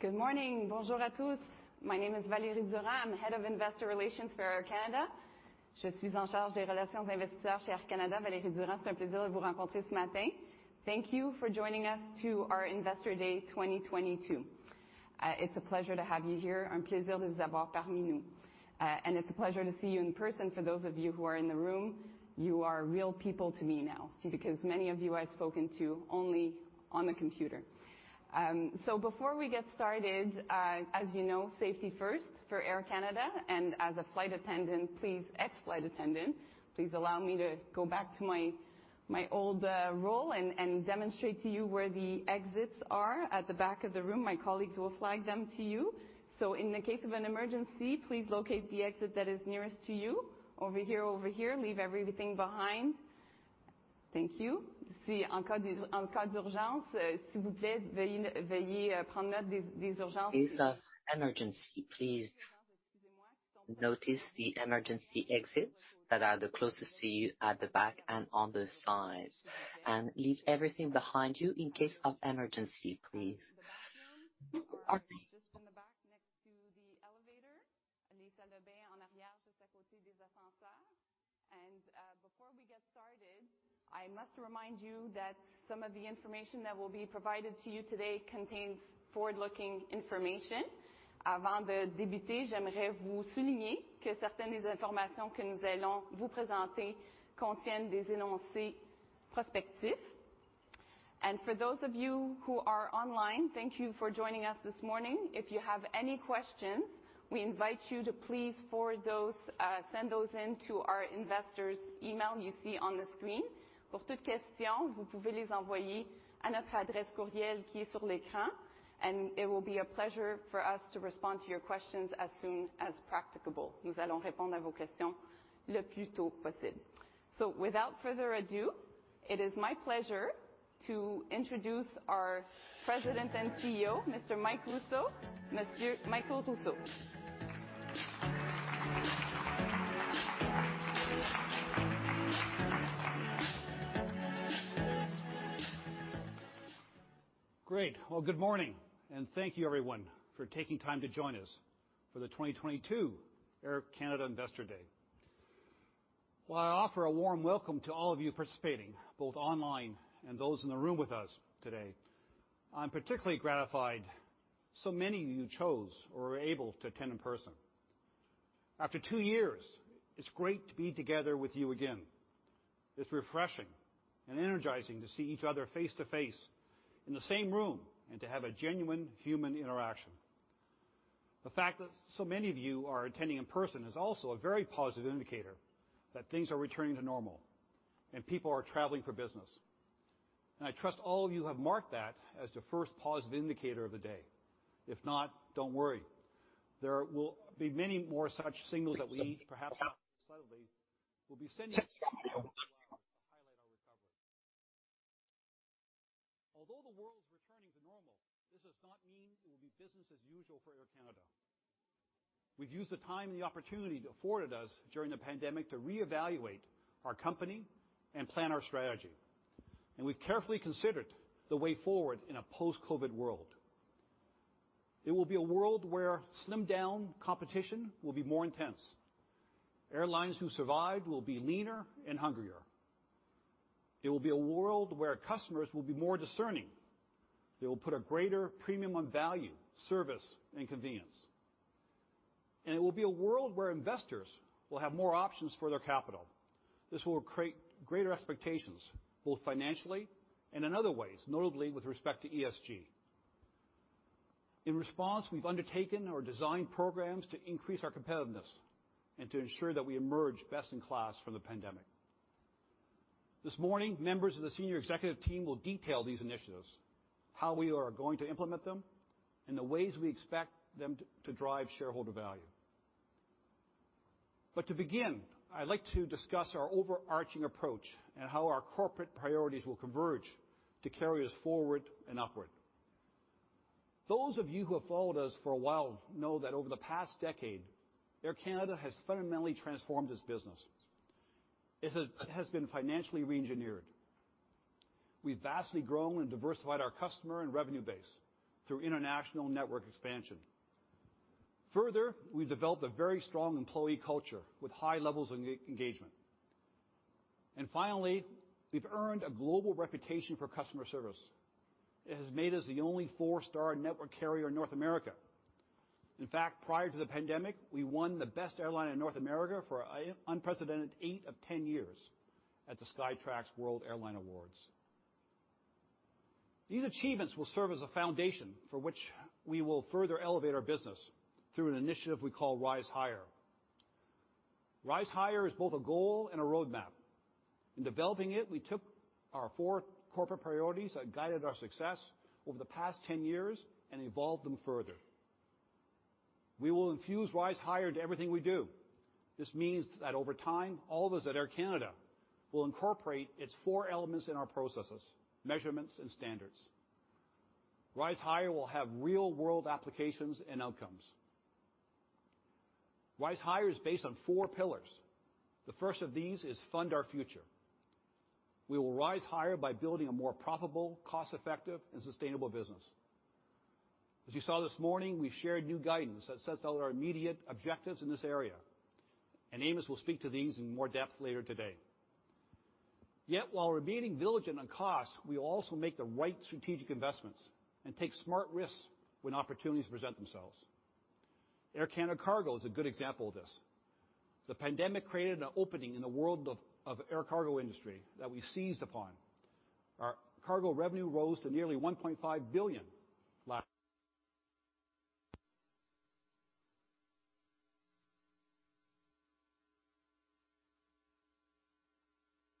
Good morning. Bonjour à tous. My name is Valérie Durand. I'm Head of Investor Relations for Air Canada. Je suis en charge des relations investisseurs chez Air Canada, Valérie Durand. C'est un plaisir de vous rencontrer ce matin. Thank you for joining us to our Investor Day 2022. It's a pleasure to have you here. Un plaisir de vous avoir parmi nous. It's a pleasure to see you in person. For those of you who are in the room, you are real people to me now, because many of you I've spoken to only on the computer. So before we get started, as you know, safety first for Air Canada, and as a flight attendant, please. Ex-flight attendant, please allow me to go back to my old role and demonstrate to you where the exits are. At the back of the room, my colleagues will flag them to you. In the case of an emergency, please locate the exit that is nearest to you. Over here, leave everything behind. Thank you. En cas d'urgence, s'il vous plaît, veuillez prendre note des urgences. In case of emergency, please notice the emergency exits that are the closest to you at the back and on the sides. Leave everything behind you in case of emergency, please. Okay. Just in the back next to the elevator. Les salles de bain en arrière, juste à côté des ascenseurs. Before we get started, I must remind you that some of the information that will be provided to you today contains forward-looking information. Avant de débuter, j'aimerais vous souligner que certaines des informations que nous allons vous présenter contiennent des énoncés prospectifs. For those of you who are online, thank you for joining us this morning. If you have any questions, we invite you to please send those in to our investors email you see on the screen. Pour toutes questions, vous pouvez les envoyer à notre adresse courriel qui est sur l'écran. It will be a pleasure for us to respond to your questions as soon as practicable. Nous allons répondre à vos questions le plus tôt possible. Without further ado, it is my pleasure to introduce our President and CEO, Mr. Michael Rousseau. Monsieur Michael Rousseau. Great. Well, good morning, and thank you everyone for taking time to join us for the 2022 Air Canada Investor Day. While I offer a warm welcome to all of you participating, both online and those in the room with us today, I'm particularly gratified so many of you chose or were able to attend in person. After two years, it's great to be together with you again. It's refreshing and energizing to see each other face to face in the same room and to have a genuine human interaction. The fact that so many of you are attending in person is also a very positive indicator that things are returning to normal and people are traveling for business, and I trust all of you have marked that as the first positive indicator of the day. If not, don't worry. There will be many more such signals that we, perhaps more subtly, will be sending to highlight our recovery. Although the world's returning to normal, this does not mean it will be business as usual for Air Canada. We've used the time and the opportunity afforded us during the pandemic to reevaluate our company and plan our strategy, and we've carefully considered the way forward in a post-COVID world. It will be a world where slimmed down competition will be more intense. Airlines who survived will be leaner and hungrier. It will be a world where customers will be more discerning. They will put a greater premium on value, service, and convenience. It will be a world where investors will have more options for their capital. This will create greater expectations, both financially and in other ways, notably with respect to ESG. In response, we've undertaken or designed programs to increase our competitiveness and to ensure that we emerge best in class from the pandemic. This morning, members of the senior executive team will detail these initiatives, how we are going to implement them, and the ways we expect them to drive shareholder value. But to begin, I'd like to discuss our overarching approach and how our corporate priorities will converge to carry us forward and upward. Those of you who have followed us for a while know that over the past decade, Air Canada has fundamentally transformed its business. It has been financially reengineered. We've vastly grown and diversified our customer and revenue base through international network expansion. Further, we've developed a very strong employee culture with high levels of engagement. Finally, we've earned a global reputation for customer service. It has made us the only four-star network carrier in North America. In fact, prior to the pandemic, we won the best airline in North America for an unprecedented eight of 10 years at the Skytrax World Airline Awards. These achievements will serve as a foundation for which we will further elevate our business through an initiative we call Rise Higher. Rise Higher is both a goal and a roadmap. In developing it, we took our four corporate priorities that guided our success over the past 10 years and evolved them further. We will infuse Rise Higher into everything we do. This means that over time, all of us at Air Canada will incorporate its four elements in our processes, measurements, and standards. Rise Higher will have real-world applications and outcomes. Rise Higher is based on four pillars. The first of these is fund our future. We will rise higher by building a more profitable, cost-effective, and sustainable business. As you saw this morning, we shared new guidance that sets out our immediate objectives in this area, and Amos will speak to these in more depth later today. Yet while remaining diligent on cost, we also make the right strategic investments and take smart risks when opportunities present themselves. Air Canada Cargo is a good example of this. The pandemic created an opening in the world of air cargo industry that we seized upon. Our cargo revenue rose to nearly 1.5 billion last year,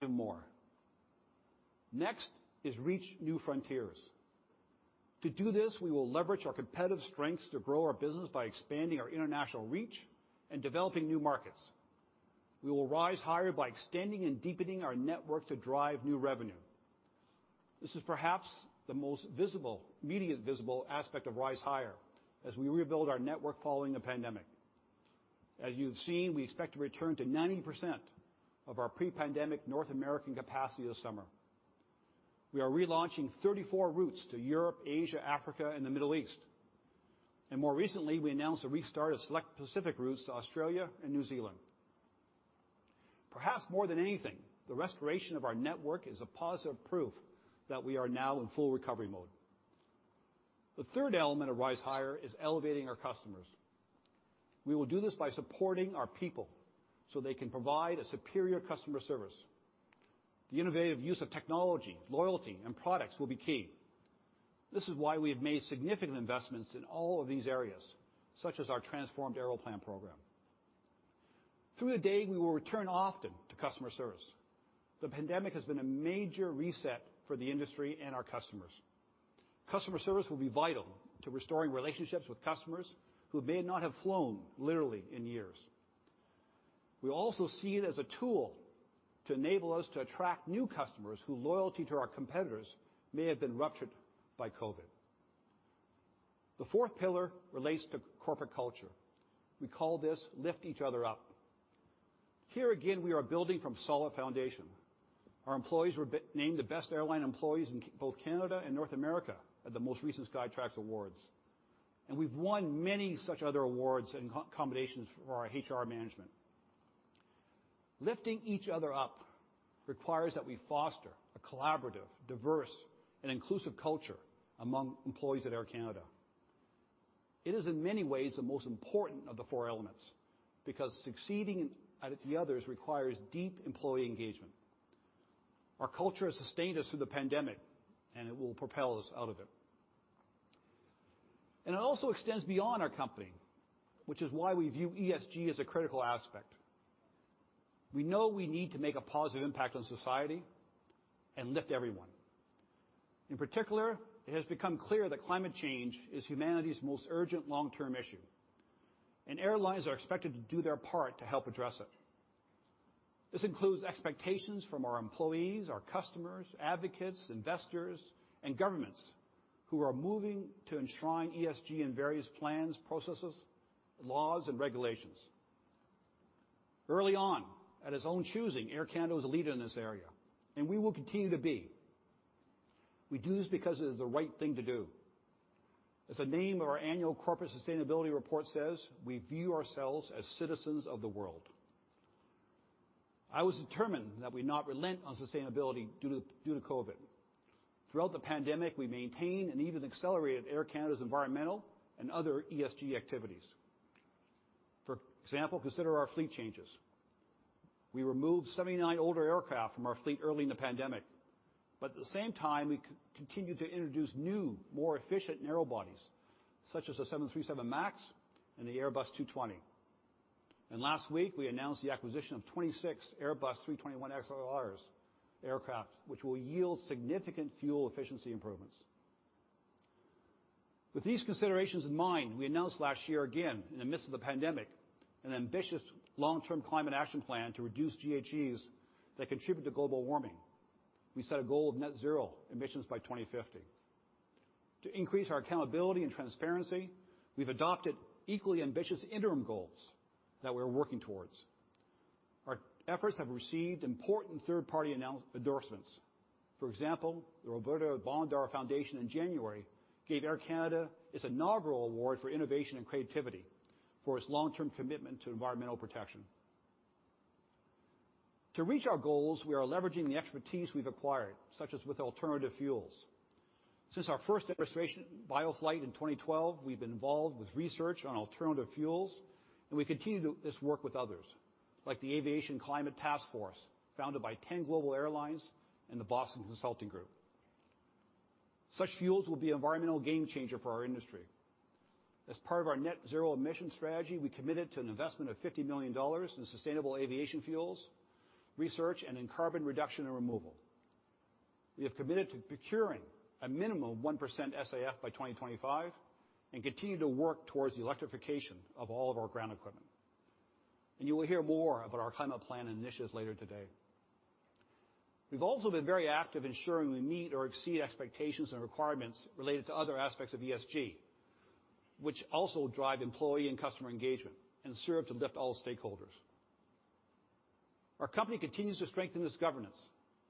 even more. Next is to reach new frontiers. To do this, we will leverage our competitive strengths to grow our business by expanding our international reach and developing new markets. We will rise higher by extending and deepening our network to drive new revenue. This is perhaps the most visible, immediate visible aspect of Rise Higher as we rebuild our network following the pandemic. As you've seen, we expect to return to 90% of our pre-pandemic North American capacity this summer. We are relaunching 34 routes to Europe, Asia, Africa, and the Middle East. More recently, we announced the restart of select Pacific routes to Australia and New Zealand. Perhaps more than anything, the restoration of our network is a positive proof that we are now in full recovery mode. The third element of Rise Higher is elevating our customers. We will do this by supporting our people so they can provide a superior customer service. The innovative use of technology, loyalty, and products will be key. This is why we have made significant investments in all of these areas, such as our transformed Aeroplan program. Through the day, we will return often to customer service. The pandemic has been a major reset for the industry and our customers. Customer service will be vital to restoring relationships with customers who may not have flown literally in years. We also see it as a tool to enable us to attract new customers whose loyalty to our competitors may have been ruptured by COVID. The fourth pillar relates to corporate culture. We call this lift each other up. Here again, we are building from solid foundation. Our employees were named the best airline employees in Canada and North America at the most recent Skytrax awards, and we've won many such other awards and accolades for our HR management. Lifting each other up requires that we foster a collaborative, diverse, and inclusive culture among employees at Air Canada. It is in many ways, the most important of the four elements, because succeeding at the others requires deep employee engagement. Our culture has sustained us through the pandemic, and it will propel us out of it. It also extends beyond our company, which is why we view ESG as a critical aspect. We know we need to make a positive impact on society and lift everyone. In particular, it has become clear that climate change is humanity's most urgent long-term issue, and airlines are expected to do their part to help address it. This includes expectations from our employees, our customers, advocates, investors, and governments who are moving to enshrining ESG in various plans, processes, laws, and regulations. Early on, at its own choosing, Air Canada is a leader in this area, and we will continue to be. We do this because it is the right thing to do. As the name of our annual corporate sustainability report says, we view ourselves as citizens of the world. I was determined that we not relent on sustainability due to Covid. Throughout the pandemic, we maintained and even accelerated Air Canada's environmental and other ESG activities. For example, consider our fleet changes. We removed 79 older aircraft from our fleet early in the pandemic, but at the same time, we continued to introduce new, more efficient narrow-bodies such as the 737 MAX and the Airbus A220. Last week we announced the acquisition of 26 Airbus A321XLR aircraft, which will yield significant fuel efficiency improvements. With these considerations in mind, we announced last year, again in the midst of the pandemic, an ambitious long-term climate action plan to reduce GHGs that contribute to global warming. We set a goal of net zero emissions by 2050. To increase our accountability and transparency, we've adopted equally ambitious interim goals that we're working towards. Our efforts have received important third-party endorsements. For example, the Roberta Bondar Foundation in January gave Air Canada its inaugural award for innovation and creativity for its long-term commitment to environmental protection. To reach our goals, we are leveraging the expertise we've acquired, such as with alternative fuels. Since our first demonstration bioflight in 2012, we've been involved with research on alternative fuels, and we continue to do this work with others like the Aviation Climate Task Force, founded by 10 global airlines and the Boston Consulting Group. Such fuels will be an environmental game changer for our industry. As part of our net zero emissions strategy, we committed to an investment of 50 million dollars in sustainable aviation fuels, research, and in carbon reduction and removal. We have committed to procuring a minimum 1% SAF by 2025 and continue to work towards the electrification of all of our ground equipment. You will hear more about our climate plan initiatives later today. We've also been very active ensuring we meet or exceed expectations and requirements related to other aspects of ESG, which also drive employee and customer engagement and serve to lift all stakeholders. Our company continues to strengthen its governance.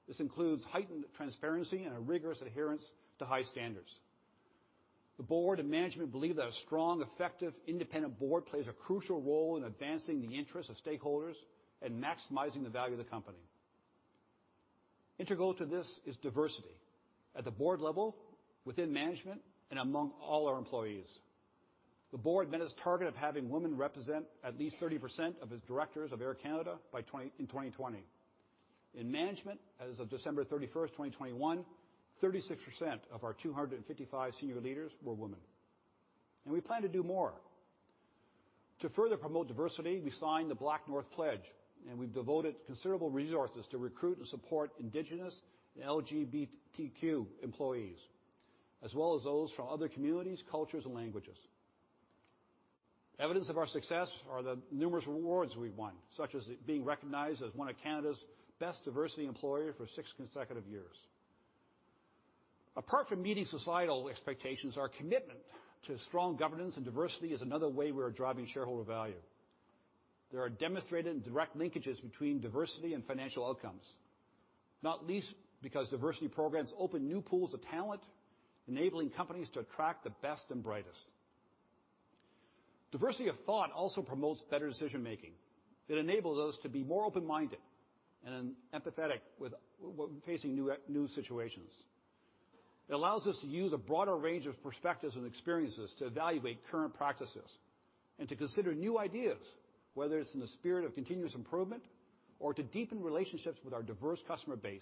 This includes heightened transparency and a rigorous adherence to high standards. The board and management believe that a strong, effective independent board plays a crucial role in advancing the interests of stakeholders and maximizing the value of the company. Integral to this is diversity at the board level, within management, and among all our employees. The board met its target of having women represent at least 30% of its directors of Air Canada by 2020. In management, as of December 31st, 2021, 36% of our 255 senior leaders were women, and we plan to do more. To further promote diversity, we signed the BlackNorth Pledge, and we've devoted considerable resources to recruit and support indigenous and LGBTQ employees as well as those from other communities, cultures, and languages. Evidence of our success are the numerous awards we've won, such as being recognized as one of Canada's best diversity employer for six consecutive years. Apart from meeting societal expectations, our commitment to strong governance and diversity is another way we are driving shareholder value. There are demonstrated and direct linkages between diversity and financial outcomes, not least because diversity programs open new pools of talent, enabling companies to attract the best and brightest. Diversity of thought also promotes better decision-making that enables us to be more open-minded and empathetic with facing new situations. It allows us to use a broader range of perspectives and experiences to evaluate current practices and to consider new ideas, whether it's in the spirit of continuous improvement or to deepen relationships with our diverse customer base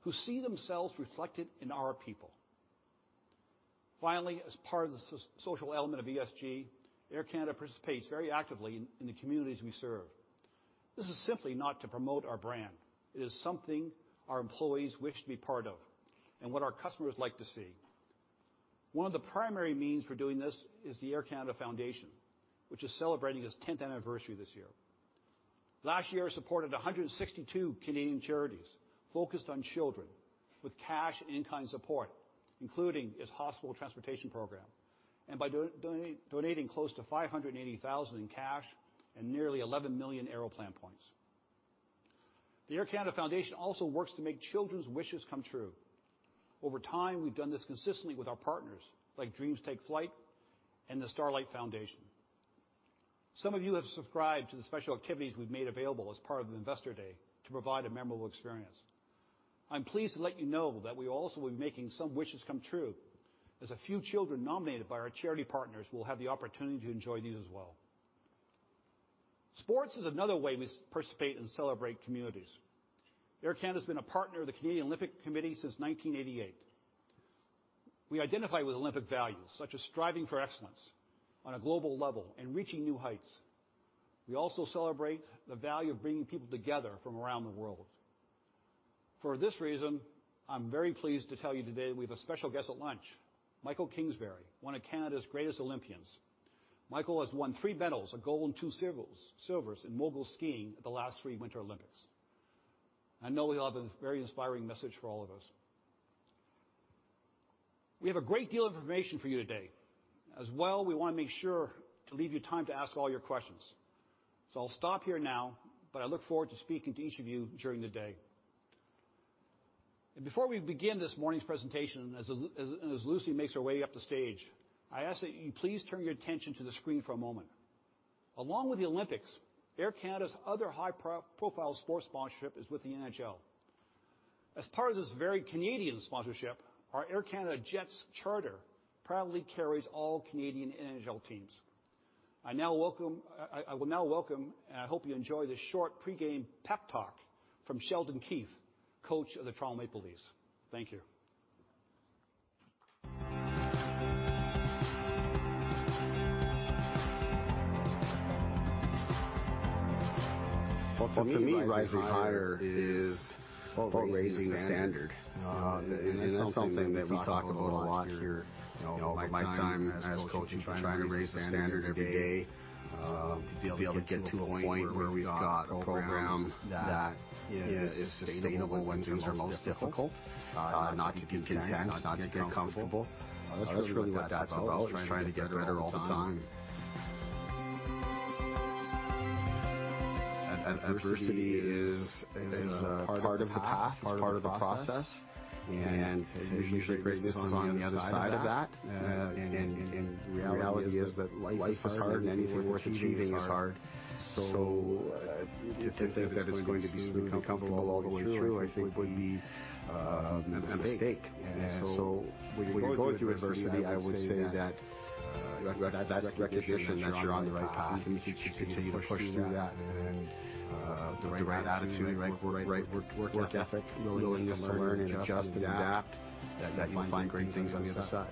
who see themselves reflected in our people. Finally, as part of the social element of ESG, Air Canada participates very actively in the communities we serve. This is simply not to promote our brand. It is something our employees wish to be part of and what our customers like to see. One of the primary means for doing this is the Air Canada Foundation, which is celebrating its 10th anniversary this year. Last year, it supported 162 Canadian charities focused on children with cash and in-kind support, including its hospital transportation program, and by donating close to 580,000 in cash and nearly 11 million Aeroplan points. The Air Canada Foundation also works to make children's wishes come true. Over time, we've done this consistently with our partners, like Dreams Take Flight and the Starlight Foundation. Some of you have subscribed to the special activities we've made available as part of the Investor Day to provide a memorable experience. I'm pleased to let you know that we also will be making some wishes come true, as a few children nominated by our charity partners will have the opportunity to enjoy these as well. Sports is another way we participate and celebrate communities. Air Canada's been a partner of the Canadian Olympic Committee since 1988. We identify with Olympic values, such as striving for excellence on a global level and reaching new heights. We also celebrate the value of bringing people together from around the world. For this reason, I'm very pleased to tell you today we have a special guest at lunch, Mikaël Kingsbury, one of Canada's greatest Olympians. Mikaël has won three medals, a gold and two silvers in mogul skiing at the last three Winter Olympics. I know he'll have a very inspiring message for all of us. We have a great deal of information for you today. As well, we want to make sure to leave you time to ask all your questions. I'll stop here now, but I look forward to speaking to each of you during the day. Before we begin this morning's presentation, as Lucie makes her way up the stage, I ask that you please turn your attention to the screen for a moment. Along with the Olympics, Air Canada's other high-profile sports sponsorship is with the NHL. As part of this very Canadian sponsorship, our Air Canada Jetz charter proudly carries all Canadian NHL teams. I will now welcome, and I hope you enjoy this short pre-game pep talk from Sheldon Keefe, coach of the Toronto Maple Leafs. Thank you. For me, Rise Higher is about raising the standard. And that's something that we talk about a lot here, you know, my time as coach is trying to raise the standard every day, to be able to get to a point where we've got a program that is sustainable when things are most difficult, not to be content, not to get comfortable. That's really what that's about, is trying to get better all the time. Adversity is part of the path, it's part of the process, and there's usually greatness on the other side of that. And reality is that life is hard and anything worth achieving is hard. So, to think that it's going to be smooth and comfortable all the way through, I think would be a mistake. When you're going through adversity, I would say that that's the condition that you're on the right path if you continue to push through that. With the right attitude, right work ethic, willingness to learn, and adjust, and adapt, that you find great things on the other side.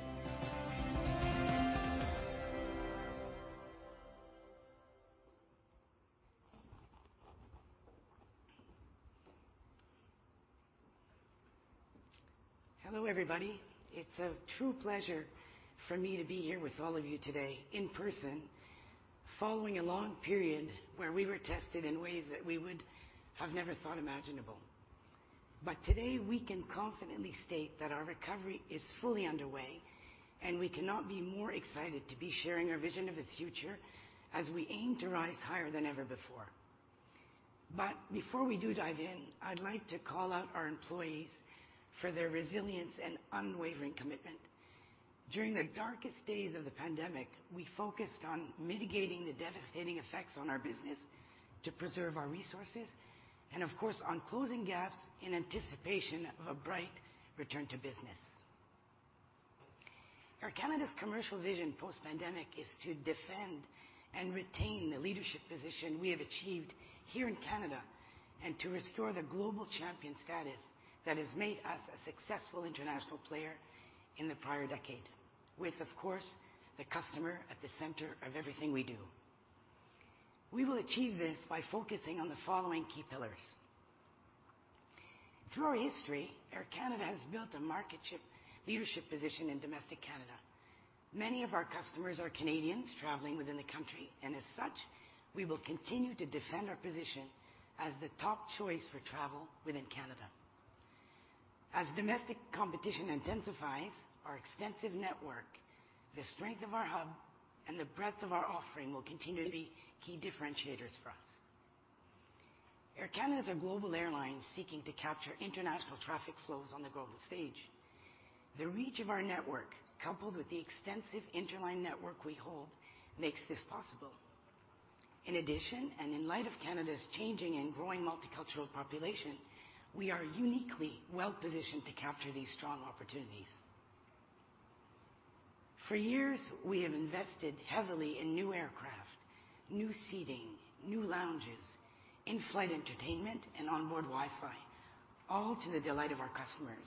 Hello, everybody. It's a true pleasure for me to be here with all of you today in person following a long period where we were tested in ways that we would have never thought imaginable. Today, we can confidently state that our recovery is fully underway, and we cannot be more excited to be sharing our vision of the future as we aim to Rise Higher than ever before. Before we do dive in, I'd like to call out our employees for their resilience and unwavering commitment. During the darkest days of the pandemic, we focused on mitigating the devastating effects on our business to preserve our resources, and of course, on closing gaps in anticipation of a bright return to business. Air Canada's commercial vision post-pandemic is to defend and retain the leadership position we have achieved here in Canada, and to restore the global champion status that has made us a successful international player in the prior decade with, of course, the customer at the center of everything we do. We will achieve this by focusing on the following key pillars. Through our history, Air Canada has built a market share leadership position in domestic Canada. Many of our customers are Canadians traveling within the country, and as such, we will continue to defend our position as the top choice for travel within Canada. As domestic competition intensifies, our extensive network, the strength of our hub, and the breadth of our offering will continue to be key differentiators for us. Air Canada is a global airline seeking to capture international traffic flows on the global stage. The reach of our network, coupled with the extensive interline network we hold, makes this possible. In addition, and in light of Canada's changing and growing multicultural population, we are uniquely well-positioned to capture these strong opportunities. For years, we have invested heavily in new aircraft, new seating, new lounges, in-flight entertainment, and onboard Wi-Fi, all to the delight of our customers.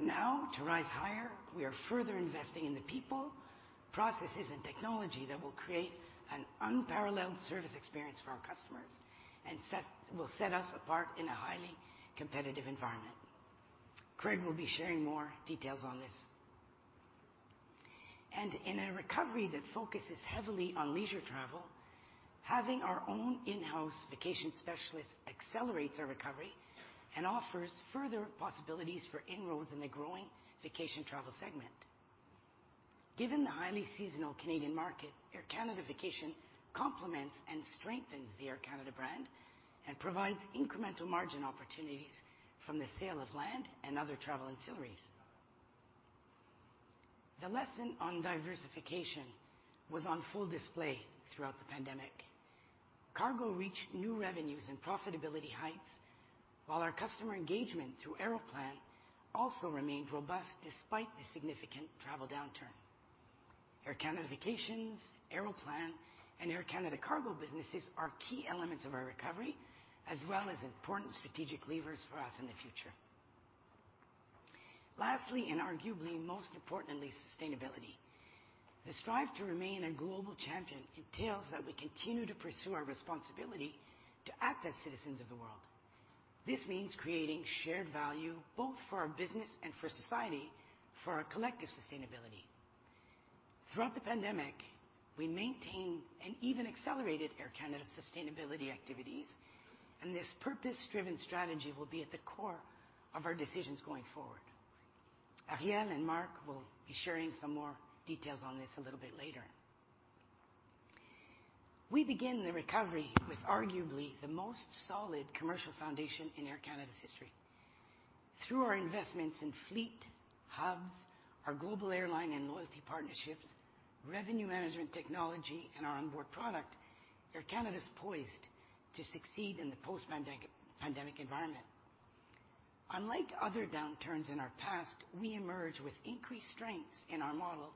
Now, to Rise Higher, we are further investing in the people, processes, and technology that will create an unparalleled service experience for our customers and will set us apart in a highly competitive environment. Craig will be sharing more details on this. In a recovery that focuses heavily on leisure travel, having our own in-house vacation specialists accelerates our recovery and offers further possibilities for inroads in the growing vacation travel segment. Given the highly seasonal Canadian market, Air Canada Vacations complements and strengthens the Air Canada brand and provides incremental margin opportunities from the sale of land and other travel ancillaries. The lesson on diversification was on full display throughout the pandemic. Cargo reached new revenues and profitability heights, while our customer engagement through Aeroplan also remained robust despite the significant travel downturn. Air Canada Vacations, Aeroplan, and Air Canada Cargo businesses are key elements of our recovery, as well as important strategic levers for us in the future. Lastly, and arguably most importantly, sustainability. The drive to remain a global champion entails that we continue to pursue our responsibility to act as citizens of the world. This means creating shared value both for our business and for society, for our collective sustainability. Throughout the pandemic, we maintained and even accelerated Air Canada sustainability activities, and this purpose-driven strategy will be at the core of our decisions going forward. Arielle and Marc will be sharing some more details on this a little bit later. We begin the recovery with arguably the most solid commercial foundation in Air Canada's history. Through our investments in fleet, hubs, our global airline and loyalty partnerships, Revenue Management technology, and our onboard product, Air Canada is poised to succeed in the post-pandemic environment. Unlike other downturns in our past, we emerge with increased strengths in our model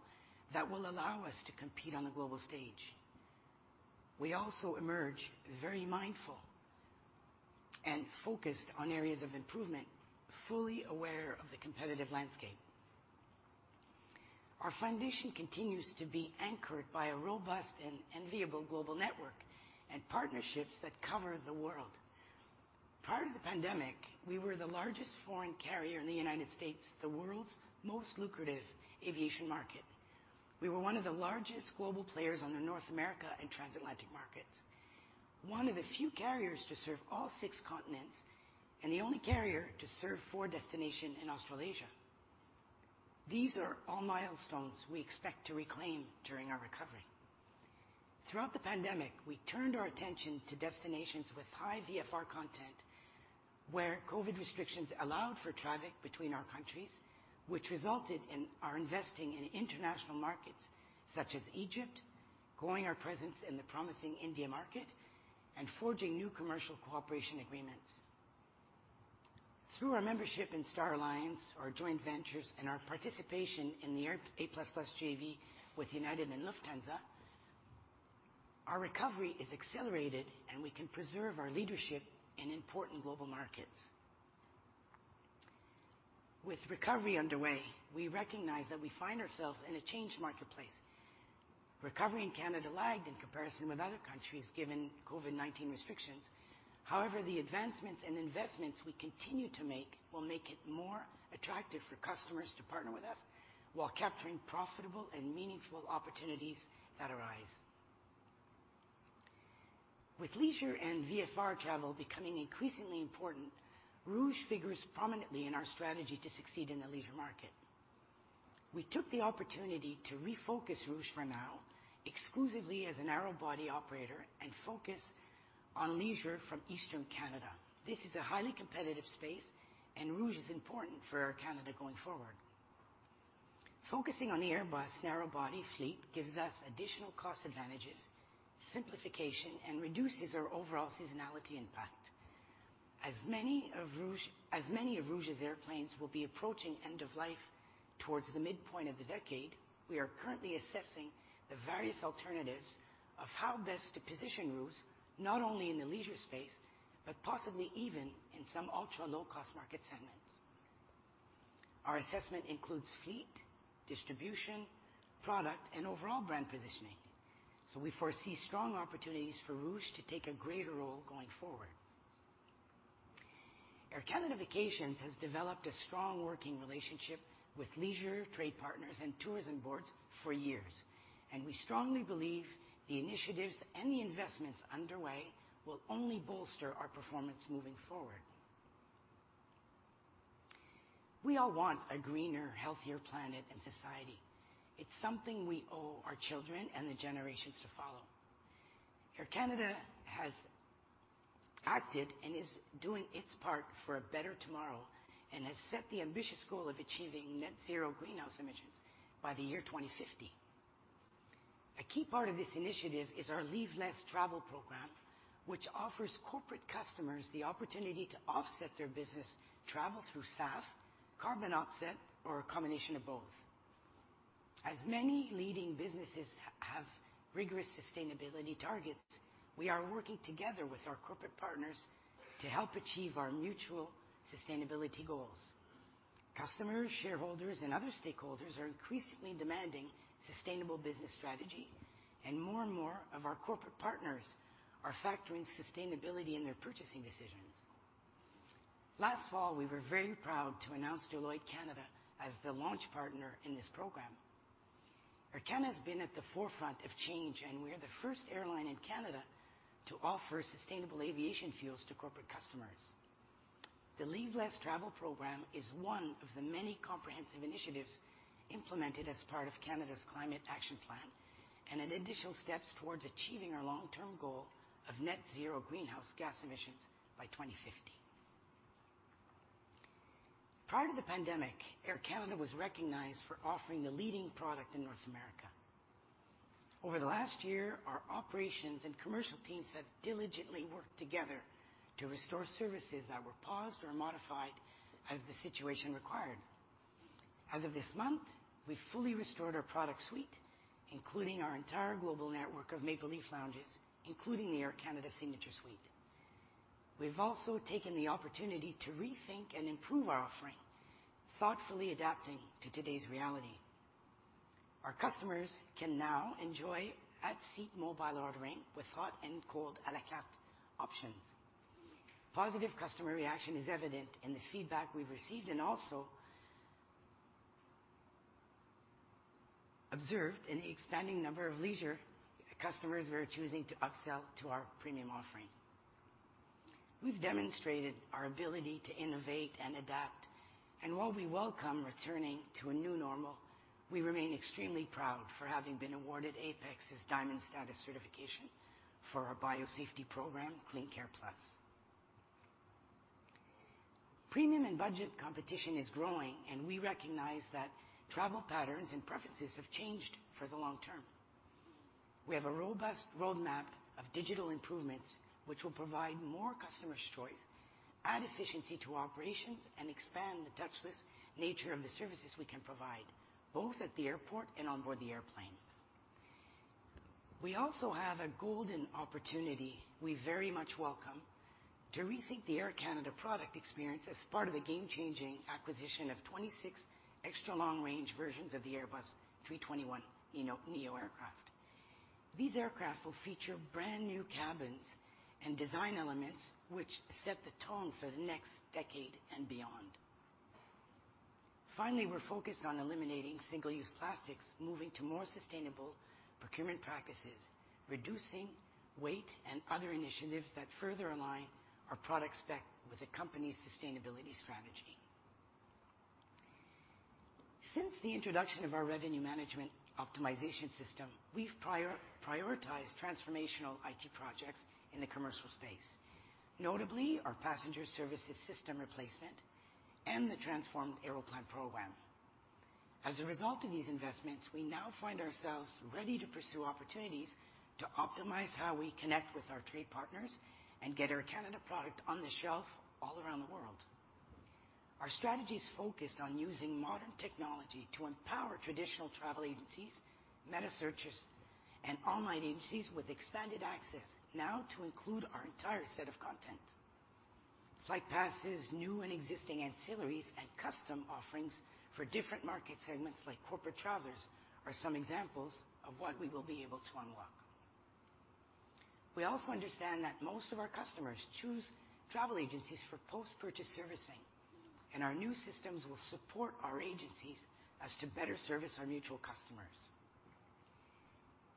that will allow us to compete on a global stage. We also emerge very mindful and focused on areas of improvement, fully aware of the competitive landscape. Our foundation continues to be anchored by a robust and enviable global network and partnerships that cover the world. Prior to the pandemic, we were the largest foreign carrier in the United States, the world's most lucrative aviation market. We were one of the largest global players on the North America and transatlantic markets, one of the few carriers to serve all six continents, and the only carrier to serve four destinations in Australasia. These are all milestones we expect to reclaim during our recovery. Throughout the pandemic, we turned our attention to destinations with high VFR content, where COVID restrictions allowed for traffic between our countries, which resulted in our investing in international markets such as Egypt, growing our presence in the promising India market, and forging new commercial cooperation agreements. Through our membership in Star Alliance, our joint ventures, and our participation in the A++ JV with United, Lufthansa, our recovery is accelerated, and we can preserve our leadership in important global markets. With recovery underway, we recognize that we find ourselves in a changed marketplace. Recovery in Canada lagged in comparison with other countries given COVID-19 restrictions. However, the advancements and investments we continue to make will make it more attractive for customers to partner with us while capturing profitable and meaningful opportunities that arise. With leisure and VFR travel becoming increasingly important, Rouge figures prominently in our strategy to succeed in the leisure market. We took the opportunity to refocus Rouge for now exclusively as a narrow-body operator and focus on leisure from Eastern Canada. This is a highly competitive space, and Rouge is important for Air Canada going forward. Focusing on the Airbus narrow-body fleet gives us additional cost advantages, simplification, and reduces our overall seasonality impact. As many of Rouge's airplanes will be approaching end of life towards the midpoint of the decade, we are currently assessing the various alternatives of how best to position Rouge, not only in the leisure space, but possibly even in some ultra-low-cost market segments. Our assessment includes fleet, distribution, product, and overall brand positioning, so we foresee strong opportunities for Rouge to take a greater role going forward. Air Canada Vacations has developed a strong working relationship with leisure trade partners and tourism boards for years, and we strongly believe the initiatives and the investments underway will only bolster our performance moving forward. We all want a greener, healthier planet and society. It's something we owe our children and the generations to follow. Air Canada has acted and is doing its part for a better tomorrow and has set the ambitious goal of achieving net zero greenhouse emissions by 2050. A key part of this initiative is our Leave Less Travel Program, which offers corporate customers the opportunity to offset their business travel through SAF, carbon offset, or a combination of both. Many leading businesses have rigorous sustainability targets. We are working together with our corporate partners to help achieve our mutual sustainability goals. Customers, shareholders, and other stakeholders are increasingly demanding sustainable business strategy. More and more of our corporate partners are factoring sustainability in their purchasing decisions. Last fall, we were very proud to announce Deloitte Canada as the launch partner in this program. Air Canada has been at the forefront of change, and we are the first airline in Canada to offer sustainable aviation fuels to corporate customers. The Leave Less Travel Program is one of the many comprehensive initiatives implemented as part of Canada's Climate Action Plan and an initial steps towards achieving our long-term goal of net zero greenhouse gas emissions by 2050. Prior to the pandemic, Air Canada was recognized for offering the leading product in North America. Over the last year, our operations and commercial teams have diligently worked together to restore services that were paused or modified as the situation required. As of this month, we've fully restored our product suite, including our entire global network of Maple Leaf Lounges, including the Air Canada Signature Suite. We've also taken the opportunity to rethink and improve our offering, thoughtfully adapting to today's reality. Our customers can now enjoy at-seat mobile ordering with hot and cold à la carte options. Positive customer reaction is evident in the feedback we've received and also observed in the expanding number of leisure customers who are choosing to upsell to our premium offering. We've demonstrated our ability to innovate and adapt, and while we welcome returning to a new normal, we remain extremely proud for having been awarded APEX's Diamond Status certification for our biosafety program, CleanCare+. Premium and budget competition is growing, and we recognize that travel patterns and preferences have changed for the long term. We have a robust roadmap of digital improvements which will provide more customers choice, add efficiency to operations, and expand the touchless nature of the services we can provide, both at the airport and onboard the airplane. We also have a golden opportunity we very much welcome to rethink the Air Canada product experience as part of the game-changing acquisition of 26 extra long-range versions of the Airbus A321neo aircraft. These aircraft will feature brand-new cabins and design elements which set the tone for the next decade and beyond. Finally, we're focused on eliminating single-use plastics, moving to more sustainable procurement practices, reducing weight and other initiatives that further align our product spec with the company's sustainability strategy. Since the introduction of our Revenue Management optimization system, we've prioritized transformational IT projects in the commercial space, notably our passenger services system replacement and the transformed Aeroplan program. As a result of these investments, we now find ourselves ready to pursue opportunities to optimize how we connect with our trade partners and get Air Canada product on the shelf all around the world. Our strategy is focused on using modern technology to empower traditional travel agencies, meta searches, and online agencies with expanded access now to include our entire set of content. Flight passes, new and existing ancillaries, and custom offerings for different market segments like corporate travelers are some examples of what we will be able to unlock. We also understand that most of our customers choose travel agencies for post-purchase servicing, and our new systems will support our agencies so as to better service our mutual customers.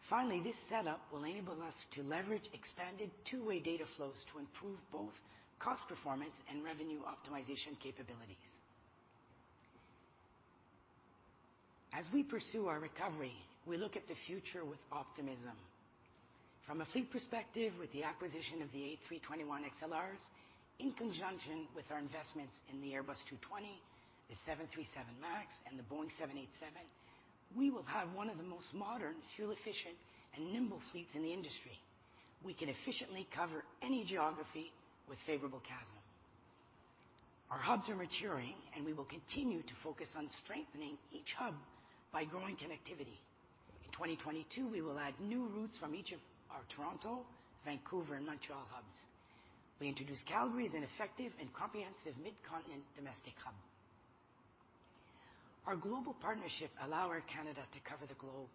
Finally, this setup will enable us to leverage expanded two-way data flows to improve both cost performance and revenue optimization capabilities. As we pursue our recovery, we look at the future with optimism. From a fleet perspective, with the acquisition of the A321XLRs, in conjunction with our investments in the Airbus A220, the Boeing 737 MAX, and the Boeing 787, we will have one of the most modern, fuel efficient, and nimble fleets in the industry. We can efficiently cover any geography with favorable cabin. Our hubs are maturing, and we will continue to focus on strengthening each hub by growing connectivity. In 2022, we will add new routes from each of our Toronto, Vancouver, and Montréal hubs. We introduce Calgary as an effective and comprehensive mid-continent domestic hub. Our global partnership allow Air Canada to cover the globe.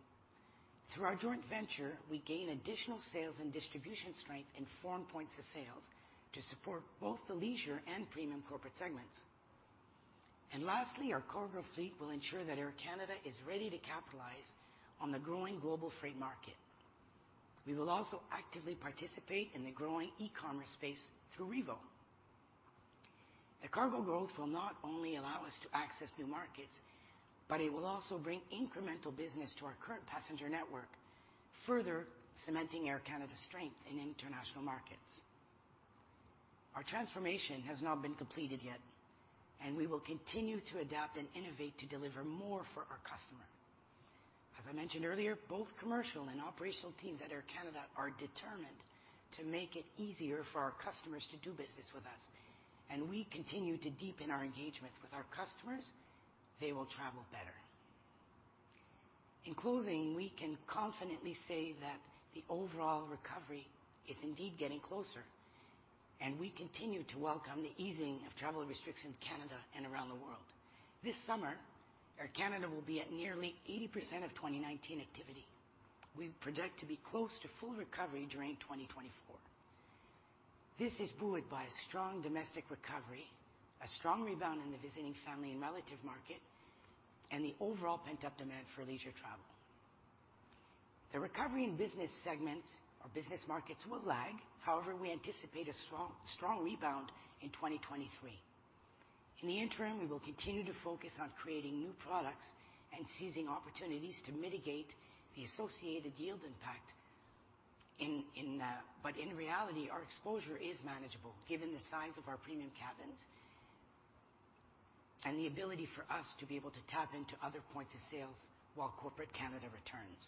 Through our joint venture, we gain additional sales and distribution strength in foreign points of sales to support both the leisure and premium corporate segments. Lastly, our cargo fleet will ensure that Air Canada is ready to capitalize on the growing global freight market. We will also actively participate in the growing e-commerce space through Rivo. The cargo growth will not only allow us to access new markets, but it will also bring incremental business to our current passenger network, further cementing Air Canada's strength in international markets. Our transformation has not been completed yet, and we will continue to adapt and innovate to deliver more for our customer. As I mentioned earlier, both commercial and operational teams at Air Canada are determined to make it easier for our customers to do business with us, and we continue to deepen our engagement with our customers. They will travel better. In closing, we can confidently say that the overall recovery is indeed getting closer, and we continue to welcome the easing of travel restrictions in Canada and around the world. This summer, Air Canada will be at nearly 80% of 2019 activity. We project to be close to full recovery during 2024. This is buoyed by a strong domestic recovery, a strong rebound in the visiting family and relative market, and the overall pent-up demand for leisure travel. The recovery in business segments or business markets will lag. However, we anticipate a strong rebound in 2023. In the interim, we will continue to focus on creating new products and seizing opportunities to mitigate the associated yield impact. In reality, our exposure is manageable given the size of our premium cabins and the ability for us to be able to tap into other points of sales while corporate Canada returns.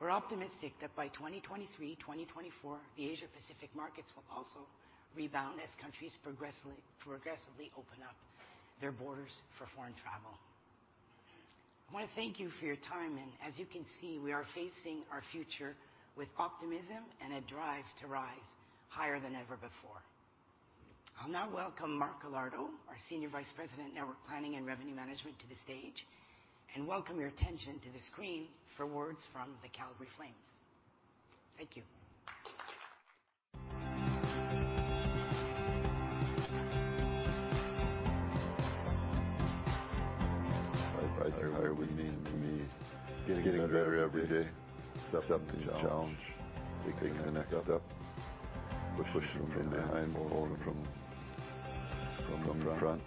We're optimistic that by 2023, 2024, the Asia Pacific markets will also rebound as countries progressively open up their borders for foreign travel. I wanna thank you for your time, and as you can see, we are facing our future with optimism and a drive to rise higher than ever before. I'll now welcome Mark Galardo, our Senior Vice President, Network Planning and Revenue Management to the stage, and welcome your attention to the screen for words from the Calgary Flames. Thank you. Fly higher would mean to me getting better every day, accepting the challenge, taking the next step, pushing from behind, pulling from the front.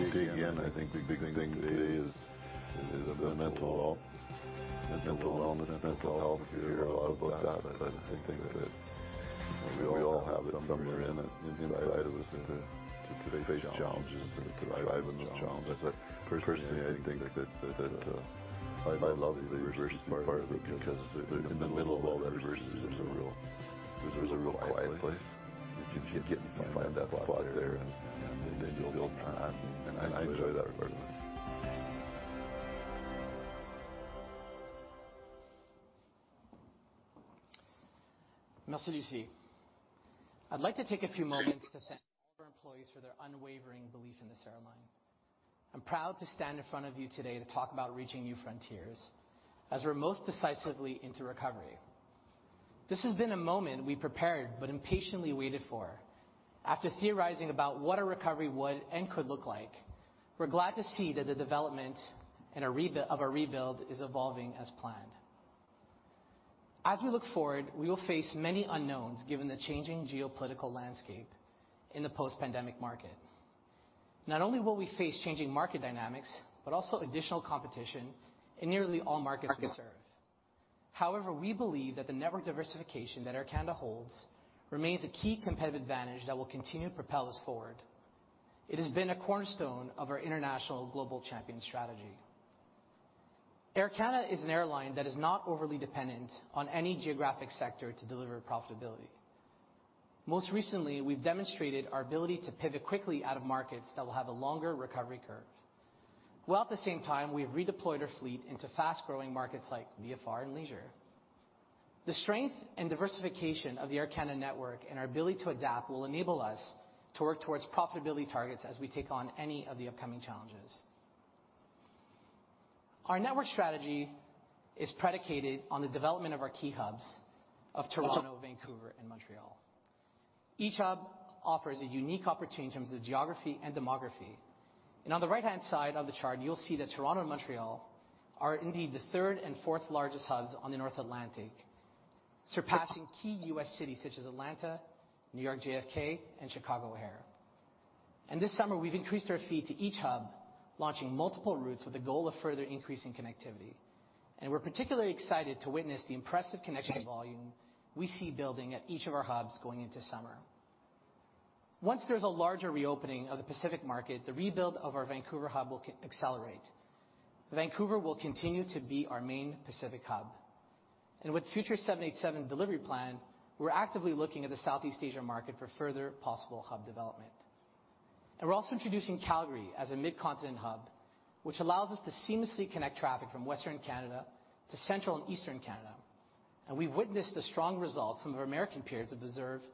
Speaking again, I think the big thing today is the mental wellness, mental health. You hear a lot about that, but I think that we all have it somewhere inside of us to face challenges and to thrive in those challenges. Personally, I think that I love the diversity part of it because in the middle of all the diversity, there's a real quiet place. You can get and find that spot there and then you'll build from that, and I enjoy that part of it. Merci, Lucie. I'd like to take a few moments to thank all of our employees for their unwavering belief in this airline. I'm proud to stand in front of you today to talk about reaching new frontiers as we're most decisively into recovery. This has been a moment we prepared, but impatiently waited for. After theorizing about what a recovery would and could look like, we're glad to see that the development and of our rebuild is evolving as planned. As we look forward, we will face many unknowns given the changing geopolitical landscape in the post-pandemic market. Not only will we face changing market dynamics, but also additional competition in nearly all markets we serve. However, we believe that the network diversification that Air Canada holds remains a key competitive advantage that will continue to propel us forward. It has been a cornerstone of our international global champion strategy. Air Canada is an airline that is not overly dependent on any geographic sector to deliver profitability. Most recently, we've demonstrated our ability to pivot quickly out of markets that will have a longer recovery curve, while at the same time, we've redeployed our fleet into fast-growing markets like VFR and leisure. The strength and diversification of the Air Canada network and our ability to adapt will enable us to work towards profitability targets as we take on any of the upcoming challenges. Our network strategy is predicated on the development of our key hubs of Toronto, Vancouver, and Montréal. Each hub offers a unique opportunity in terms of geography and demography. On the right-hand side of the chart, you'll see that Toronto and Montréal are indeed the third and fourth largest hubs on the North Atlantic, surpassing key U.S. cities such as Atlanta, New York JFK, and Chicago O'Hare. This summer, we've increased our fleet to each hub, launching multiple routes with the goal of further increasing connectivity. We're particularly excited to witness the impressive connection volume we see building at each of our hubs going into summer. Once there's a larger reopening of the Pacific market, the rebuild of our Vancouver hub will accelerate. Vancouver will continue to be our main Pacific hub. With future 787 delivery plan, we're actively looking at the Southeast Asia market for further possible hub development. We're also introducing Calgary as a mid-continent hub, which allows us to seamlessly connect traffic from Western Canada to Central and Eastern Canada. We've witnessed the strong results some of our American peers have observed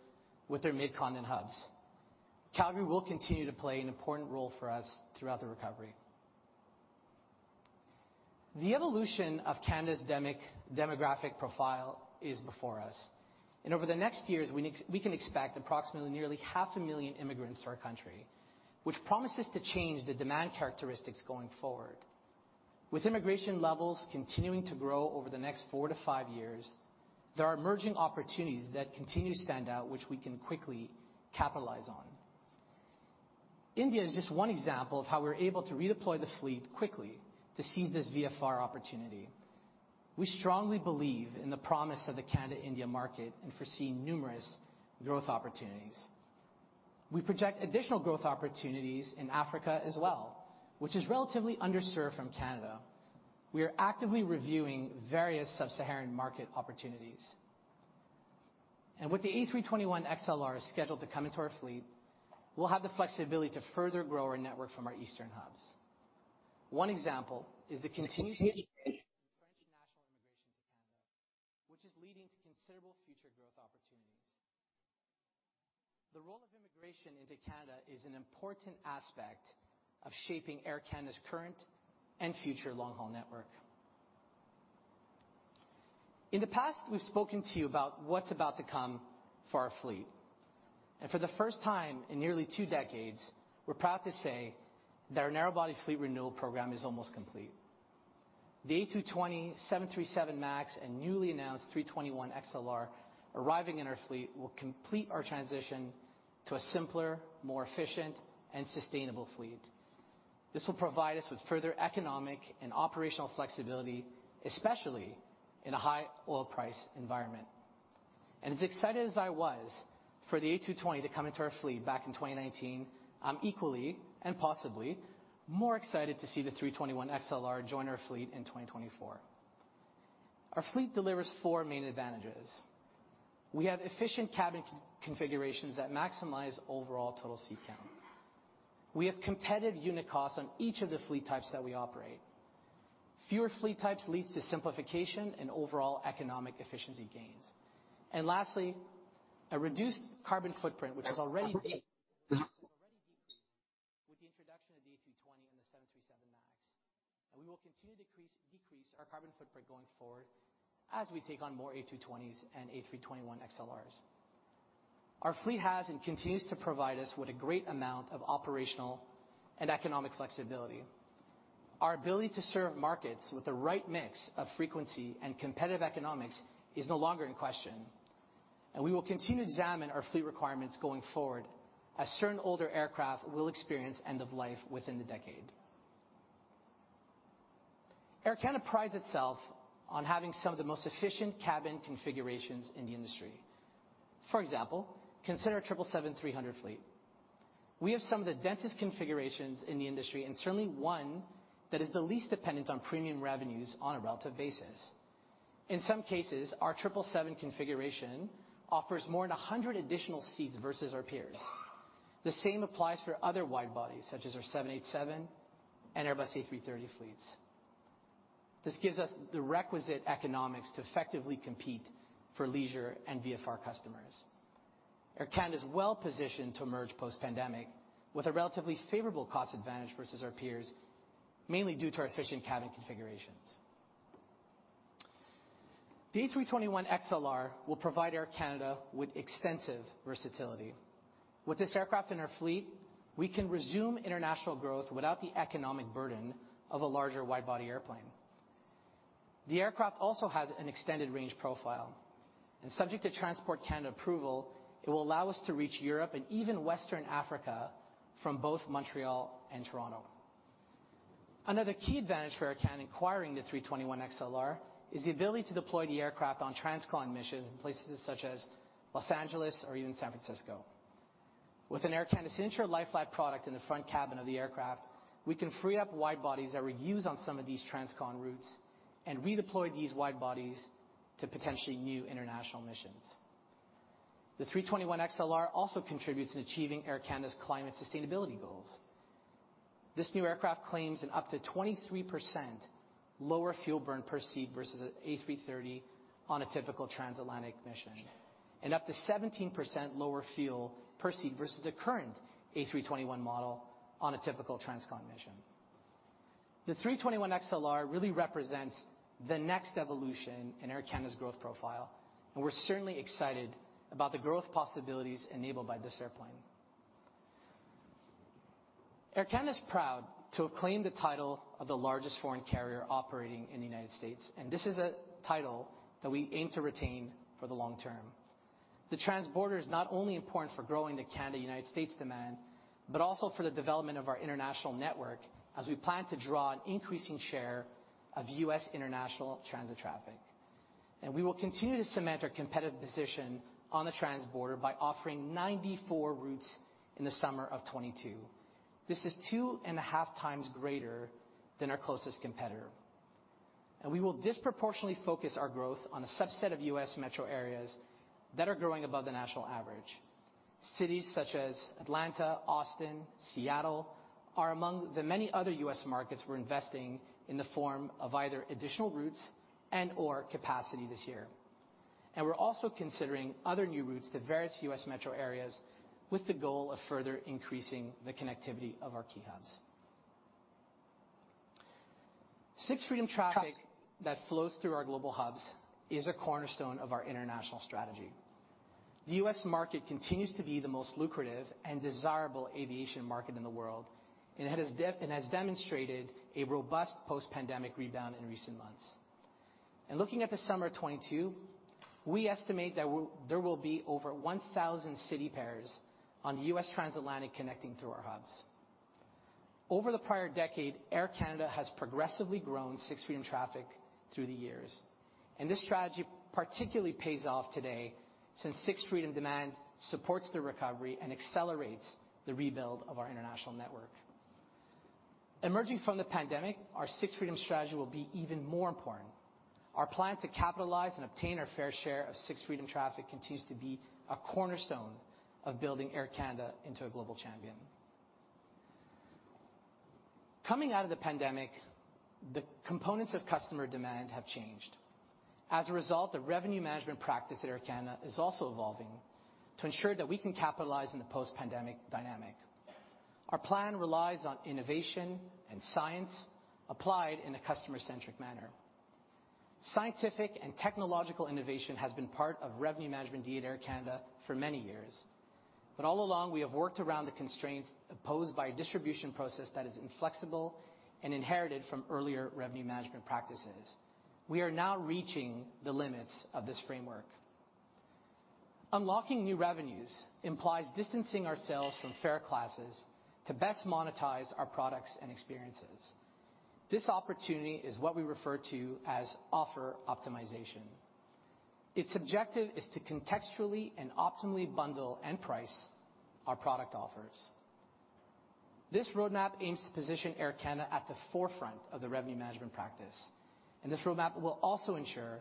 with their mid-continent hubs. Calgary will continue to play an important role for us throughout the recovery. The evolution of Canada's demographic profile is before us, and over the next years, we can expect approximately nearly 500,000 immigrants to our country, which promises to change the demand characteristics going forward. With immigration levels continuing to grow over the next four to five years, there are emerging opportunities that continue to stand out, which we can quickly capitalize on. India is just one example of how we're able to redeploy the fleet quickly to seize this VFR opportunity. We strongly believe in the promise of the Canada-India market and foresee numerous growth opportunities. We project additional growth opportunities in Africa as well, which is relatively underserved from Canada. We are actively reviewing various Sub-Saharan market opportunities. With the A321XLR scheduled to come into our fleet, we'll have the flexibility to further grow our network from our eastern hubs. One example is the continued French national immigration to Canada, which is leading to considerable future growth opportunities. The role of immigration into Canada is an important aspect of shaping Air Canada's current and future long-haul network. In the past, we've spoken to you about what's about to come for our fleet, and for the first time in nearly two decades, we're proud to say that our narrow-body fleet renewal program is almost complete. The A220, 737 MAX, and newly announced A321XLR arriving in our fleet will complete our transition to a simpler, more efficient, and sustainable fleet. This will provide us with further economic and operational flexibility, especially in a high oil price environment. As excited as I was for the A220 to come into our fleet back in 2019, I'm equally and possibly more excited to see the A321XLR join our fleet in 2024. Our fleet delivers four main advantages. We have efficient cabin configurations that maximize overall total seat count. We have competitive unit costs on each of the fleet types that we operate. Fewer fleet types leads to simplification and overall economic efficiency gains. Lastly, a reduced carbon footprint which has already decreased with the introduction of the A220 and the 737 MAX, and we will continue to decrease our carbon footprint going forward as we take on more A220s and A321XLRs. Our fleet has and continues to provide us with a great amount of operational and economic flexibility. Our ability to serve markets with the right mix of frequency and competitive economics is no longer in question, and we will continue to examine our fleet requirements going forward as certain older aircraft will experience end of life within the decade. Air Canada prides itself on having some of the most efficient cabin configurations in the industry. For example, consider our 777-300 fleet. We have some of the densest configurations in the industry, and certainly one that is the least dependent on premium revenues on a relative basis. In some cases, our 777 configuration offers more than 100 additional seats versus our peers. The same applies for other wide-bodies such as our 787 and Airbus A330 fleets. This gives us the requisite economics to effectively compete for leisure and VFR customers. Air Canada is well-positioned to emerge post-pandemic with a relatively favorable cost advantage versus our peers, mainly due to our efficient cabin configurations. The A321XLR will provide Air Canada with extensive versatility. With this aircraft in our fleet, we can resume international growth without the economic burden of a larger wide-body airplane. The aircraft also has an extended range profile, and subject to Transport Canada approval, it will allow us to reach Europe and even West Africa from both Montréal and Toronto. Another key advantage for Air Canada acquiring the 321XLR is the ability to deploy the aircraft on transcon missions in places such as Los Angeles or even San Francisco. With an Air Canada Signature lie-flat product in the front cabin of the aircraft, we can free up wide bodies that we use on some of these transcon routes and redeploy these wide bodies to potentially new international missions. The A321XLR also contributes in achieving Air Canada's climate sustainability goals. This new aircraft claims an up to 23% lower fuel burn per seat versus an A330 on a typical transatlantic mission, and up to 17% lower fuel per seat versus the current A321 model on a typical transcon mission. The A321XLR really represents the next evolution in Air Canada's growth profile, and we're certainly excited about the growth possibilities enabled by this airplane. Air Canada is proud to have claimed the title of the largest foreign carrier operating in the United States, and this is a title that we aim to retain for the long term. The Transborder is not only important for growing the Canada-United States demand, but also for the development of our international network as we plan to draw an increasing share of U.S. international transit traffic. We will continue to cement our competitive position on the Transborder by offering 94 routes in the summer of 2022. This is 2.5x greater than our closest competitor. We will disproportionately focus our growth on a subset of U.S. metro areas that are growing above the national average. Cities such as Atlanta, Austin, Seattle are among the many other U.S. markets we're investing in the form of either additional routes and/or capacity this year. We're also considering other new routes to various U.S. metro areas with the goal of further increasing the connectivity of our key hubs. Sixth Freedom traffic that flows through our global hubs is a cornerstone of our international strategy. The U.S. market continues to be the most lucrative and desirable aviation market in the world, and it has demonstrated a robust post-pandemic rebound in recent months. Looking at the summer of 2022, we estimate that there will be over 1,000 city pairs on the U.S. transatlantic connecting through our hubs. Over the prior decade, Air Canada has progressively grown Sixth Freedom traffic through the years, and this strategy particularly pays off today since Sixth Freedom demand supports the recovery and accelerates the rebuild of our international network. Emerging from the pandemic, our Sixth Freedom strategy will be even more important. Our plan to capitalize and obtain our fair share of Sixth Freedom traffic continues to be a cornerstone of building Air Canada into a global champion. Coming out of the pandemic, the components of customer demand have changed. As a result, the Revenue Management practice at Air Canada is also evolving to ensure that we can capitalize on the post-pandemic dynamic. Our plan relies on innovation and science applied in a customer-centric manner. Scientific and technological innovation has been part of Revenue Management DNA at Air Canada for many years, but all along we have worked around the constraints posed by a distribution process that is inflexible and inherited from earlier Revenue Management practices. We are now reaching the limits of this framework. Unlocking new revenues implies distancing ourselves from fare classes to best monetize our products and experiences. This opportunity is what we refer to as Offer Optimization. Its objective is to contextually and optimally bundle and price our product offers. This roadmap aims to position Air Canada at the forefront of the Revenue Management practice, and this roadmap will also ensure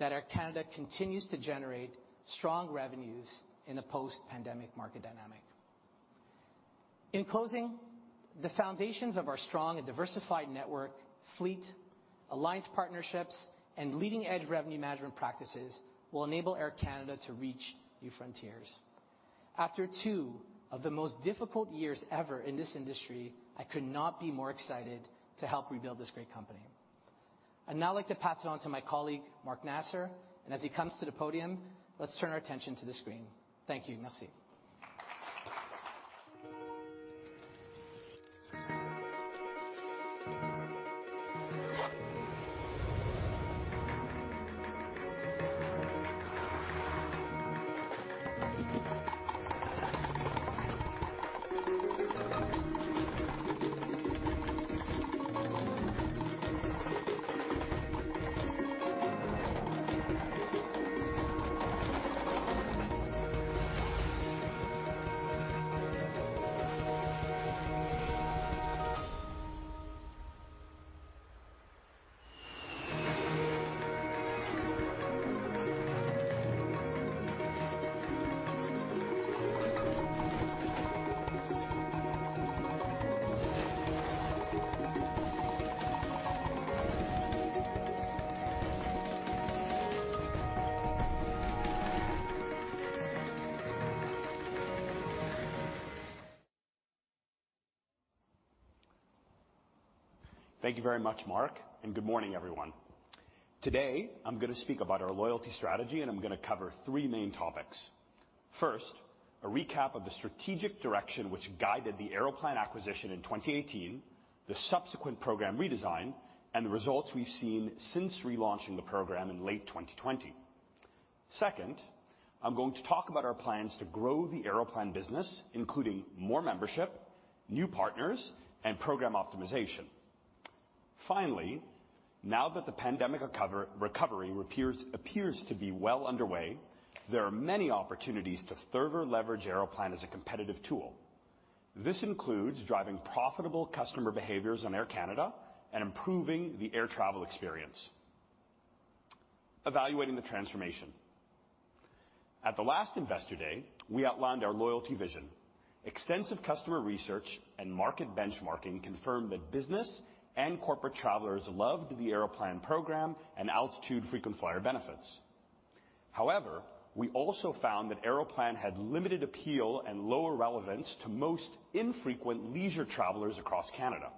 that Air Canada continues to generate strong revenues in the post-pandemic market dynamic. In closing, the foundations of our strong and diversified network, fleet, alliance partnerships, and leading-edge Revenue Management practices will enable Air Canada to reach new frontiers. After two of the most difficult years ever in this industry, I could not be more excited to help rebuild this great company. I'd now like to pass it on to my colleague Mark Nasr, and as he comes to the podium, let's turn our attention to the screen. Thank you. Merci. Thank you very much, Mark, and good morning, everyone. Today, I'm gonna speak about our loyalty strategy, and I'm gonna cover three main topics. First, a recap of the strategic direction which guided the Aeroplan acquisition in 2018, the subsequent program redesign, and the results we've seen since relaunching the program in late 2020. Second, I'm going to talk about our plans to grow the Aeroplan business, including more membership, new partners, and program optimization. Finally, now that the pandemic recovery appears to be well underway, there are many opportunities to further leverage Aeroplan as a competitive tool. This includes driving profitable customer behaviors on Air Canada and improving the air travel experience. Evaluating the transformation. At the last Investor Day, we outlined our loyalty vision. Extensive customer research and market benchmarking confirmed that business and corporate travelers loved the Aeroplan program and Altitude frequent flyer benefits. However, we also found that Aeroplan had limited appeal and lower relevance to most infrequent leisure travelers across Canada.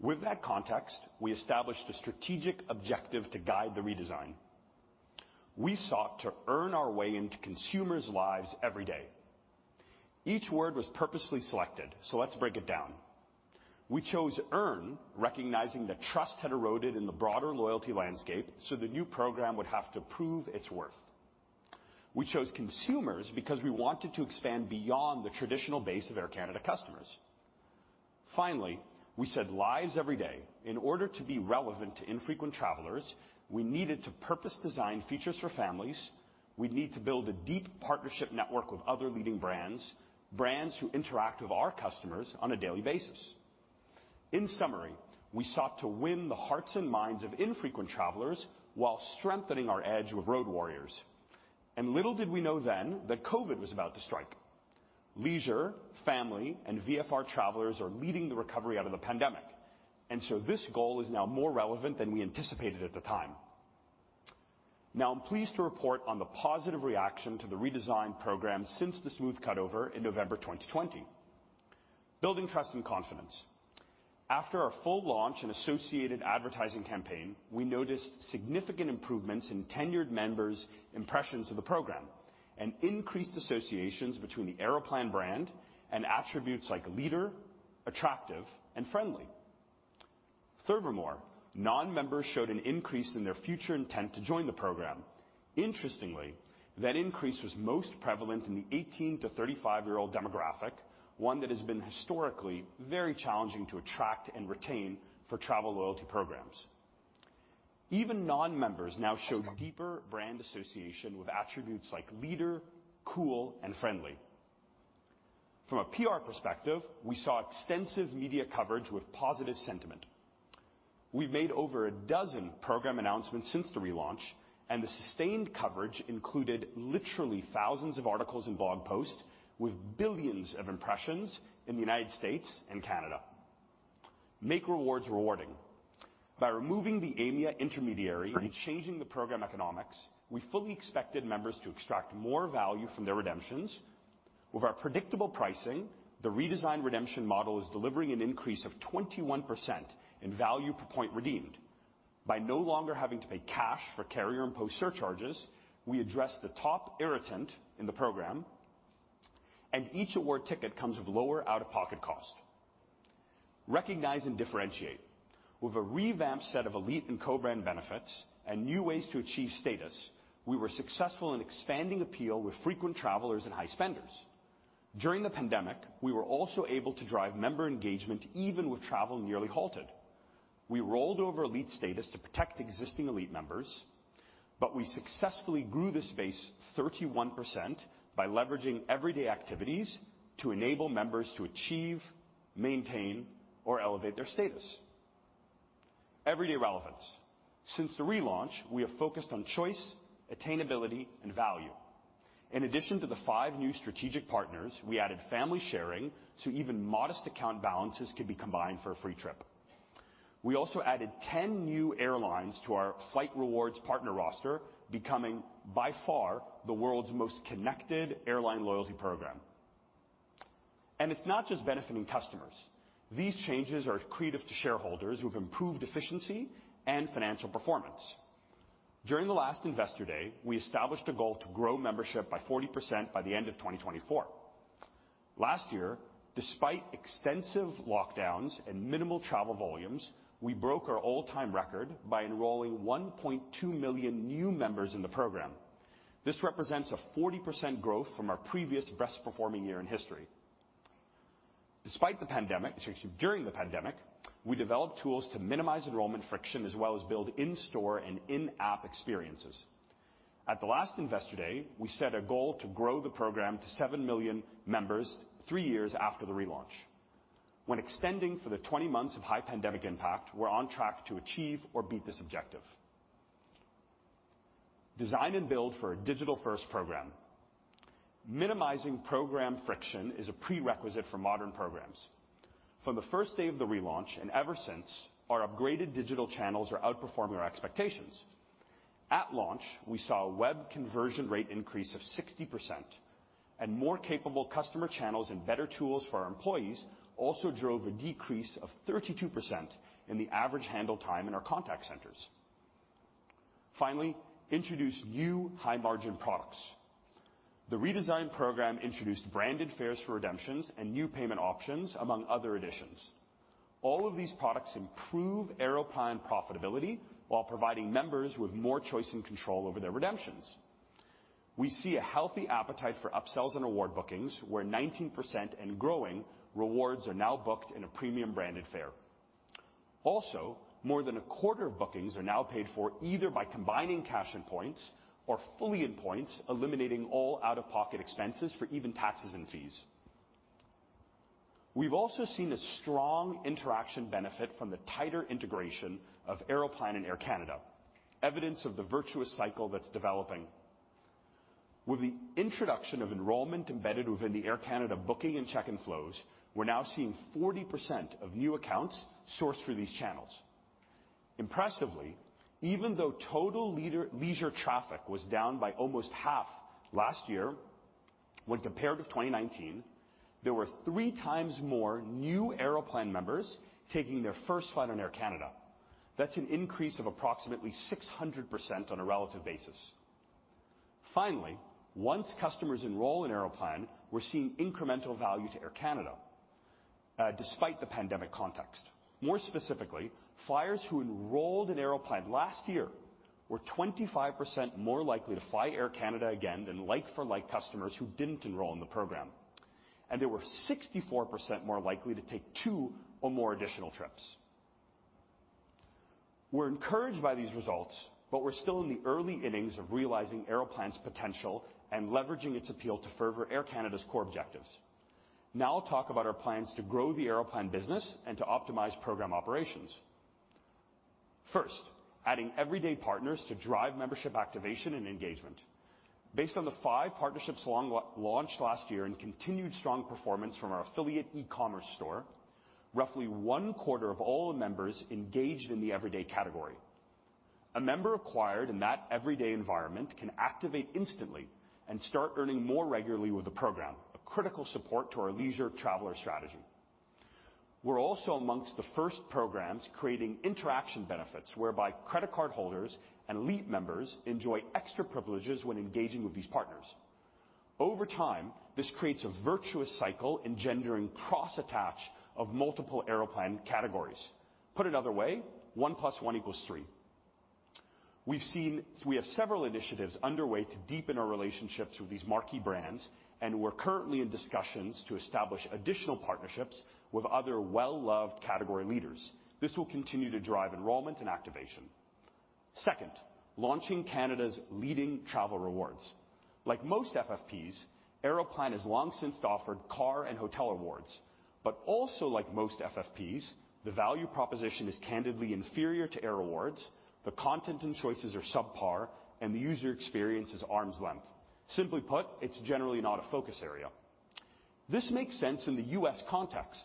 With that context, we established a strategic objective to guide the redesign. We sought to earn our way into consumers' lives every day. Each word was purposefully selected, so let's break it down. We chose earn, recognizing that trust had eroded in the broader loyalty landscape, so the new program would have to prove its worth. We chose consumers because we wanted to expand beyond the traditional base of Air Canada customers. Finally, we said lives every day. In order to be relevant to infrequent travelers, we needed to purposely design features for families. We'd need to build a deep partnership network with other leading brands who interact with our customers on a daily basis. In summary, we sought to win the hearts and minds of infrequent travelers while strengthening our edge with road warriors, and little did we know then that COVID was about to strike. Leisure, family, and VFR travelers are leading the recovery out of the pandemic, so this goal is now more relevant than we anticipated at the time. Now I'm pleased to report on the positive reaction to the redesigned program since the smooth cutover in November 2020, building trust and confidence. After our full launch and associated advertising campaign, we noticed significant improvements in tenured members' impressions of the program, and increased associations between the Aeroplan brand and attributes like leader, attractive, and friendly. Furthermore, non-members showed an increase in their future intent to join the program. Interestingly, that increase was most prevalent in the 18- to 35-year-old demographic, one that has been historically very challenging to attract and retain for travel loyalty programs. Even non-members now show deeper brand association with attributes like leader, cool, and friendly. From a PR perspective, we saw extensive media coverage with positive sentiment. We've made over a dozen program announcements since the relaunch, and the sustained coverage included literally thousands of articles and blog posts with billions of impressions in the United States and Canada. Make rewards rewarding. By removing the Aimia intermediary and changing the program economics, we fully expected members to extract more value from their redemptions. With our predictable pricing, the redesigned redemption model is delivering an increase of 21% in value per point redeemed. By no longer having to pay cash for carrier-imposed surcharges, we address the top irritant in the program, and each award ticket comes with lower out-of-pocket cost. Recognize and differentiate. With a revamped set of elite and co-brand benefits and new ways to achieve status, we were successful in expanding appeal with frequent travelers and high spenders. During the pandemic, we were also able to drive member engagement even with travel nearly halted. We rolled over elite status to protect existing elite members, but we successfully grew this space 31% by leveraging everyday activities to enable members to achieve, maintain, or elevate their status. Everyday relevance. Since the relaunch, we have focused on choice, attainability, and value. In addition to the five new strategic partners, we added family sharing, so even modest account balances could be combined for a free trip. We also added 10 new airlines to our flight rewards partner roster, becoming by far the world's most connected airline loyalty program. It's not just benefiting customers. These changes are accretive to shareholders who have improved efficiency and financial performance. During the last Investor Day, we established a goal to grow membership by 40% by the end of 2024. Last year, despite extensive lockdowns and minimal travel volumes, we broke our all-time record by enrolling 1.2 million new members in the program. This represents a 40% growth from our previous best performing year in history. Despite the pandemic, actually during the pandemic, we developed tools to minimize enrollment friction as well as build in-store and in-app experiences. At the last Investor Day, we set a goal to grow the program to 7 million members three years after the relaunch. When extending for the 20 months of high pandemic impact, we're on track to achieve or beat this objective. Design and build for a digital first program. Minimizing program friction is a prerequisite for modern programs. From the first day of the relaunch and ever since, our upgraded digital channels are outperforming our expectations. At launch, we saw a web conversion rate increase of 60% and more capable customer channels and better tools for our employees also drove a decrease of 32% in the average handle time in our contact centers. Finally, introduce new high margin products. The redesigned program introduced Branded Fares for redemptions and new payment options among other additions. All of these products improve Aeroplan profitability while providing members with more choice and control over their redemptions. We see a healthy appetite for upsells and Award Bookings where 19% and growing rewards are now booked in a premium Branded Fare. Also, more than a quarter of bookings are now paid for either by combining cash and points or fully in points, eliminating all out-of-pocket expenses for even taxes and fees. We've also seen a strong interaction benefit from the tighter integration of Aeroplan and Air Canada, evidence of the virtuous cycle that's developing. With the introduction of enrollment embedded within the Air Canada booking and check-in flows, we're now seeing 40% of new accounts sourced through these channels. Impressively, even though total leisure traffic was down by almost half last year when compared with 2019, there were 3x more new Aeroplan members taking their first flight on Air Canada. That's an increase of approximately 600% on a relative basis. Finally, once customers enroll in Aeroplan, we're seeing incremental value to Air Canada, despite the pandemic context. More specifically, flyers who enrolled in Aeroplan last year were 25% more likely to fly Air Canada again than like for like customers who didn't enroll in the program. They were 64% more likely to take two or more additional trips. We're encouraged by these results, but we're still in the early innings of realizing Aeroplan's potential and leveraging its appeal to further Air Canada's core objectives. Now I'll talk about our plans to grow the Aeroplan business and to optimize program operations. First, adding everyday partners to drive membership activation and engagement. Based on the five partnerships launched last year and continued strong performance from our affiliate e-commerce store, roughly one-quarter of all members engaged in the everyday category. A member acquired in that everyday environment can activate instantly and start earning more regularly with the program, a critical support to our leisure traveler strategy. We're also among the first programs creating interaction benefits whereby credit card holders and elite members enjoy extra privileges when engaging with these partners. Over time, this creates a virtuous cycle engendering cross attach of multiple Aeroplan categories. Put another way, 1 + 1 = 3. We have several initiatives underway to deepen our relationships with these marquee brands, and we're currently in discussions to establish additional partnerships with other well-loved category leaders. This will continue to drive enrollment and activation. Second, launching Canada's leading travel rewards. Like most FFPs, Aeroplan has long since offered car and hotel awards. Also like most FFPs, the value proposition is candidly inferior to air rewards, the content and choices are subpar, and the user experience is arm's length. Simply put, it's generally not a focus area. This makes sense in the U.S. context.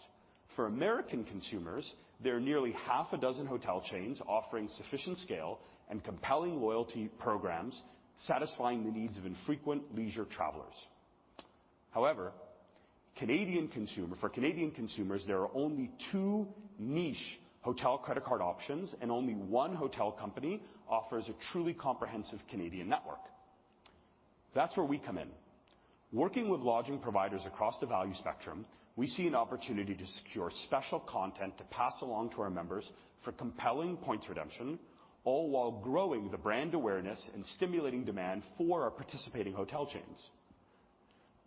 For American consumers, there are nearly half a dozen hotel chains offering sufficient scale and compelling loyalty programs satisfying the needs of infrequent leisure travelers. However, for Canadian consumers, there are only two niche hotel credit card options, and only one hotel company offers a truly comprehensive Canadian network. That's where we come in. Working with lodging providers across the value spectrum, we see an opportunity to secure special content to pass along to our members for compelling points redemption, all while growing the brand awareness and stimulating demand for our participating hotel chains.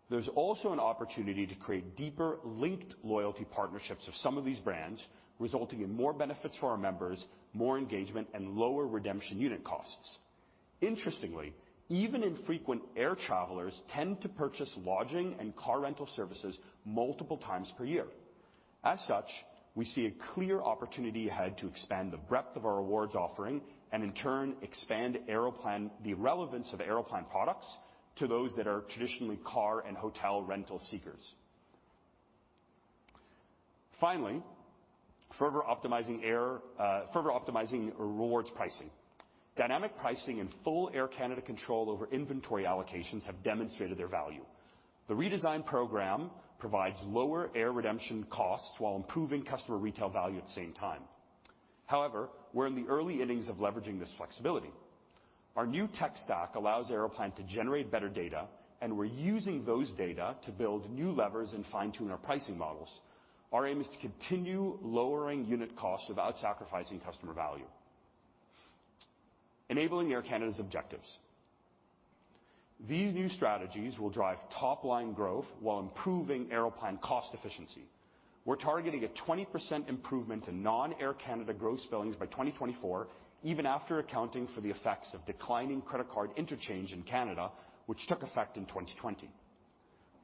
There's also an opportunity to create deeper linked loyalty partnerships with some of these brands, resulting in more benefits for our members, more engagement, and lower redemption unit costs. Interestingly, even infrequent air travelers tend to purchase lodging and car rental services multiple times per year. As such, we see a clear opportunity ahead to expand the breadth of our awards offering and in turn expand Aeroplan, the relevance of Aeroplan products to those that are traditionally car and hotel rental seekers. Finally, further optimizing rewards pricing. Dynamic pricing and full Air Canada control over inventory allocations have demonstrated their value. The redesigned program provides lower Air redemption costs while improving customer retail value at the same time. However, we're in the early innings of leveraging this flexibility. Our new tech stack allows Aeroplan to generate better data, and we're using those data to build new levers and fine-tune our pricing models. Our aim is to continue lowering unit costs without sacrificing customer value, enabling Air Canada's objectives. These new strategies will drive top-line growth while improving Aeroplan cost efficiency. We're targeting a 20% improvement in non-Air Canada gross billings by 2024, even after accounting for the effects of declining credit card interchange in Canada, which took effect in 2020.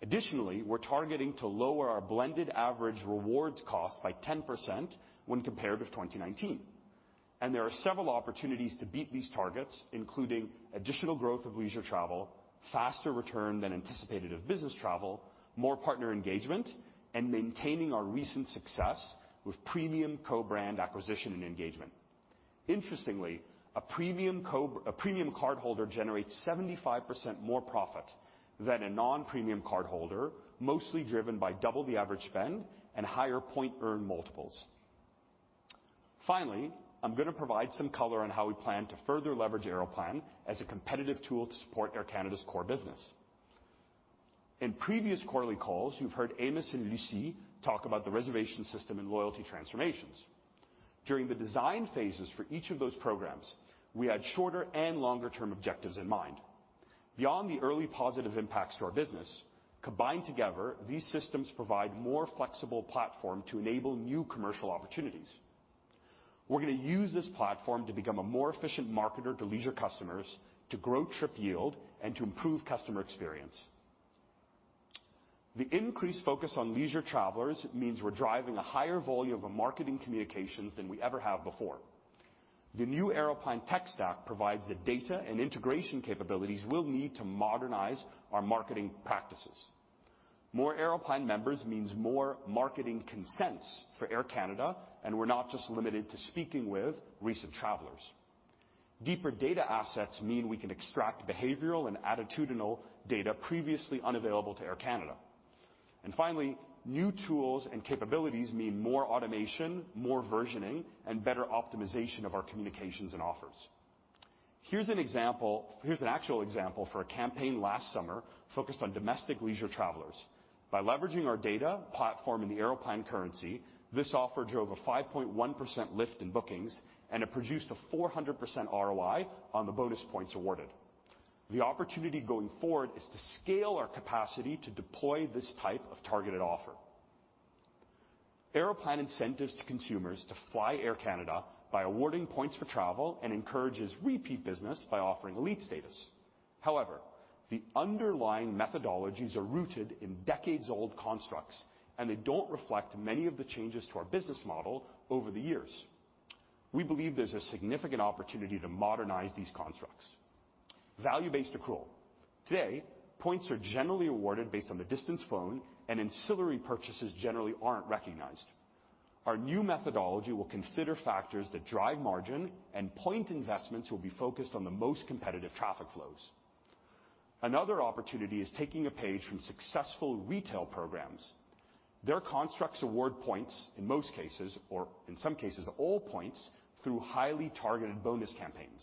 Additionally, we're targeting to lower our blended average rewards cost by 10% when compared with 2019. There are several opportunities to beat these targets, including additional growth of leisure travel, faster return than anticipated of business travel, more partner engagement, and maintaining our recent success with premium co-brand acquisition and engagement. Interestingly, a premium cardholder generates 75% more profit than a non-premium cardholder, mostly driven by double the average spend and higher point earn multiples. Finally, I'm gonna provide some color on how we plan to further leverage Aeroplan as a competitive tool to support Air Canada's core business. In previous quarterly calls, you've heard Amos and Lucy talk about the reservation system and loyalty transformations. During the design phases for each of those programs, we had shorter and longer term objectives in mind. Beyond the early positive impacts to our business, combined together, these systems provide more flexible platform to enable new commercial opportunities. We're gonna use this platform to become a more efficient marketer to leisure customers, to grow trip yield, and to improve customer experience. The increased focus on leisure travelers means we're driving a higher volume of marketing communications than we ever have before. The new Aeroplan tech stack provides the data and integration capabilities we'll need to modernize our marketing practices. More Aeroplan members means more marketing consents for Air Canada, and we're not just limited to speaking with recent travelers. Deeper data assets mean we can extract behavioral and attitudinal data previously unavailable to Air Canada. Finally, new tools and capabilities mean more automation, more versioning, and better optimization of our communications and offers. Here's an actual example for a campaign last summer focused on domestic leisure travelers. By leveraging our data platform in the Aeroplan currency, this offer drove a 5.1% lift in bookings, and it produced a 400% ROI on the bonus points awarded. The opportunity going forward is to scale our capacity to deploy this type of targeted offer. Aeroplan incentivizes consumers to fly Air Canada by awarding points for travel and encourages repeat business by offering elite status. However, the underlying methodologies are rooted in decades-old constructs, and they don't reflect many of the changes to our business model over the years. We believe there's a significant opportunity to modernize these constructs. Value-based accrual. Today, points are generally awarded based on the distance flown and ancillary purchases generally aren't recognized. Our new methodology will consider factors that drive margin and point investments will be focused on the most competitive traffic flows. Another opportunity is taking a page from successful retail programs. Their constructs award points, in most cases, or in some cases, all points through highly targeted bonus campaigns.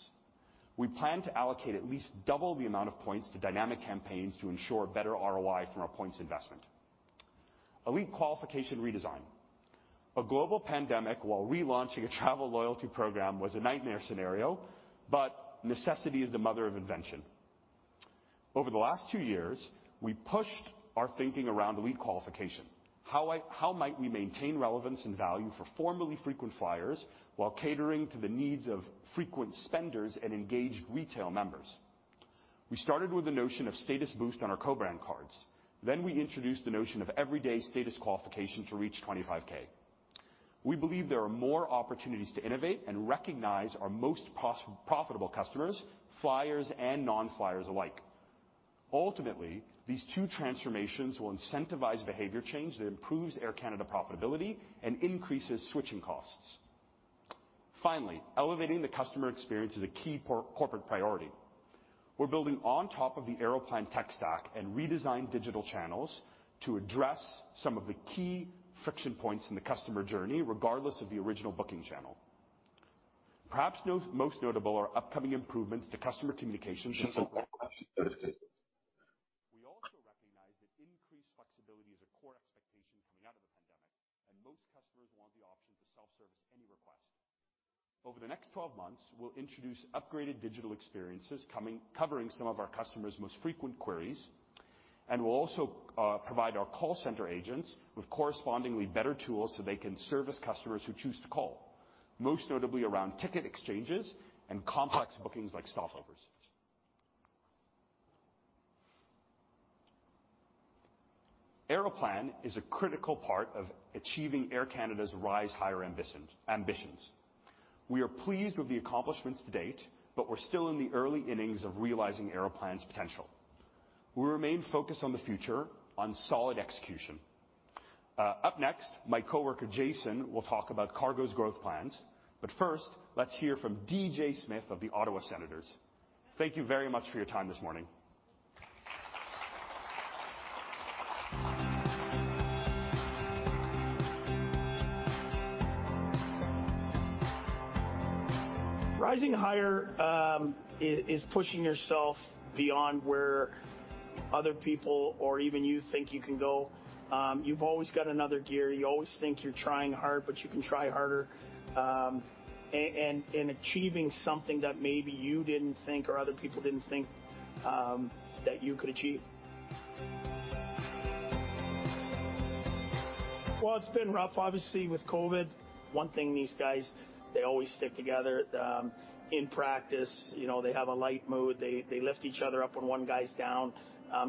We plan to allocate at least double the amount of points to dynamic campaigns to ensure better ROI from our points investment. Elite qualification redesign. A global pandemic while relaunching a travel loyalty program was a nightmare scenario, but necessity is the mother of invention. Over the last two years, we pushed our thinking around elite qualification. How might we maintain relevance and value for formerly frequent flyers while catering to the needs of frequent spenders and engaged retail members? We started with the notion of status boost on our co-brand cards. We introduced the notion of everyday status qualification to reach 25K. We believe there are more opportunities to innovate and recognize our most profitable customers, flyers and non-flyers alike. Ultimately, these two transformations will incentivize behavior change that improves Air Canada profitability and increases switching costs. Finally, elevating the customer experience is a key corporate priority. We're building on top of the Aeroplan tech stack and redesigned digital channels to address some of the key friction points in the customer journey, regardless of the original booking channel. Perhaps most notable are upcoming improvements to customer communications and self-service. We also recognize that increased flexibility is a core expectation coming out of the pandemic, and most customers want the option to self-service any request. Over the next 12 months, we'll introduce upgraded digital experiences covering some of our customers' most frequent queries, and we'll also provide our call center agents with correspondingly better tools so they can service customers who choose to call, most notably around ticket exchanges and complex bookings like stopovers. Aeroplan is a critical part of achieving Air Canada's Rise Higher ambitions. We are pleased with the accomplishments to date, but we're still in the early innings of realizing Aeroplan's potential. We remain focused on the future on solid execution. Up next, my coworker, Jason, will talk about cargo's growth plans, but first, let's hear from D.J. Smith of the Ottawa Senators. Thank you very much for your time this morning. Rising higher is pushing yourself beyond where other people or even you think you can go. You've always got another gear. You always think you're trying hard, but you can try harder. And achieving something that maybe you didn't think or other people didn't think that you could achieve. Well, it's been rough, obviously, with COVID. One thing, these guys, they always stick together. In practice, you know, they have a light mood. They lift each other up when one guy's down.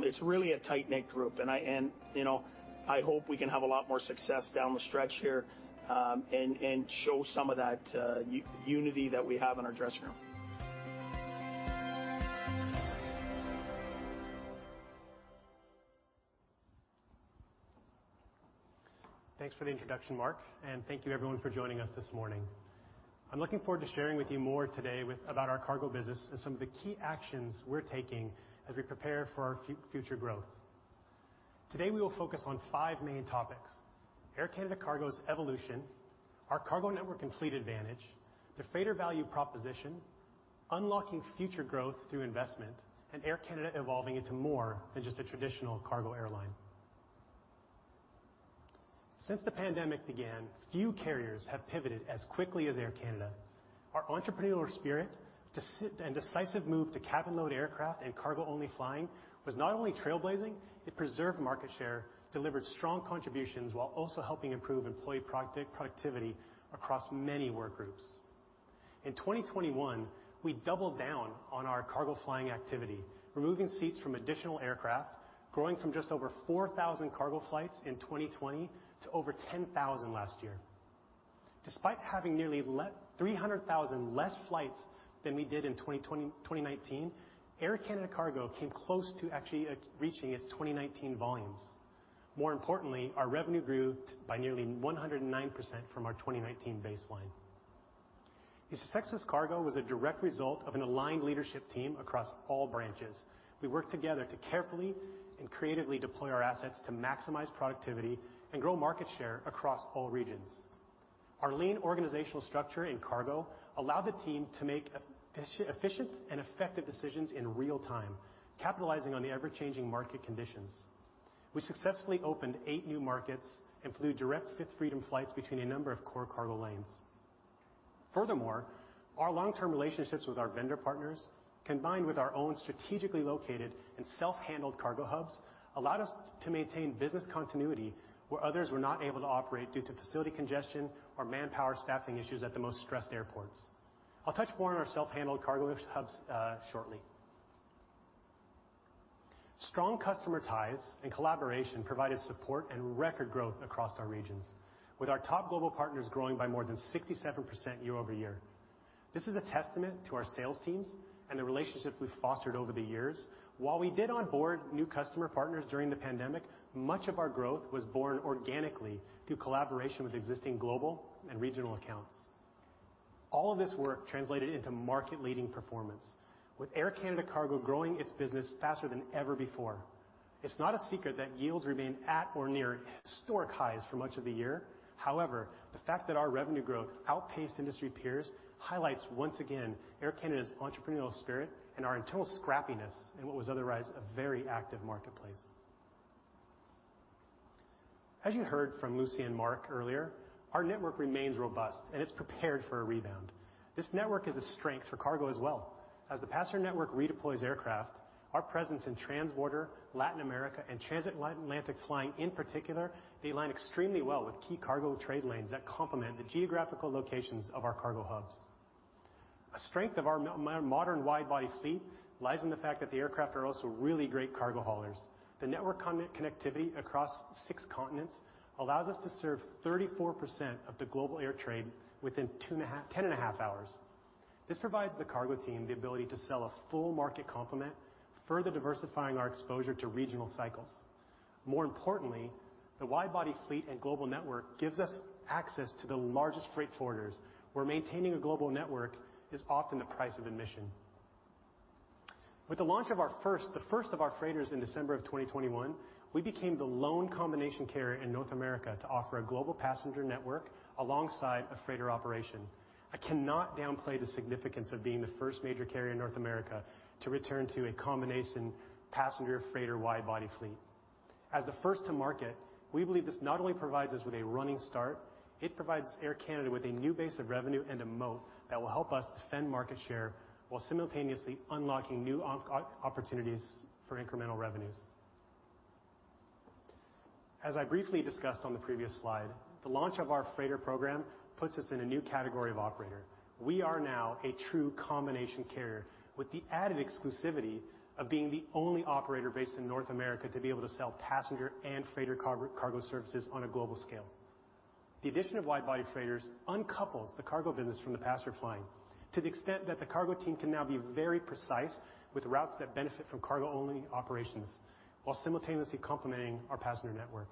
It's really a tight-knit group. You know, I hope we can have a lot more success down the stretch here, and show some of that unity that we have in our dressing room. Thanks for the introduction, Mark, and thank you everyone for joining us this morning. I'm looking forward to sharing with you more today about our cargo business and some of the key actions we're taking as we prepare for our future growth. Today, we will focus on five main topics. Air Canada Cargo's evolution, our cargo network and fleet advantage, the freighter value proposition. Unlocking future growth through investment and Air Canada evolving into more than just a traditional cargo airline. Since the pandemic began, few carriers have pivoted as quickly as Air Canada. Our entrepreneurial spirit and decisive move to cabin load aircraft and cargo only flying was not only trailblazing, it preserved market share, delivered strong contributions, while also helping improve employee productivity across many work groups. In 2021, we doubled down on our cargo flying activity, removing seats from additional aircraft, growing from just over 4,000 cargo flights in 2020 to over 10,000 last year. Despite having nearly 300,000 less flights than we did in 2019, Air Canada Cargo came close to actually reaching its 2019 volumes. More importantly, our revenue grew by nearly 109% from our 2019 baseline. This success in cargo was a direct result of an aligned leadership team across all branches. We worked together to carefully and creatively deploy our assets to maximize productivity and grow market share across all regions. Our lean organizational structure in cargo allowed the team to make efficient and effective decisions in real time, capitalizing on the ever-changing market conditions. We successfully opened eight new markets and flew direct Fifth Freedom flights between a number of core cargo lanes. Furthermore, our long-term relationships with our vendor partners, combined with our own strategically located and self-handled cargo hubs, allowed us to maintain business continuity where others were not able to operate due to facility congestion or manpower staffing issues at the most stressed airports. I'll touch more on our self-handled cargo hubs shortly. Strong customer ties and collaboration provided support and record growth across our regions. With our top global partners growing by more than 67% year-over-year. This is a testament to our sales teams and the relationships we've fostered over the years. While we did onboard new customer partners during the pandemic, much of our growth was born organically through collaboration with existing global and regional accounts. All of this work translated into market-leading performance, with Air Canada Cargo growing its business faster than ever before. It's not a secret that yields remain at or near historic highs for much of the year. However, the fact that our revenue growth outpaced industry peers highlights once again Air Canada's entrepreneurial spirit and our internal scrappiness in what was otherwise a very active marketplace. As you heard from Lucy and Mark earlier, our network remains robust, and it's prepared for a rebound. This network is a strength for cargo as well. As the passenger network redeploys aircraft, our presence in Transborder Latin America and transatlantic flying in particular, they align extremely well with key cargo trade lanes that complement the geographical locations of our cargo hubs. A strength of our modern wide-body fleet lies in the fact that the aircraft are also really great cargo haulers. The network connectivity across six continents allows us to serve 34% of the global air trade within 10.5 hours. This provides the cargo team the ability to sell a full market complement, further diversifying our exposure to regional cycles. More importantly, the wide-body fleet and global network gives us access to the largest freight forwarders, where maintaining a global network is often the price of admission. With the launch of the first of our freighters in December 2021, we became the lone combination carrier in North America to offer a global passenger network alongside a freighter operation. I cannot downplay the significance of being the first major carrier in North America to return to a combination passenger freighter wide-body fleet. As the first to market, we believe this not only provides us with a running start, it provides Air Canada with a new base of revenue and a moat that will help us defend market share while simultaneously unlocking new opportunities for incremental revenues. As I briefly discussed on the previous slide, the launch of our freighter program puts us in a new category of operator. We are now a true combination carrier with the added exclusivity of being the only operator based in North America to be able to sell passenger and freighter cargo services on a global scale. The addition of wide-body freighters uncouples the cargo business from the passenger flying to the extent that the cargo team can now be very precise with routes that benefit from cargo-only operations while simultaneously complementing our passenger network.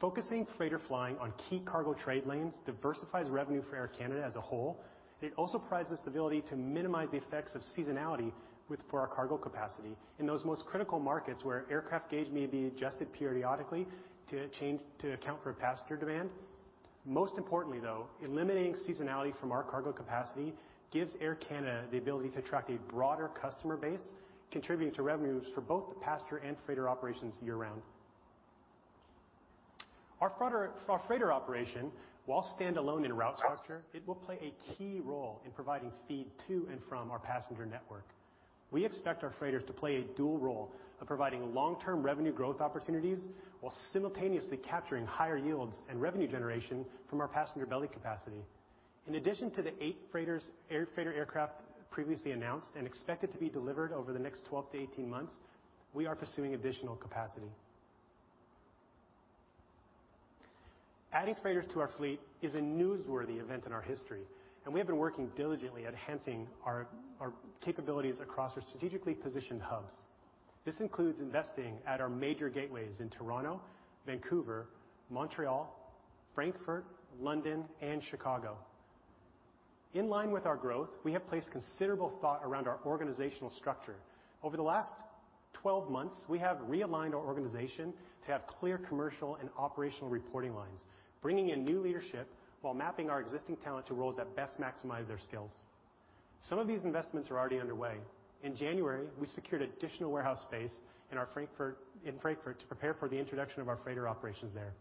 Focusing freighter flying on key cargo trade lanes diversifies revenue for Air Canada as a whole. It also provides us the ability to minimize the effects of seasonality with, for our cargo capacity in those most critical markets where aircraft gauge may be adjusted periodically to change to account for passenger demand. Most importantly, though, eliminating seasonality from our cargo capacity gives Air Canada the ability to attract a broader customer base, contributing to revenues for both the passenger and freighter operations year-round. Our freighter operation, while standalone in route structure, it will play a key role in providing feed to and from our passenger network. We expect our freighters to play a dual role of providing long-term revenue growth opportunities while simultaneously capturing higher yields and revenue generation from our passenger belly capacity. In addition to the eight freighters, air freighter aircraft previously announced and expected to be delivered over the next 12 to 18 months, we are pursuing additional capacity. Adding freighters to our fleet is a newsworthy event in our history, and we have been working diligently enhancing our capabilities across our strategically positioned hubs. This includes investing at our major gateways in Toronto, Vancouver, Montréal, Frankfurt, London, and Chicago. In line with our growth, we have placed considerable thought around our organizational structure. Over the last 12 months, we have realigned our organization to have clear commercial and operational reporting lines, bringing in new leadership while mapping our existing talent to roles that best maximize their skills. Some of these investments are already underway. In January, we secured additional warehouse space in Frankfurt to prepare for the introduction of our freighter operations there.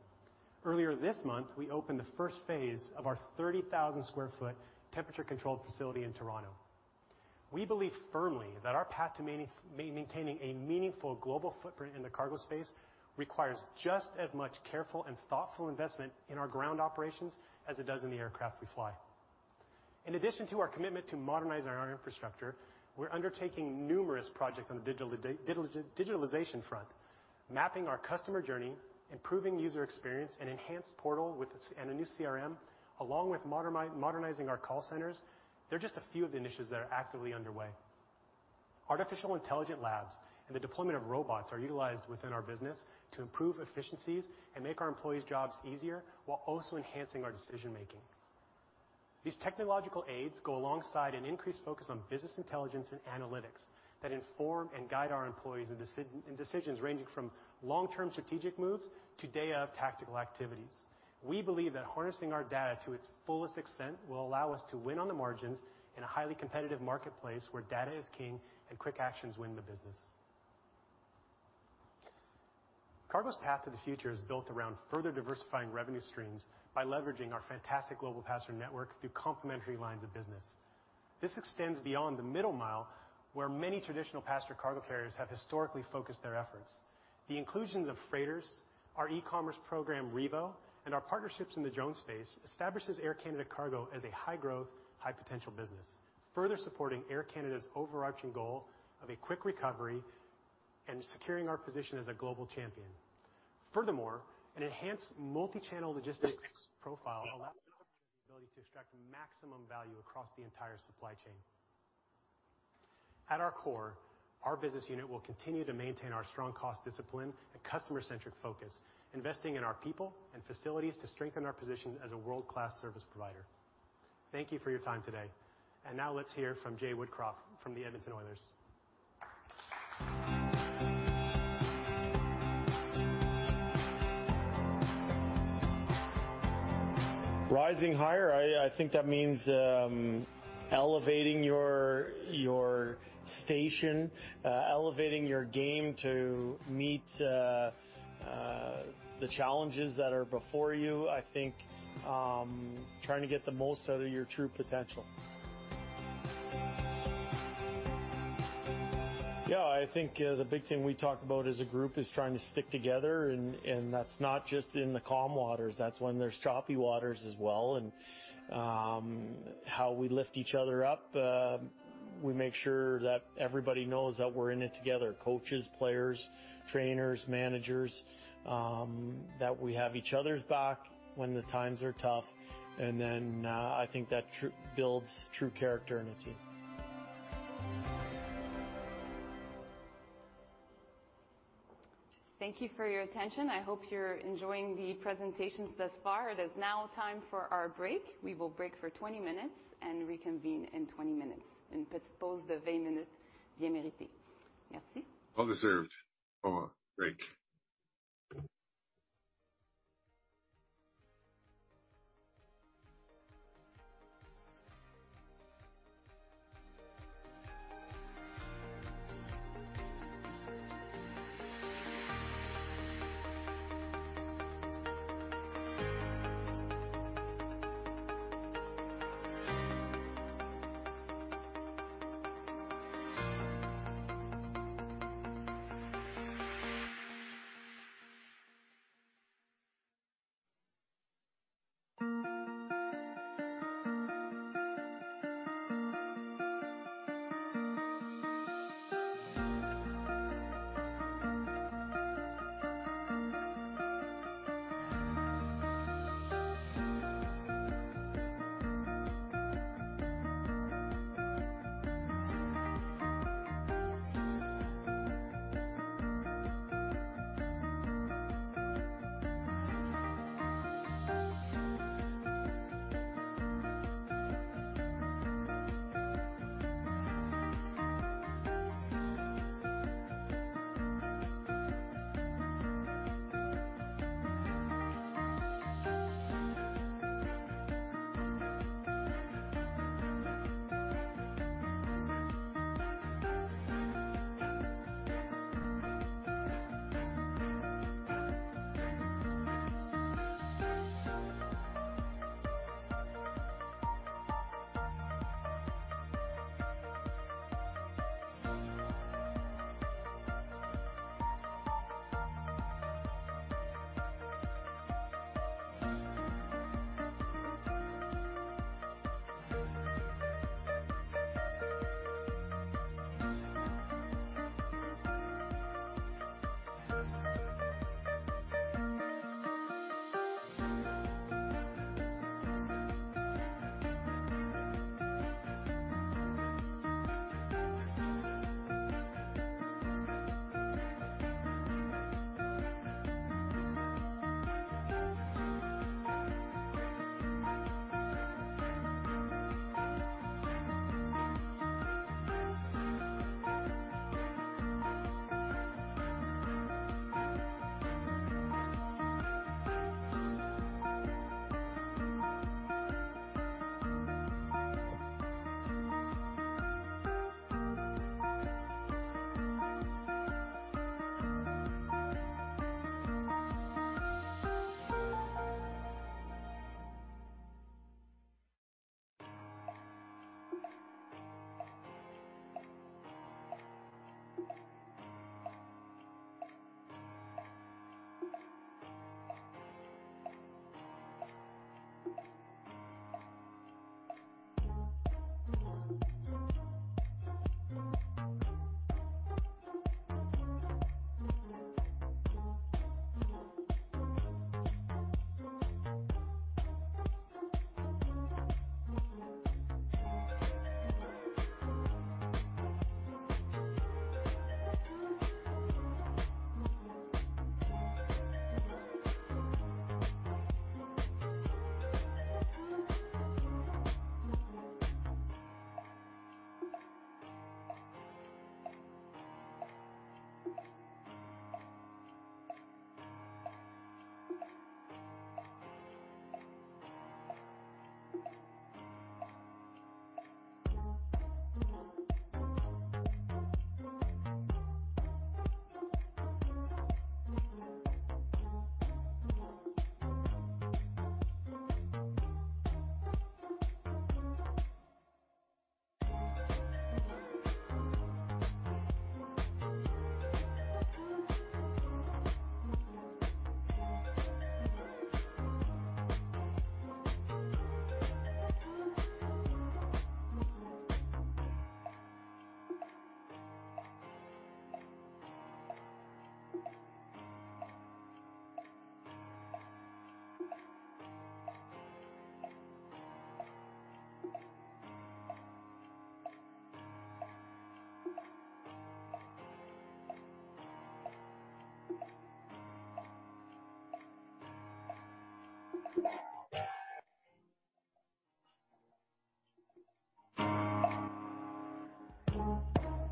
Earlier this month, we opened the first phase of our 30,000 sq ft temperature controlled facility in Toronto. We believe firmly that our path to maintaining a meaningful global footprint in the cargo space requires just as much careful and thoughtful investment in our ground operations as it does in the aircraft we fly. In addition to our commitment to modernize our infrastructure, we're undertaking numerous projects on the digitalization front, mapping our customer journey, improving user experience, and enhanced portal with and a new CRM, along with modernizing our call centers. They're just a few of the initiatives that are actively underway. Artificial intelligence labs and the deployment of robots are utilized within our business to improve efficiencies and make our employees' jobs easier while also enhancing our decision-making. These technological aids go alongside an increased focus on business intelligence and analytics that inform and guide our employees in decisions ranging from long-term strategic moves to day-of tactical activities. We believe that harnessing our data to its fullest extent will allow us to win on the margins in a highly competitive marketplace where data is king and quick actions win the business. Cargo's path to the future is built around further diversifying revenue streams by leveraging our fantastic global passenger network through complementary lines of business. This extends beyond the middle mile, where many traditional passenger cargo carriers have historically focused their efforts. The inclusions of freighters, our e-commerce program, Rivo, and our partnerships in the drone space establishes Air Canada Cargo as a high growth, high potential business, further supporting Air Canada's overarching goal of a quick recovery and securing our position as a global champion. Furthermore, an enhanced multi-channel logistics profile allows the ability to extract maximum value across the entire supply chain. At our core, our business unit will continue to maintain our strong cost discipline and customer centric focus, investing in our people and facilities to strengthen our position as a world class service provider. Thank you for your time today. Now let's hear from Jay Woodcroft from the Edmonton Oilers. Rising higher, I think that means elevating your station, elevating your game to meet the challenges that are before you. I think trying to get the most out of your true potential. Yeah, I think the big thing we talk about as a group is trying to stick together, and that's not just in the calm waters, that's when there's choppy waters as well. How we lift each other up, we make sure that everybody knows that we're in it together, coaches, players, trainers, managers, that we have each other's back when the times are tough. Then I think that builds true character in a team. Thank you for your attention. I hope you're enjoying the presentations thus far. It is now time for our break. We will break for 20 minutes and reconvene in 20 minutes. Well deserved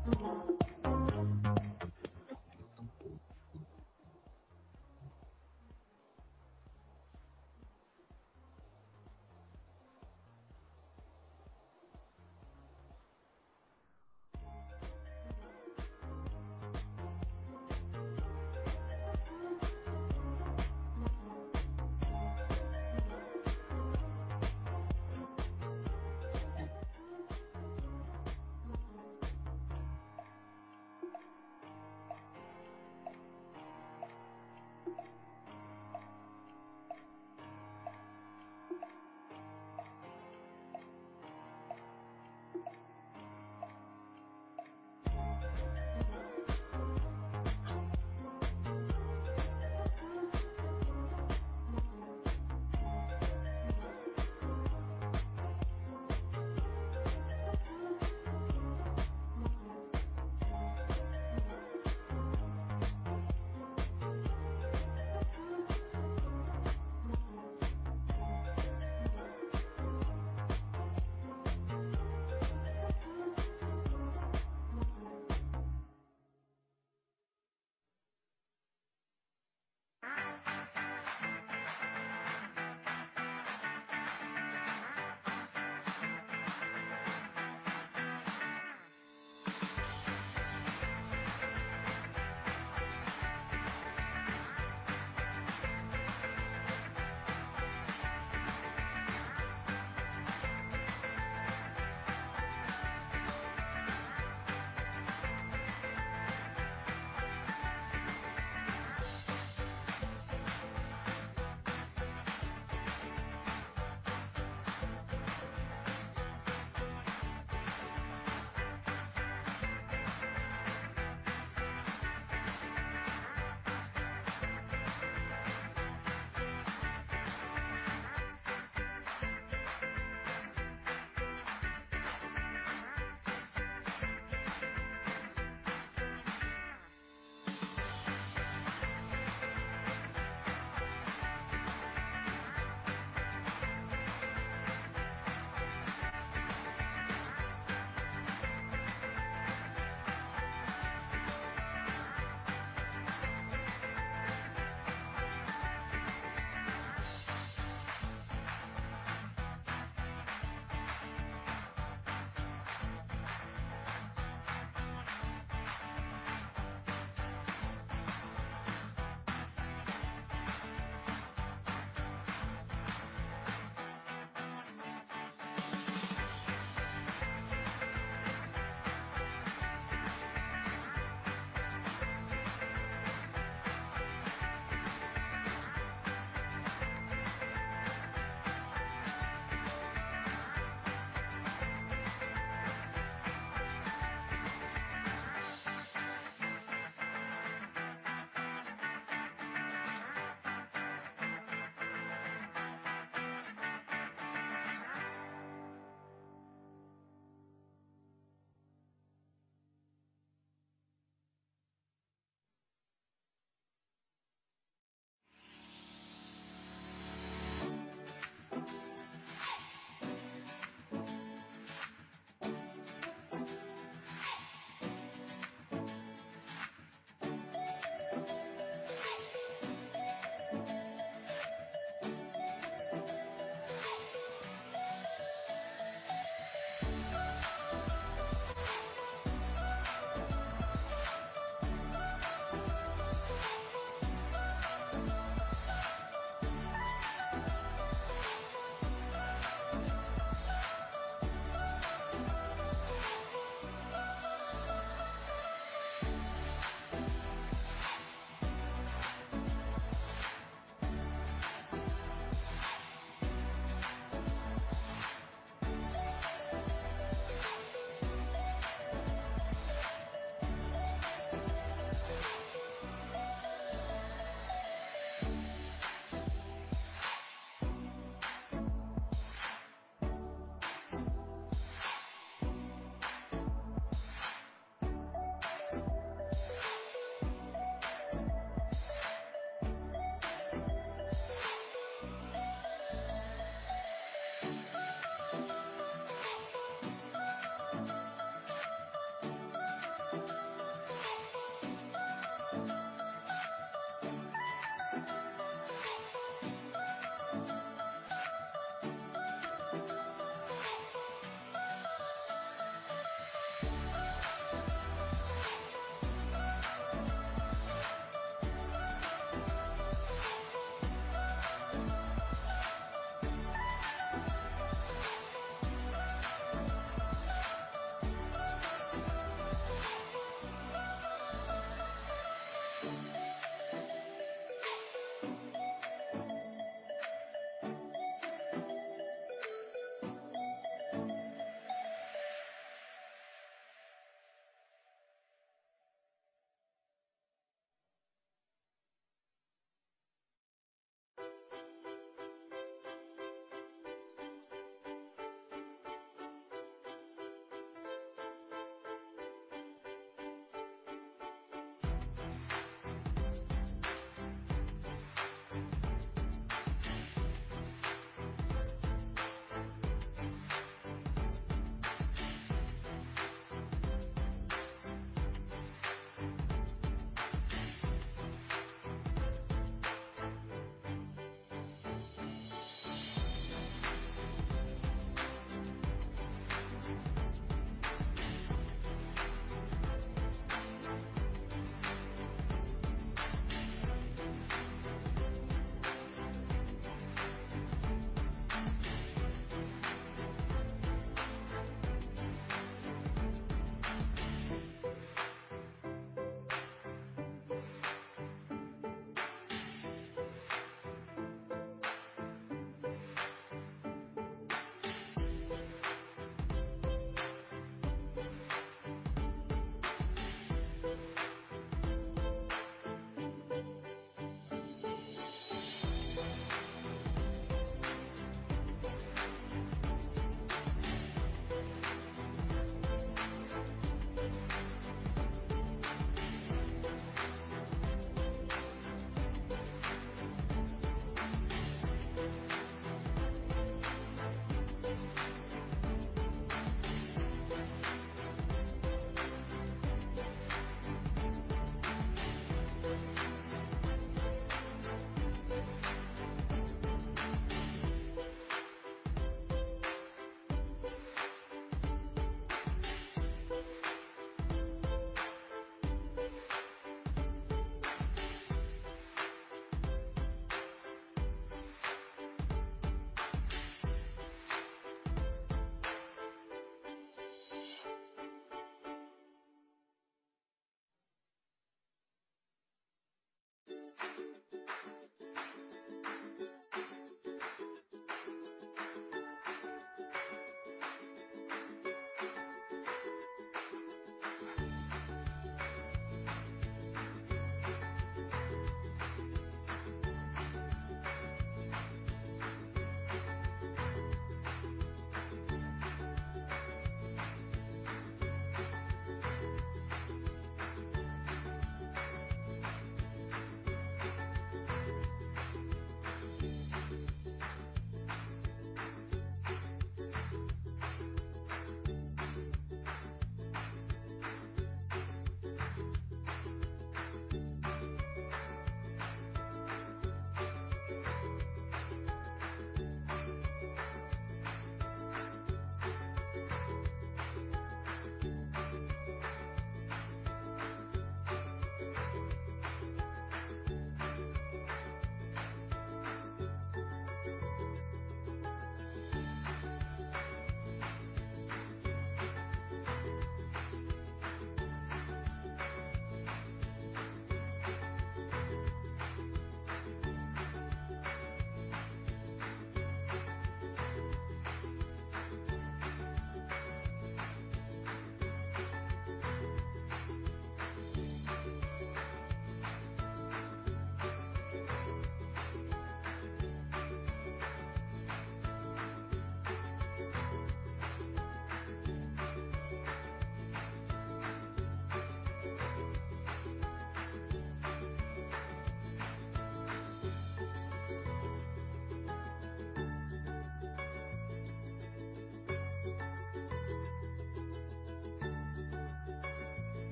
for a break. Ladies and gentlemen, please take your seats as the event is about to begin.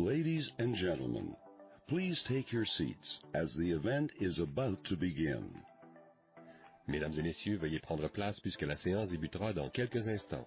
Mesdames et messieurs, veuillez prendre place puisque la séance débutera dans quelques instants.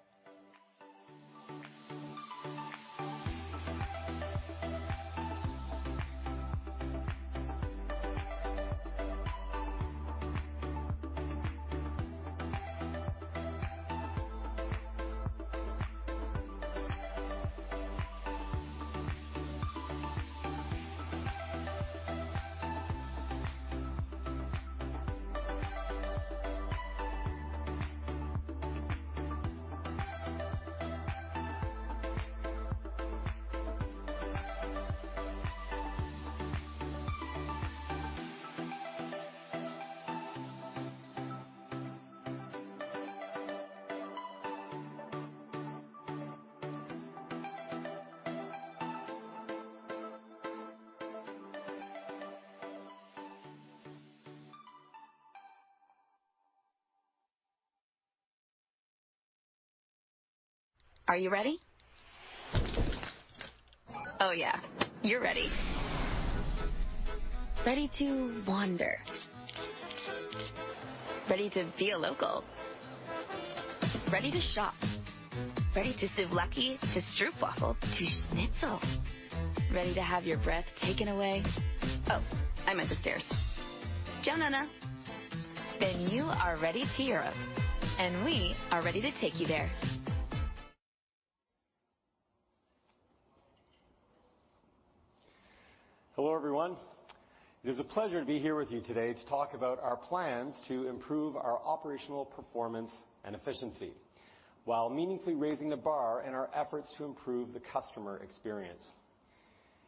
Are you ready? Oh, yeah, you're ready. Ready to wander. Ready to be a local. Ready to shop. Ready to souvlaki, to stroopwafel, to schnitzel. Ready to have your breath taken away. Oh, I meant the stairs. You are ready to Europe, and we are ready to take you there. Hello, everyone. It is a pleasure to be here with you today to talk about our plans to improve our operational performance and efficiency while meaningfully raising the bar in our efforts to improve the customer experience.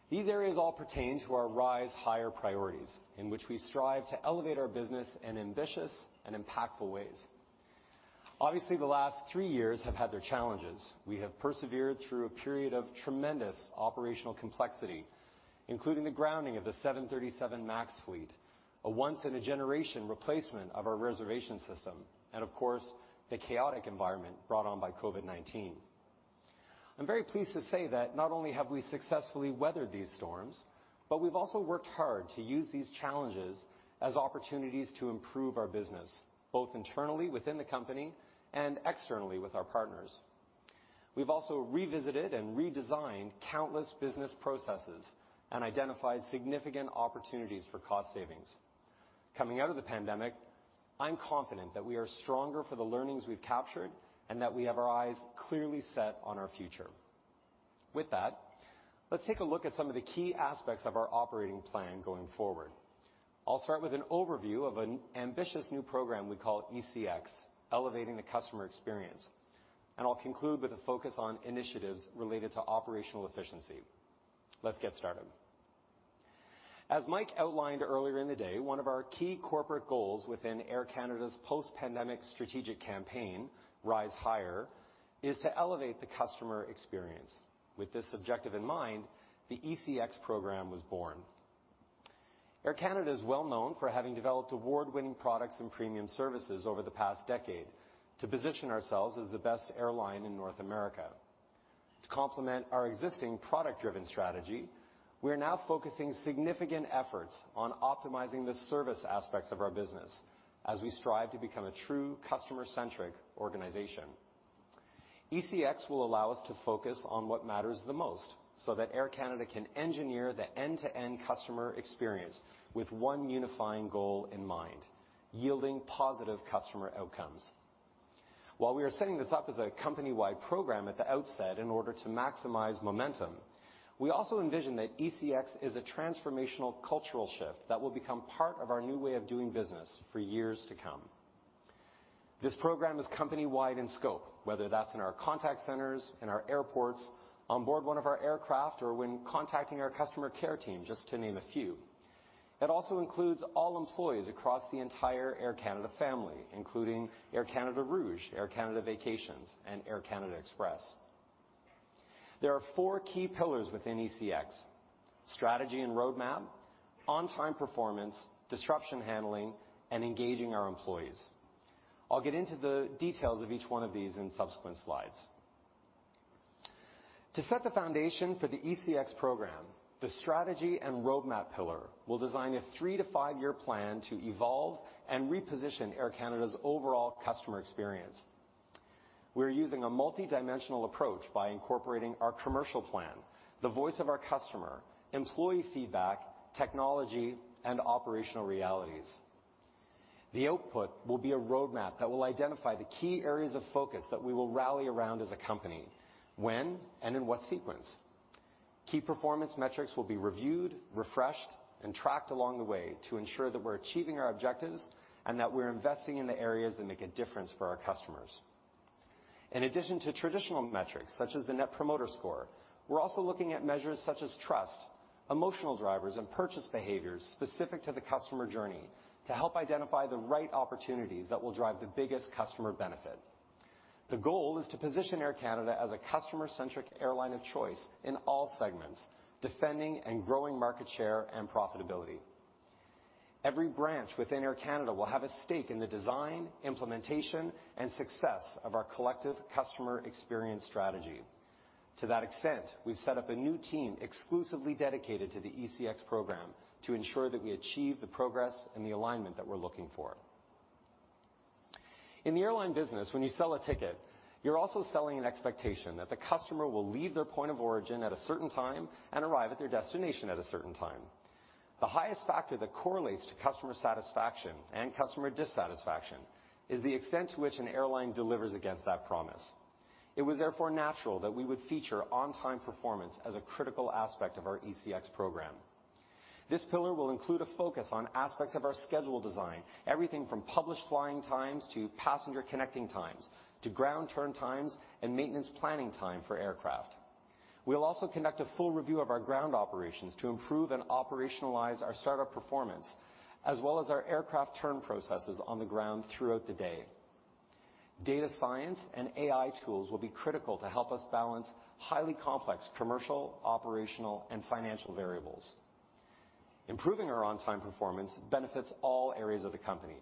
These areas all pertain to our Rise Higher priorities in which we strive to elevate our business in ambitious and impactful ways. Obviously, the last three years have had their challenges. We have persevered through a period of tremendous operational complexity, including the grounding of the 737 MAX fleet, a once in a generation replacement of our reservation system, and of course, the chaotic environment brought on by COVID-19. I'm very pleased to say that not only have we successfully weathered these storms, but we've also worked hard to use these challenges as opportunities to improve our business, both internally within the company and externally with our partners. We've also revisited and redesigned countless business processes and identified significant opportunities for cost savings. Coming out of the pandemic, I'm confident that we are stronger for the learnings we've captured and that we have our eyes clearly set on our future. With that, let's take a look at some of the key aspects of our operating plan going forward. I'll start with an overview of an ambitious new program we call ECX, Elevating the Customer Experience, and I'll conclude with a focus on initiatives related to operational efficiency. Let's get started. As Mike outlined earlier in the day, one of our key corporate goals within Air Canada's post-pandemic strategic campaign, Rise Higher, is to elevate the customer experience. With this objective in mind, the ECX program was born. Air Canada is well known for having developed award-winning products and premium services over the past decade to position ourselves as the best airline in North America. To complement our existing product-driven strategy, we are now focusing significant efforts on optimizing the service aspects of our business as we strive to become a true customer-centric organization. ECX will allow us to focus on what matters the most so that Air Canada can engineer the end-to-end customer experience with one unifying goal in mind, yielding positive customer outcomes. While we are setting this up as a company-wide program at the outset in order to maximize momentum, we also envision that ECX is a transformational cultural shift that will become part of our new way of doing business for years to come. This program is company-wide in scope, whether that's in our contact centers, in our airports, on board one of our aircraft, or when contacting our customer care team, just to name a few. It also includes all employees across the entire Air Canada family, including Air Canada Rouge, Air Canada Vacations, and Air Canada Express. There are four key pillars within ECX: strategy and roadmap, on-time performance, disruption handling, and engaging our employees. I'll get into the details of each one of these in subsequent slides. To set the foundation for the ECX program, the strategy and roadmap pillar will design a three- to five-year plan to evolve and reposition Air Canada's overall customer experience. We're using a multidimensional approach by incorporating our commercial plan, the voice of our customer, employee feedback, technology, and operational realities. The output will be a roadmap that will identify the key areas of focus that we will rally around as a company, when and in what sequence. Key performance metrics will be reviewed, refreshed, and tracked along the way to ensure that we're achieving our objectives and that we're investing in the areas that make a difference for our customers. In addition to traditional metrics such as the Net Promoter Score, we're also looking at measures such as trust, emotional drivers, and purchase behaviors specific to the customer journey to help identify the right opportunities that will drive the biggest customer benefit. The goal is to position Air Canada as a customer-centric airline of choice in all segments, defending and growing market share and profitability. Every branch within Air Canada will have a stake in the design, implementation, and success of our collective customer experience strategy. To that extent, we've set up a new team exclusively dedicated to the ECX program to ensure that we achieve the progress and the alignment that we're looking for. In the airline business, when you sell a ticket, you're also selling an expectation that the customer will leave their point of origin at a certain time and arrive at their destination at a certain time. The highest factor that correlates to customer satisfaction and customer dissatisfaction is the extent to which an airline delivers against that promise. It was therefore natural that we would feature on-time performance as a critical aspect of our ECX program. This pillar will include a focus on aspects of our schedule design, everything from published flying times to passenger connecting times, to ground turn times and maintenance planning time for aircraft. We'll also conduct a full review of our ground operations to improve and operationalize our start-up performance, as well as our aircraft turn processes on the ground throughout the day. Data science and AI tools will be critical to help us balance highly complex commercial, operational, and financial variables. Improving our on-time performance benefits all areas of the company.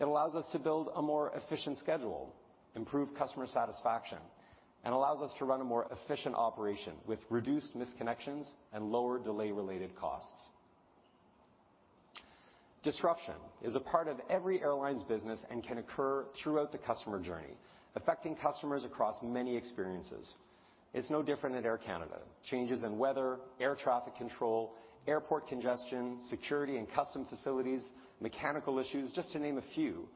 It allows us to build a more efficient schedule, improve customer satisfaction, and allows us to run a more efficient operation with reduced misconnections and lower delay-related costs. Disruption is a part of every airline's business and can occur throughout the customer journey, affecting customers across many experiences. It's no different at Air Canada. Changes in weather, air traffic control, airport congestion, security and customs facilities, mechanical issues, just to name a few,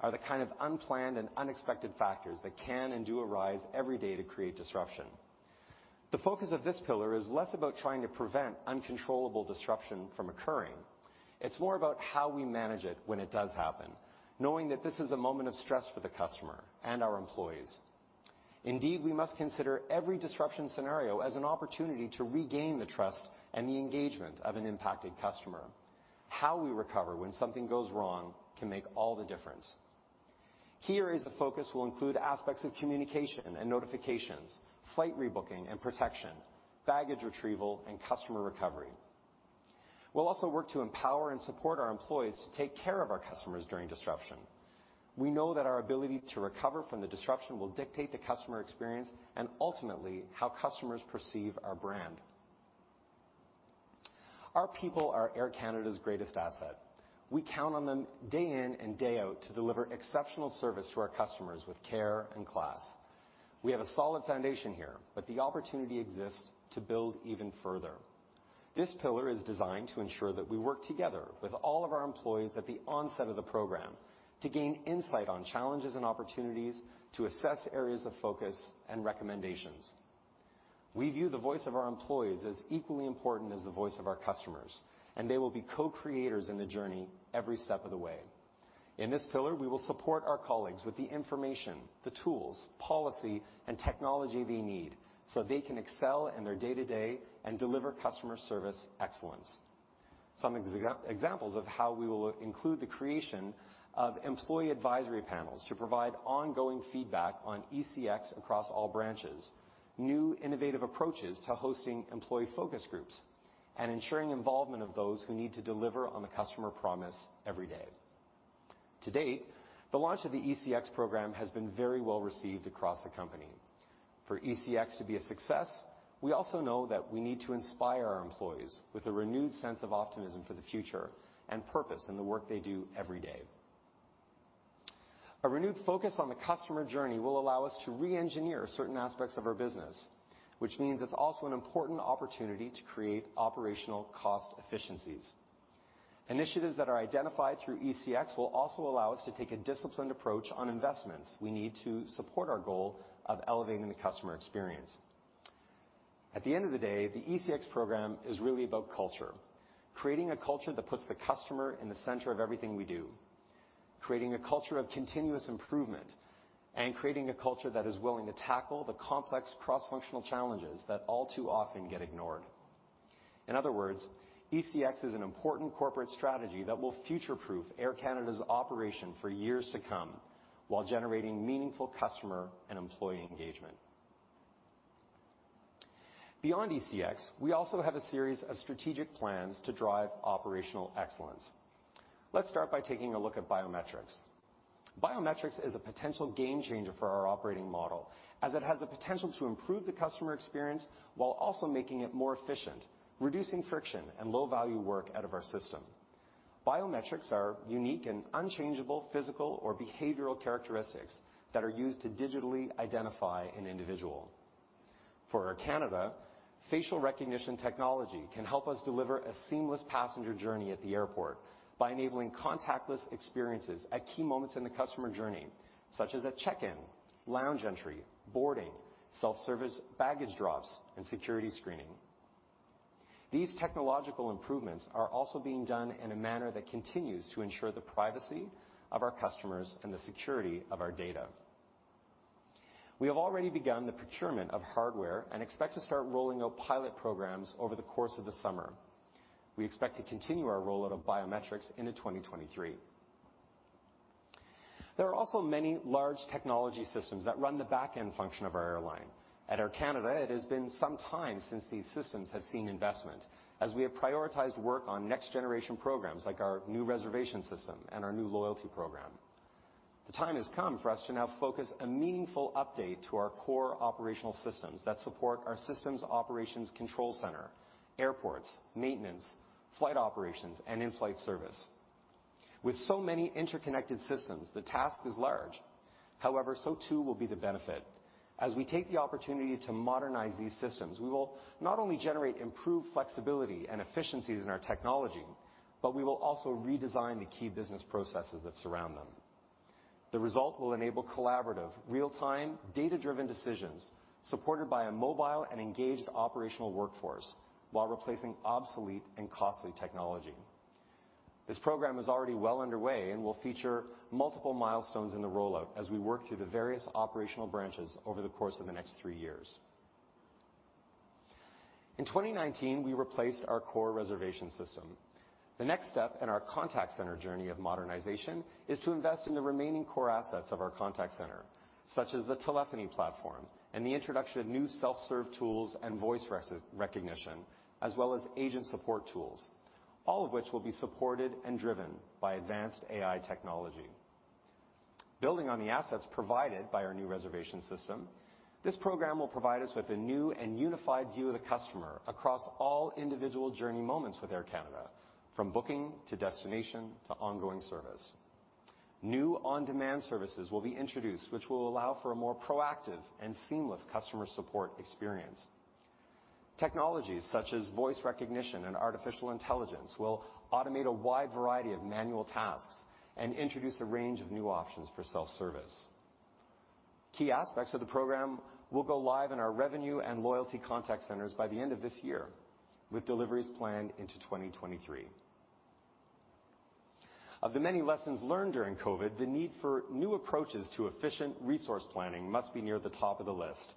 are the kind of unplanned and unexpected factors that can and do arise every day to create disruption. The focus of this pillar is less about trying to prevent uncontrollable disruption from occurring. It's more about how we manage it when it does happen, knowing that this is a moment of stress for the customer and our employees. Indeed, we must consider every disruption scenario as an opportunity to regain the trust and the engagement of an impacted customer. How we recover when something goes wrong can make all the difference. Here, the focus will include aspects of communication and notifications, flight rebooking and protection, baggage retrieval, and customer recovery. We'll also work to empower and support our employees to take care of our customers during disruption. We know that our ability to recover from the disruption will dictate the customer experience and ultimately how customers perceive our brand. Our people are Air Canada's greatest asset. We count on them day in and day out to deliver exceptional service to our customers with care and class. We have a solid foundation here, but the opportunity exists to build even further. This pillar is designed to ensure that we work together with all of our employees at the onset of the program to gain insight on challenges and opportunities, to assess areas of focus and recommendations. We view the voice of our employees as equally important as the voice of our customers, and they will be co-creators in the journey every step of the way. In this pillar, we will support our colleagues with the information, the tools, policy, and technology they need, so they can excel in their day-to-day and deliver customer service excellence. Some examples of how we will include the creation of employee advisory panels to provide ongoing feedback on ECX across all branches, new innovative approaches to hosting employee focus groups, and ensuring involvement of those who need to deliver on the customer promise every day. To date, the launch of the ECX program has been very well received across the company. For ECX to be a success, we also know that we need to inspire our employees with a renewed sense of optimism for the future and purpose in the work they do every day. A renewed focus on the customer journey will allow us to re-engineer certain aspects of our business, which means it's also an important opportunity to create operational cost efficiencies. Initiatives that are identified through ECX will also allow us to take a disciplined approach on investments we need to support our goal of elevating the customer experience. At the end of the day, the ECX program is really about culture, creating a culture that puts the customer in the center of everything we do, creating a culture of continuous improvement, and creating a culture that is willing to tackle the complex cross-functional challenges that all too often get ignored. In other words, ECX is an important corporate strategy that will future-proof Air Canada's operation for years to come while generating meaningful customer and employee engagement. Beyond ECX, we also have a series of strategic plans to drive operational excellence. Let's start by taking a look at biometrics. Biometrics is a potential game changer for our operating model as it has the potential to improve the customer experience while also making it more efficient, reducing friction and low-value work out of our system. Biometrics are unique and unchangeable physical or behavioral characteristics that are used to digitally identify an individual. For Air Canada, facial recognition technology can help us deliver a seamless passenger journey at the airport by enabling contactless experiences at key moments in the customer journey, such as at check-in, lounge entry, boarding, self-service baggage drops, and security screening. These technological improvements are also being done in a manner that continues to ensure the privacy of our customers and the security of our data. We have already begun the procurement of hardware and expect to start rolling out pilot programs over the course of the summer. We expect to continue our rollout of biometrics into 2023. There are also many large technology systems that run the back-end function of our airline. At Air Canada, it has been some time since these systems have seen investment, as we have prioritized work on next generation programs like our new reservation system and our new loyalty program. The time has come for us to now focus a meaningful update to our core operational systems that support our systems operations control center, airports, maintenance, flight operations, and in-flight service. With so many interconnected systems, the task is large. However, so too will be the benefit. As we take the opportunity to modernize these systems, we will not only generate improved flexibility and efficiencies in our technology, but we will also redesign the key business processes that surround them. The result will enable collaborative, real-time, data-driven decisions supported by a mobile and engaged operational workforce while replacing obsolete and costly technology. This program is already well underway and will feature multiple milestones in the rollout as we work through the various operational branches over the course of the next three years. In 2019, we replaced our core reservation system. The next step in our contact center journey of modernization is to invest in the remaining core assets of our contact center, such as the telephony platform and the introduction of new self-serve tools and voice recognition, as well as agent support tools, all of which will be supported and driven by advanced AI technology. Building on the assets provided by our new reservation system, this program will provide us with a new and unified view of the customer across all individual journey moments with Air Canada, from booking to destination to ongoing service. New on-demand services will be introduced, which will allow for a more proactive and seamless customer support experience. Technologies such as voice recognition and artificial intelligence will automate a wide variety of manual tasks and introduce a range of new options for self-service. Key aspects of the program will go live in our revenue and loyalty contact centers by the end of this year, with deliveries planned into 2023. Of the many lessons learned during COVID, the need for new approaches to efficient resource planning must be near the top of the list.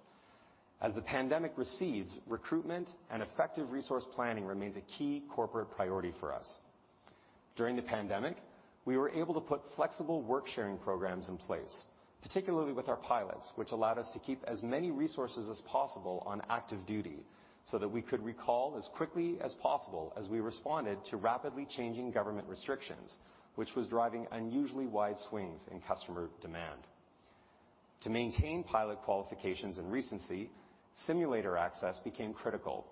As the pandemic recedes, recruitment and effective resource planning remains a key corporate priority for us. During the pandemic, we were able to put flexible work sharing programs in place, particularly with our pilots, which allowed us to keep as many resources as possible on active duty so that we could recall as quickly as possible as we responded to rapidly changing government restrictions, which was driving unusually wide swings in customer demand. To maintain pilot qualifications and recency, simulator access became critical.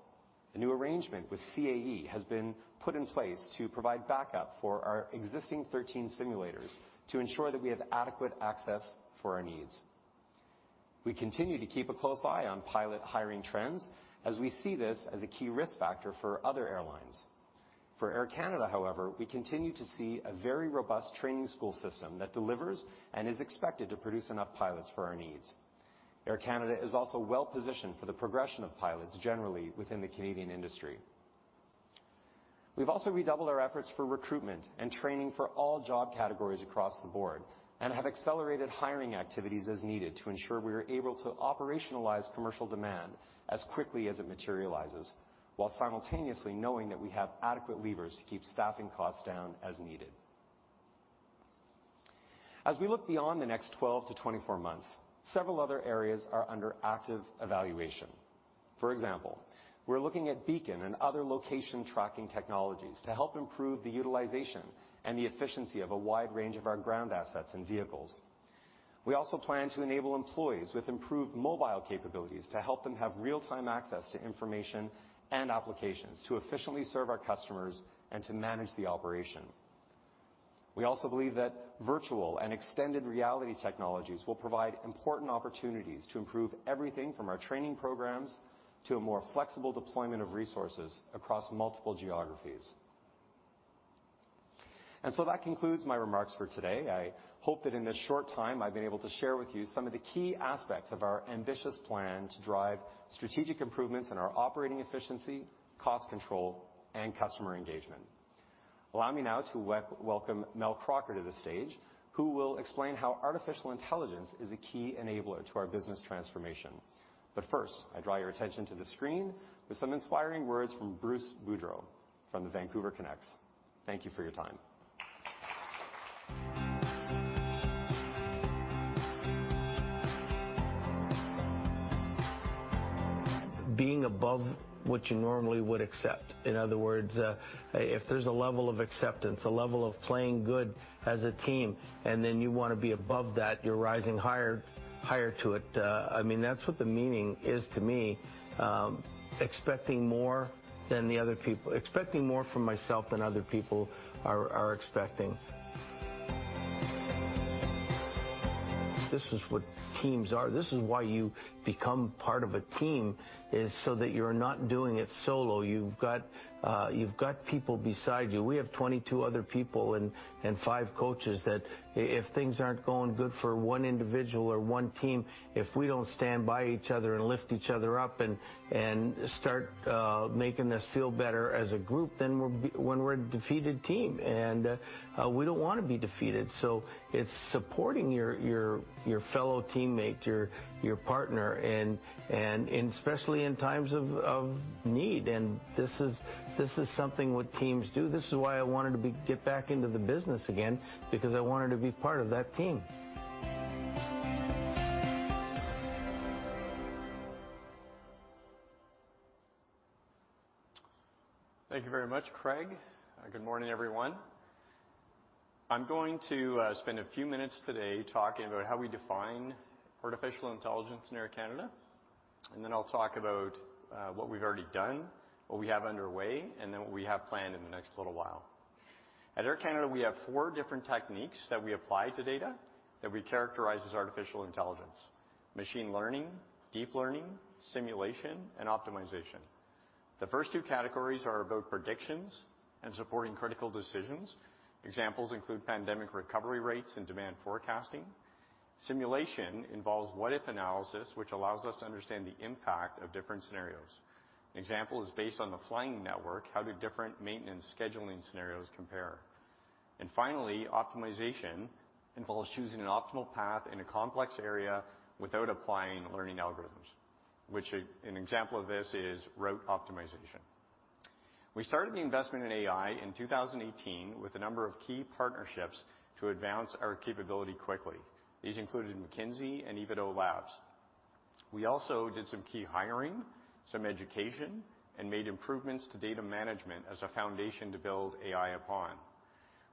A new arrangement with CAE has been put in place to provide backup for our existing 13 simulators to ensure that we have adequate access for our needs. We continue to keep a close eye on pilot hiring trends as we see this as a key risk factor for other airlines. For Air Canada, however, we continue to see a very robust training school system that delivers and is expected to produce enough pilots for our needs. Air Canada is also well-positioned for the progression of pilots generally within the Canadian industry. We've also redoubled our efforts for recruitment and training for all job categories across the board and have accelerated hiring activities as needed to ensure we are able to operationalize commercial demand as quickly as it materializes, while simultaneously knowing that we have adequate levers to keep staffing costs down as needed. As we look beyond the next 12 to 24 months, several other areas are under active evaluation. For example, we're looking at beacon and other location tracking technologies to help improve the utilization and the efficiency of a wide range of our ground assets and vehicles. We also plan to enable employees with improved mobile capabilities to help them have real-time access to information and applications to efficiently serve our customers and to manage the operation. We also believe that virtual and extended reality technologies will provide important opportunities to improve everything from our training programs to a more flexible deployment of resources across multiple geographies. That concludes my remarks for today. I hope that in this short time, I've been able to share with you some of the key aspects of our ambitious plan to drive strategic improvements in our operating efficiency, cost control, and customer engagement. Allow me now to welcome Mel Crocker to the stage, who will explain how artificial intelligence is a key enabler to our business transformation. First, I draw your attention to the screen with some inspiring words from Bruce Boudreau from the Vancouver Canucks. Thank you for your time. Being above what you normally would accept. In other words, if there's a level of acceptance, a level of playing good as a team, and then you wanna be above that, you're rising higher to it. I mean, that's what the meaning is to me. Expecting more than the other people. Expecting more from myself than other people are expecting. This is what teams are. This is why you become part of a team is so that you're not doing it solo. You've got people beside you. We have 22 other people and five coaches that if things aren't going good for one individual or one team, if we don't stand by each other and lift each other up and start making us feel better as a group, then we're a defeated team. We don't wanna be defeated. It's supporting your fellow teammate, your partner, and especially in times of need. This is something what teams do. This is why I wanted to get back into the business again because I wanted to be part of that team. Thank you very much, Craig. Good morning, everyone. I'm going to spend a few minutes today talking about how we define artificial intelligence in Air Canada, and then I'll talk about what we've already done, what we have underway, and then what we have planned in the next little while. At Air Canada, we have four different techniques that we apply to data that we characterize as artificial intelligence: machine learning, deep learning, simulation, and optimization. The first two categories are about predictions and supporting critical decisions. Examples include pandemic recovery rates and demand forecasting. Simulation involves what-if analysis, which allows us to understand the impact of different scenarios. An example is based on the flying network, how do different maintenance scheduling scenarios compare? Finally, optimization involves choosing an optimal path in a complex area without applying learning algorithms, an example of this is route optimization. We started the investment in AI in 2018 with a number of key partnerships to advance our capability quickly. These included McKinsey and IVADO Labs. We also did some key hiring, some education, and made improvements to data management as a foundation to build AI upon.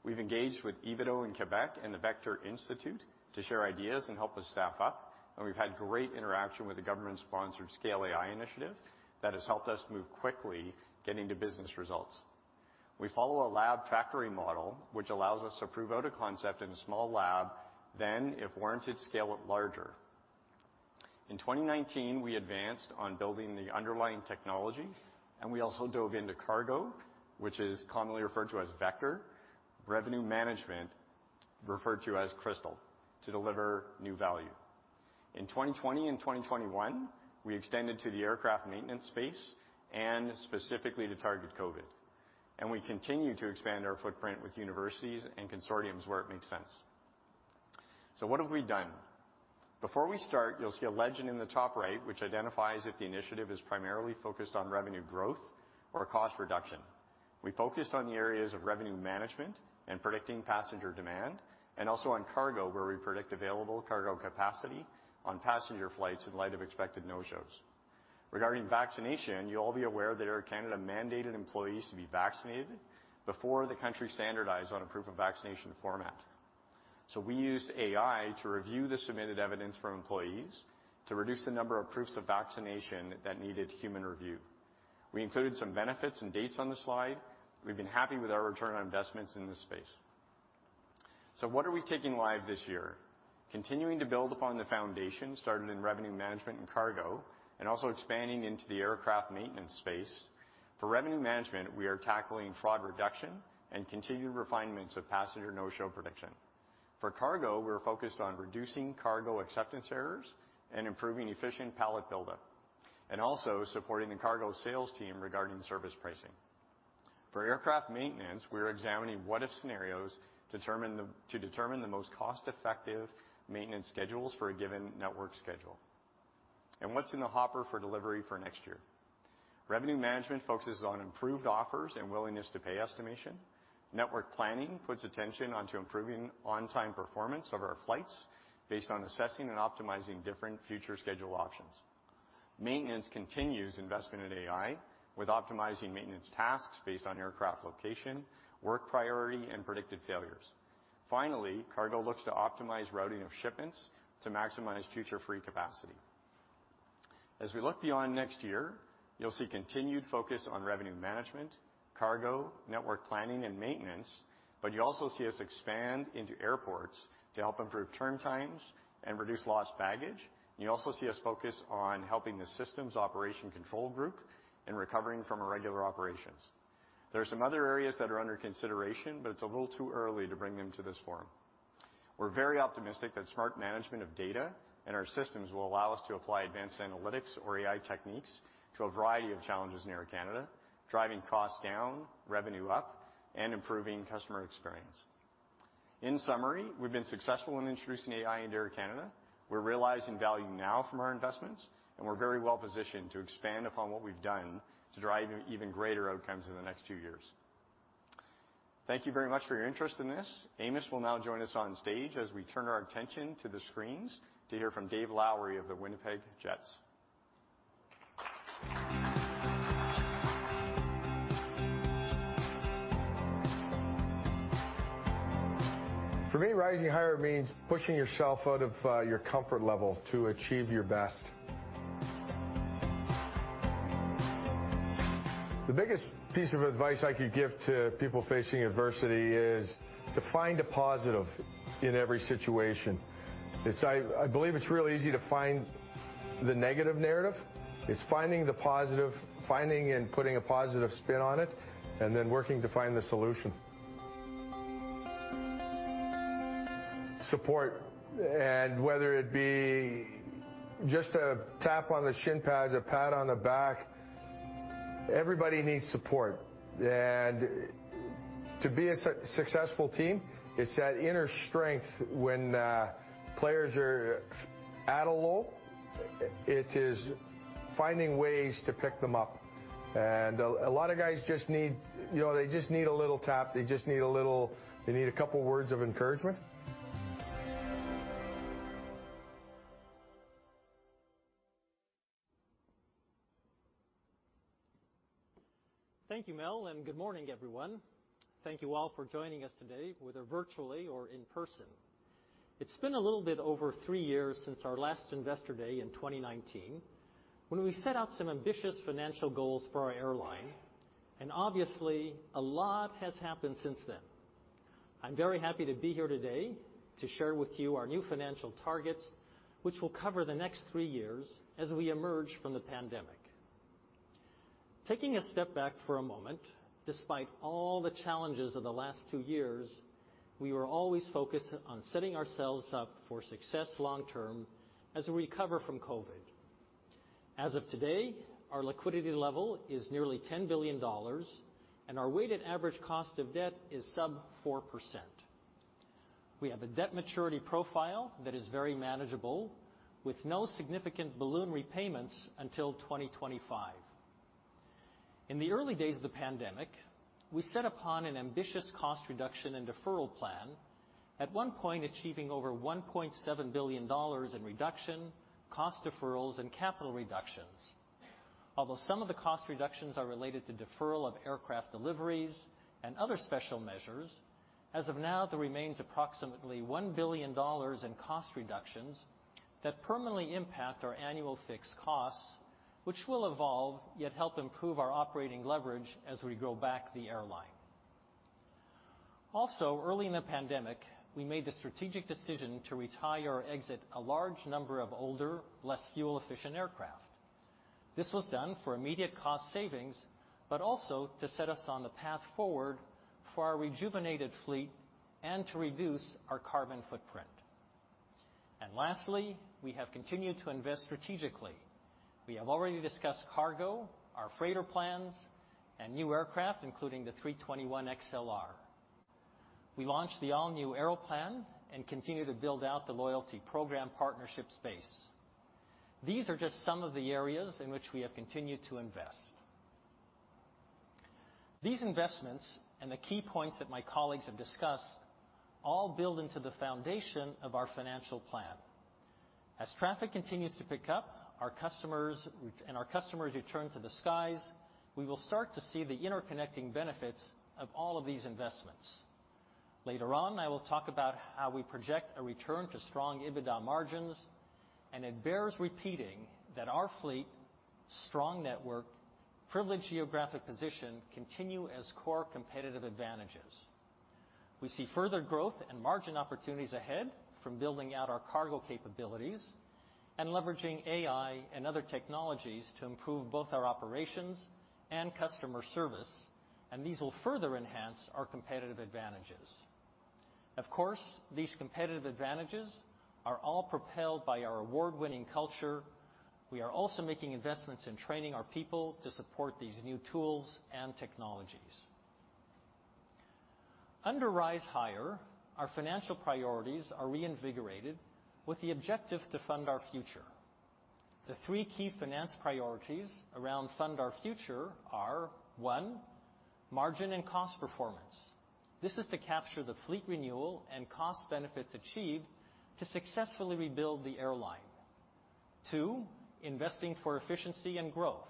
We've engaged with IVADO in Quebec and the Vector Institute to share ideas and help us staff up, and we've had great interaction with the government-sponsored Scale AI initiative that has helped us move quickly getting to business results. We follow a lab factory model, which allows us to prove out a concept in a small lab, then, if warranted, scale it larger. In 2019, we advanced on building the underlying technology, and we also dove into cargo, which is commonly referred to as Vector, Revenue Management referred to as Crystal to deliver new value. In 2020 and 2021, we extended to the aircraft maintenance space and specifically to target COVID. We continue to expand our footprint with universities and consortiums where it makes sense. What have we done? Before we start, you'll see a legend in the top right which identifies if the initiative is primarily focused on revenue growth or cost reduction. We focused on the areas of Revenue Management and predicting passenger demand and also on cargo, where we predict available cargo capacity on passenger flights in light of expected no-shows. Regarding vaccination, you'll all be aware that Air Canada mandated employees to be vaccinated before the country standardized on a proof of vaccination format. We used AI to review the submitted evidence from employees to reduce the number of proofs of vaccination that needed human review. We included some benefits and dates on the slide. We've been happy with our return on investments in this space. What are we taking live this year? Continuing to build upon the foundation started in Revenue Management and cargo and also expanding into the aircraft maintenance space. For Revenue Management, we are tackling fraud reduction and continued refinements of passenger no-show prediction. For cargo, we're focused on reducing cargo acceptance errors and improving efficient pallet buildup and also supporting the cargo sales team regarding service pricing. For aircraft maintenance, we're examining what-if scenarios to determine the most cost-effective maintenance schedules for a given network schedule. What's in the hopper for delivery for next year? Revenue Management focuses on improved offers and willingness to pay estimation. Network planning puts attention onto improving on-time performance of our flights based on assessing and optimizing different future schedule options. Maintenance continues investment in AI with optimizing maintenance tasks based on aircraft location, work priority, and predicted failures. Finally, cargo looks to optimize routing of shipments to maximize future free capacity. As we look beyond next year, you'll see continued focus on Revenue Management, cargo, network planning, and maintenance, but you'll also see us expand into airports to help improve turn times and reduce lost baggage. You also see us focus on helping the systems operation control group in recovering from irregular operations. There are some other areas that are under consideration, but it's a little too early to bring them to this forum. We're very optimistic that smart management of data and our systems will allow us to apply advanced analytics or AI techniques to a variety of challenges in Air Canada, driving costs down, revenue up, and improving customer experience. In summary, we've been successful in introducing AI into Air Canada. We're realizing value now from our investments, and we're very well positioned to expand upon what we've done to drive even greater outcomes in the next few years. Thank you very much for your interest in this. Amos will now join us on stage as we turn our attention to the screens to hear from Dave Lowry of the Winnipeg Jets. For me, rising higher means pushing yourself out of your comfort level to achieve your best. The biggest piece of advice I could give to people facing adversity is to find a positive in every situation. It's I believe it's really easy to find the negative narrative. It's finding the positive, finding and putting a positive spin on it, and then working to find the solution. Support, whether it be just a tap on the shin pads, a pat on the back, everybody needs support. To be a successful team, it's that inner strength when players are at a low, it is finding ways to pick them up. A lot of guys just need, you know, they just need a little tap, they just need a little, they need a couple words of encouragement. Thank you, Mel, and good morning, everyone. Thank you all for joining us today, whether virtually or in person. It's been a little bit over three years since our last investor day in 2019, when we set out some ambitious financial goals for our airline, and obviously, a lot has happened since then. I'm very happy to be here today to share with you our new financial targets, which will cover the next three years as we emerge from the pandemic. Taking a step back for a moment, despite all the challenges of the last two years, we were always focused on setting ourselves up for success long term as we recover from COVID. As of today, our liquidity level is nearly 10 billion dollars, and our weighted average cost of debt is sub 4%. We have a debt maturity profile that is very manageable, with no significant balloon repayments until 2025. In the early days of the pandemic, we set upon an ambitious cost reduction and deferral plan, at one point achieving over 1.7 billion dollars in reduction, cost deferrals, and capital reductions. Although some of the cost reductions are related to deferral of aircraft deliveries and other special measures, as of now, there remains approximately 1 billion dollars in cost reductions that permanently impact our annual fixed costs, which will evolve yet help improve our operating leverage as we grow back the airline. Also, early in the pandemic, we made the strategic decision to retire or exit a large number of older, less fuel-efficient aircraft. This was done for immediate cost savings, but also to set us on the path forward for our rejuvenated fleet and to reduce our carbon footprint. Lastly, we have continued to invest strategically. We have already discussed cargo, our freighter plans, and new aircraft, including the A321XLR. We launched the all-new Aeroplan and continue to build out the loyalty program partnership space. These are just some of the areas in which we have continued to invest. These investments, and the key points that my colleagues have discussed, all build into the foundation of our financial plan. As traffic continues to pick up, our customers return to the skies, we will start to see the interconnecting benefits of all of these investments. Later on, I will talk about how we project a return to strong EBITDA margins, and it bears repeating that our fleet, strong network, privileged geographic position continue as core competitive advantages. We see further growth and margin opportunities ahead from building out our cargo capabilities and leveraging AI and other technologies to improve both our operations and customer service, and these will further enhance our competitive advantages. Of course, these competitive advantages are all propelled by our award-winning culture. We are also making investments in training our people to support these new tools and technologies. Under Rise Higher, our financial priorities are reinvigorated with the objective to fund our future. The three key finance priorities around Fund our Future are, one, margin and cost performance. This is to capture the fleet renewal and cost benefits achieved to successfully rebuild the airline. Two, investing for efficiency and growth,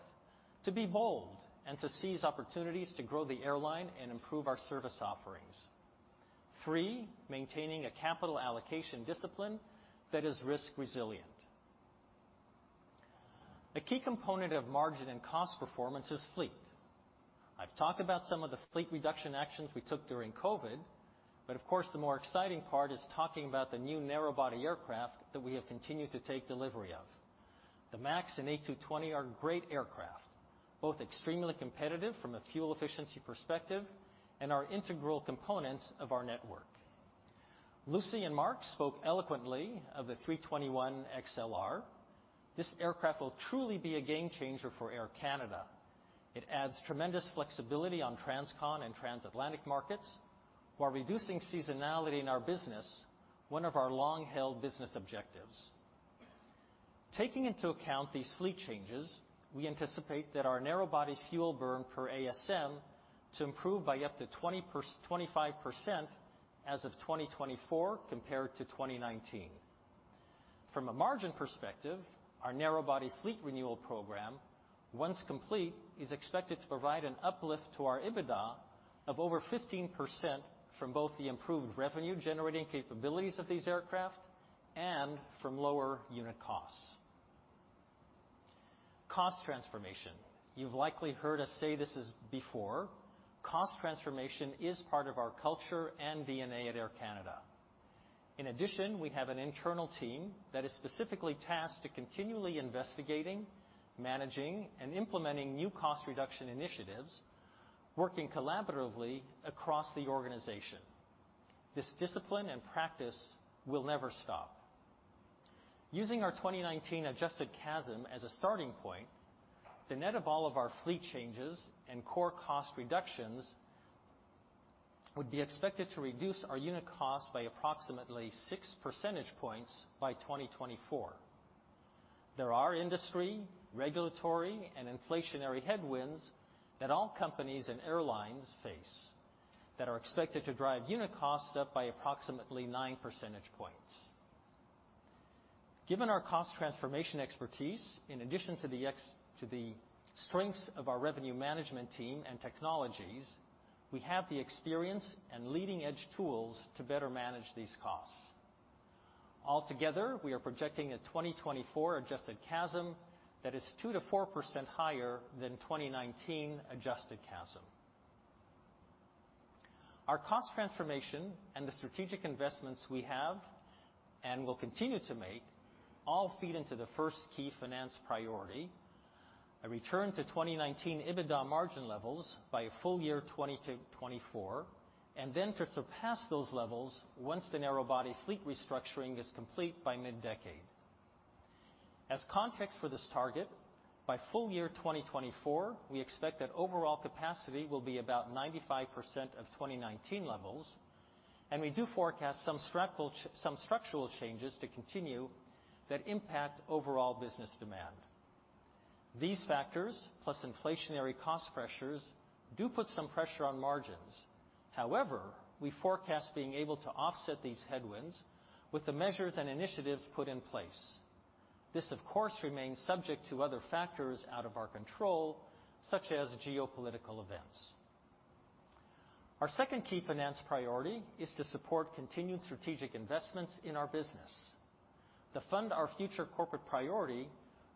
to be bold and to seize opportunities to grow the airline and improve our service offerings. Three, maintaining a capital allocation discipline that is risk-resilient. A key component of margin and cost performance is fleet. I've talked about some of the fleet reduction actions we took during COVID, but of course, the more exciting part is talking about the new narrow-body aircraft that we have continued to take delivery of. The MAX and A220 are great aircraft, both extremely competitive from a fuel efficiency perspective and are integral components of our network. Lucy and Mark spoke eloquently of the A321XLR. This aircraft will truly be a game changer for Air Canada. It adds tremendous flexibility on transcon and transatlantic markets while reducing seasonality in our business, one of our long-held business objectives. Taking into account these fleet changes, we anticipate that our narrow-body fuel burn per ASM to improve by up to 25% as of 2024 compared to 2019. From a margin perspective, our narrow-body fleet renewal program, once complete, is expected to provide an uplift to our EBITDA of over 15% from both the improved revenue-generating capabilities of these aircraft. From lower unit costs. Cost transformation. You've likely heard us say this before. Cost transformation is part of our culture and DNA at Air Canada. In addition, we have an internal team that is specifically tasked to continually investigating, managing, and implementing new cost reduction initiatives, working collaboratively across the organization. This discipline and practice will never stop. Using our 2019 Adjusted CASM as a starting point, the net of all of our fleet changes and core cost reductions would be expected to reduce our unit cost by approximately 6 percentage points by 2024. There are industry, regulatory, and inflationary headwinds that all companies and airlines face that are expected to drive unit cost up by approximately 9 percentage points. Given our cost transformation expertise, in addition to the strengths of our Revenue Management team and technologies, we have the experience and leading edge tools to better manage these costs. Altogether, we are projecting a 2024 Adjusted CASM that is 2% to 4% higher than 2019 Adjusted CASM. Our cost transformation and the strategic investments we have and will continue to make all feed into the first key finance priority, a return to 2019 EBITDA margin levels by full-year 2024, and then to surpass those levels once the narrow-body fleet restructuring is complete by mid-decade. As context for this target, by full-year 2024, we expect that overall capacity will be about 95% of 2019 levels, and we do forecast some structural changes to continue that impact overall business demand. These factors, plus inflationary cost pressures, do put some pressure on margins. However, we forecast being able to offset these headwinds with the measures and initiatives put in place. This, of course, remains subject to other factors out of our control, such as geopolitical events. Our second key finance priority is to support continued strategic investments in our business. To fund our future corporate priority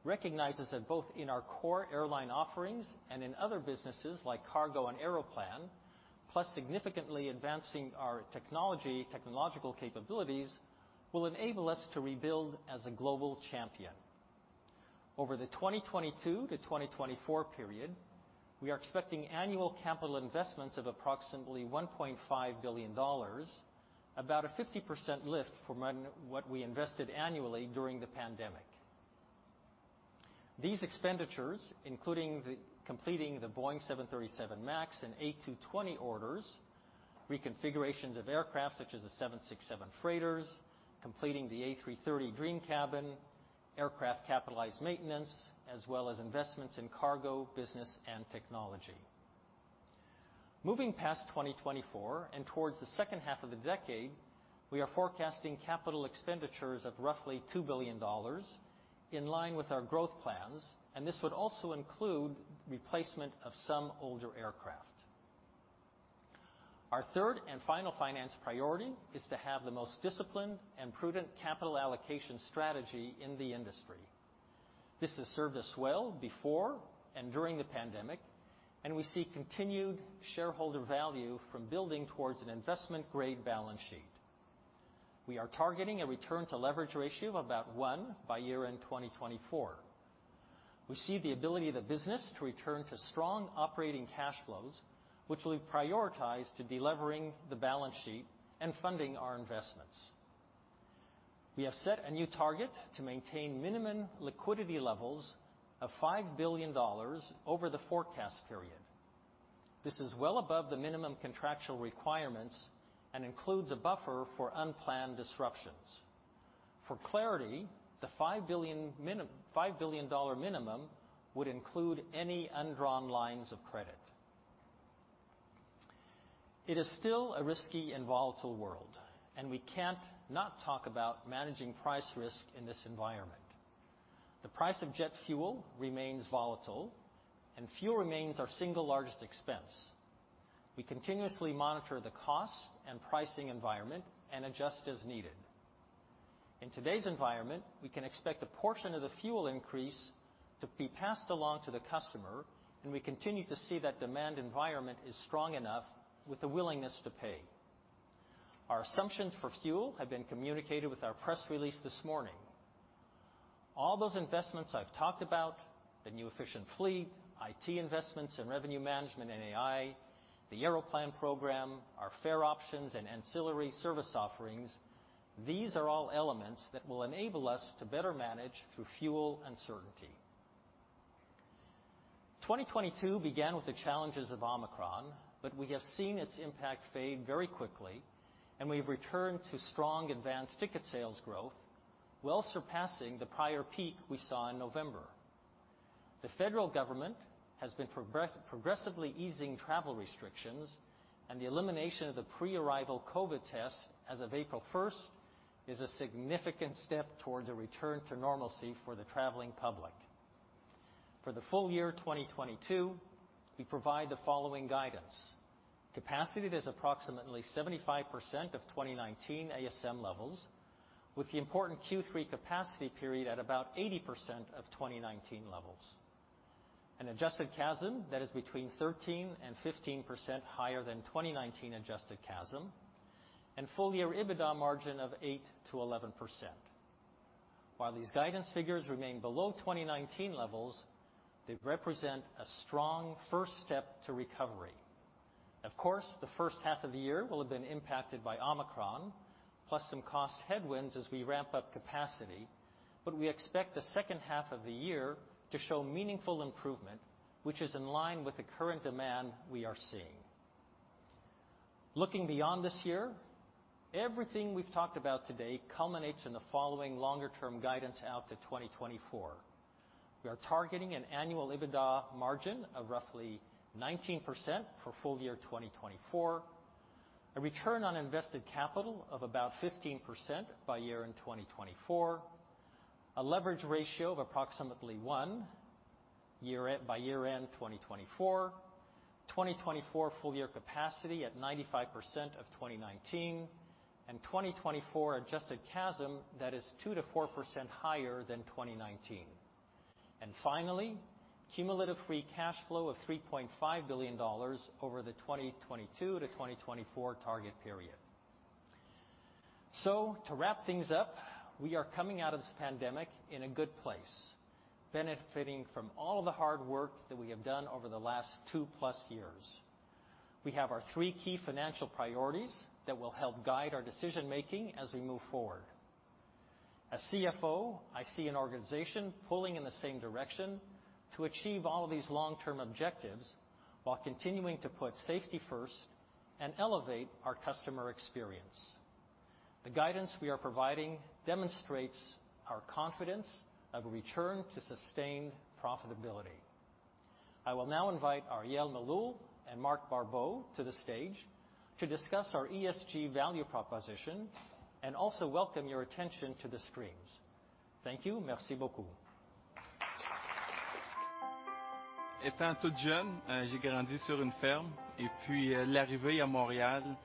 recognizes that both in our core airline offerings and in other businesses like cargo and Aeroplan, plus significantly advancing our technology, technological capabilities, will enable us to rebuild as a global champion. Over the 2022 to 2024 period, we are expecting annual capital investments of approximately 1.5 billion dollars, about a 50% lift from what we invested annually during the pandemic. These expenditures, including completing the Boeing 737 MAX and A220 orders, reconfigurations of aircraft such as the 767 freighters, completing the A330 Dream Cabin, aircraft capitalized maintenance, as well as investments in cargo, business, and technology. Moving past 2024 and towards the second half of the decade, we are forecasting capital expenditures of roughly 2 billion dollars in line with our growth plans, and this would also include replacement of some older aircraft. Our third and final finance priority is to have the most disciplined and prudent capital allocation strategy in the industry. This has served us well before and during the pandemic, and we see continued shareholder value from building towards an investment-grade balance sheet. We are targeting a return to leverage ratio of about one by year-end 2024. We see the ability of the business to return to strong operating cash flows, which we've prioritized to delevering the balance sheet and funding our investments. We have set a new target to maintain minimum liquidity levels of 5 billion dollars over the forecast period. This is well above the minimum contractual requirements and includes a buffer for unplanned disruptions. For clarity, the 5 billion dollar minimum would include any undrawn lines of credit. It is still a risky and volatile world, and we can't not talk about managing price risk in this environment. The price of jet fuel remains volatile, and fuel remains our single largest expense. We continuously monitor the cost and pricing environment and adjust as needed. In today's environment, we can expect a portion of the fuel increase to be passed along to the customer, and we continue to see that demand environment is strong enough with the willingness to pay. Our assumptions for fuel have been communicated with our press release this morning. All those investments I've talked about, the new efficient fleet, IT investments in Revenue Management and AI, the Aeroplan program, our fare options and ancillary service offerings, these are all elements that will enable us to better manage through fuel uncertainty. 2022 began with the challenges of Omicron, but we have seen its impact fade very quickly, and we've returned to strong advanced ticket sales growth, well surpassing the prior peak we saw in November. The federal government has been progressively easing travel restrictions, and the elimination of the pre-arrival COVID test as of April first is a significant step towards a return to normalcy for the traveling public. For the full-year 2022, we provide the following guidance. Capacity is approximately 75% of 2019 ASM levels, with the important Q3 capacity period at about 80% of 2019 levels. An Adjusted CASM that is between 13% to 15% higher than 2019 Adjusted CASM, and full-year EBITDA margin of 8% to 11%. While these guidance figures remain below 2019 levels, they represent a strong first step to recovery. Of course, the first half of the year will have been impacted by Omicron, plus some cost headwinds as we ramp up capacity, but we expect the second half of the year to show meaningful improvement, which is in line with the current demand we are seeing. Looking beyond this year, everything we've talked about today culminates in the following longer term guidance out to 2024. We are targeting an annual EBITDA margin of roughly 19% for full-year 2024, a return on invested capital of about 15% by year-end 2024, a leverage ratio of approximately 1x by year-end 2024 full-year capacity at 95% of 2019, and 2024 Adjusted CASM that is 2% to 4% higher than 2019. Finally, cumulative free cash flow of 3.5 billion dollars over the 2022 to 2024 target period. To wrap things up, we are coming out of this pandemic in a good place, benefiting from all the hard work that we have done over the last 2+ years. We have our three key financial priorities that will help guide our decision making as we move forward. As CFO, I see an organization pulling in the same direction to achieve all of these long-term objectives while continuing to put safety first and elevate our customer experience. The guidance we are providing demonstrates our confidence of a return to sustained profitability. I will now invite Arielle Meloul-Wechsler and Marc Barbeau to the stage to discuss our ESG value proposition and also welcome your attention to the screens. Thank you. Merci beaucoup. Good morning, everyone, and